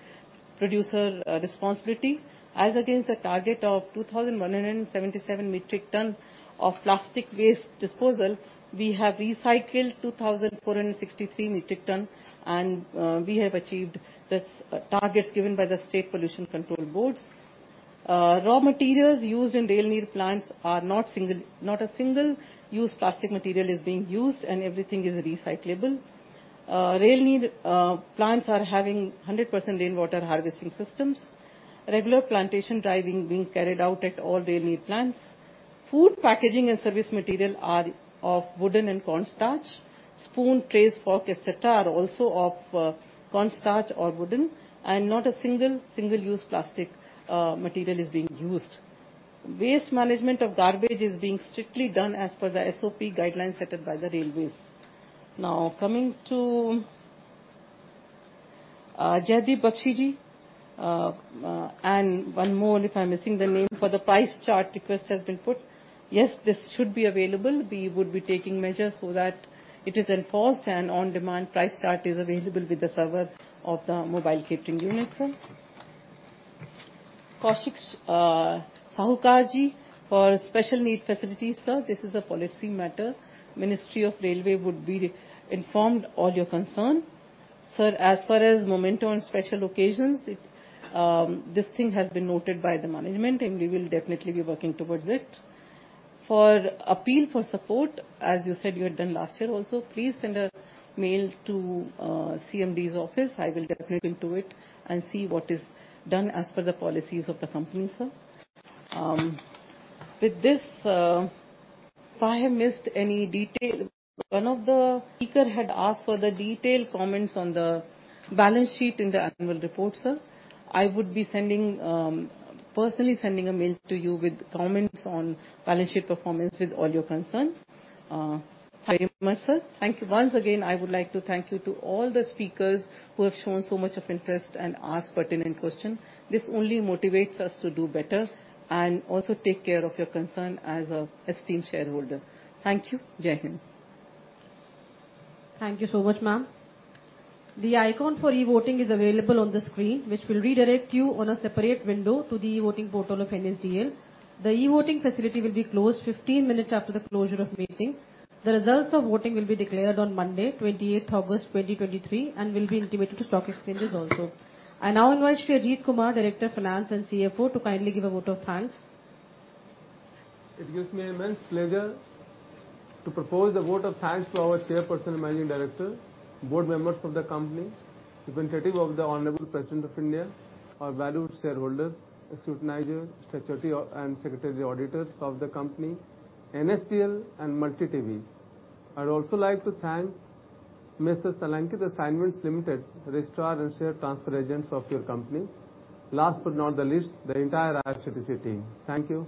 producer responsibility. As against the target of 2,177 metric tons of plastic waste disposal, we have recycled 2,463 metric tons, and we have achieved the targets given by the State Pollution Control Boards. Raw materials used in Railneer plants are not a single-use plastic material is being used, and everything is recyclable. Railneer plants are having 100% rainwater harvesting systems. Regular plantation driving being carried out at all Railneer plants. Food packaging and service material are of wooden and cornstarch. Spoon, trays, fork, etc., are also of cornstarch or wooden, and not a single single-use plastic material is being used. Waste management of garbage is being strictly done as per the SOP guidelines set up by the railways. Now, coming to Jaideep Bakshi Ji, and one more, if I'm missing the name, for the price chart request has been put. Yes, this should be available. We would be taking measures so that it is enforced, and on-demand price chart is available with the server of the mobile catering units, sir. Kaushik Sahukar Ji, for special needs facilities, sir, this is a policy matter. Ministry of Railways would be informed all your concern. Sir, as far as memento on special occasions, it, this thing has been noted by the management, and we will definitely be working towards it. For appeal for support, as you said you had done last year also, please send a mail to CMD's office. I will definitely look into it and see what is done as per the policies of the company, sir. With this, if I have missed any detail, one of the speaker had asked for the detailed comments on the balance sheet in the annual report, sir. I would be sending, personally sending a mail to you with comments on balance sheet performance with all your concern. Thank you very much, sir. Thank you. Once again, I would like to thank you to all the speakers who have shown so much of interest and asked pertinent question. This only motivates us to do better and also take care of your concern as a esteemed shareholder. Thank you. Jai Hind. Thank you so much, ma'am. The icon for e-voting is available on the screen, which will redirect you on a separate window to the e-voting portal of NSDL. The e-voting facility will be closed 15 minutes after the closure of meeting. The results of voting will be declared on Monday, 28 August 2023, and will be intimated to stock exchanges also. I now invite Sri Ajit Kumar, Director of Finance and CFO, to kindly give a vote of thanks. It gives me immense pleasure to propose a vote of thanks to our Chairperson and Managing Director, board members of the company, representative of the Honorable President of India, our valued shareholders, the scrutinizer, statutory and secretarial auditors of the company, NSDL, and MultiTV. I'd also like to thank Mr. Alankit Assignments Limited, registrar and share transfer agents of your company. Last, but not the least, the entire IRCTC team. Thank you.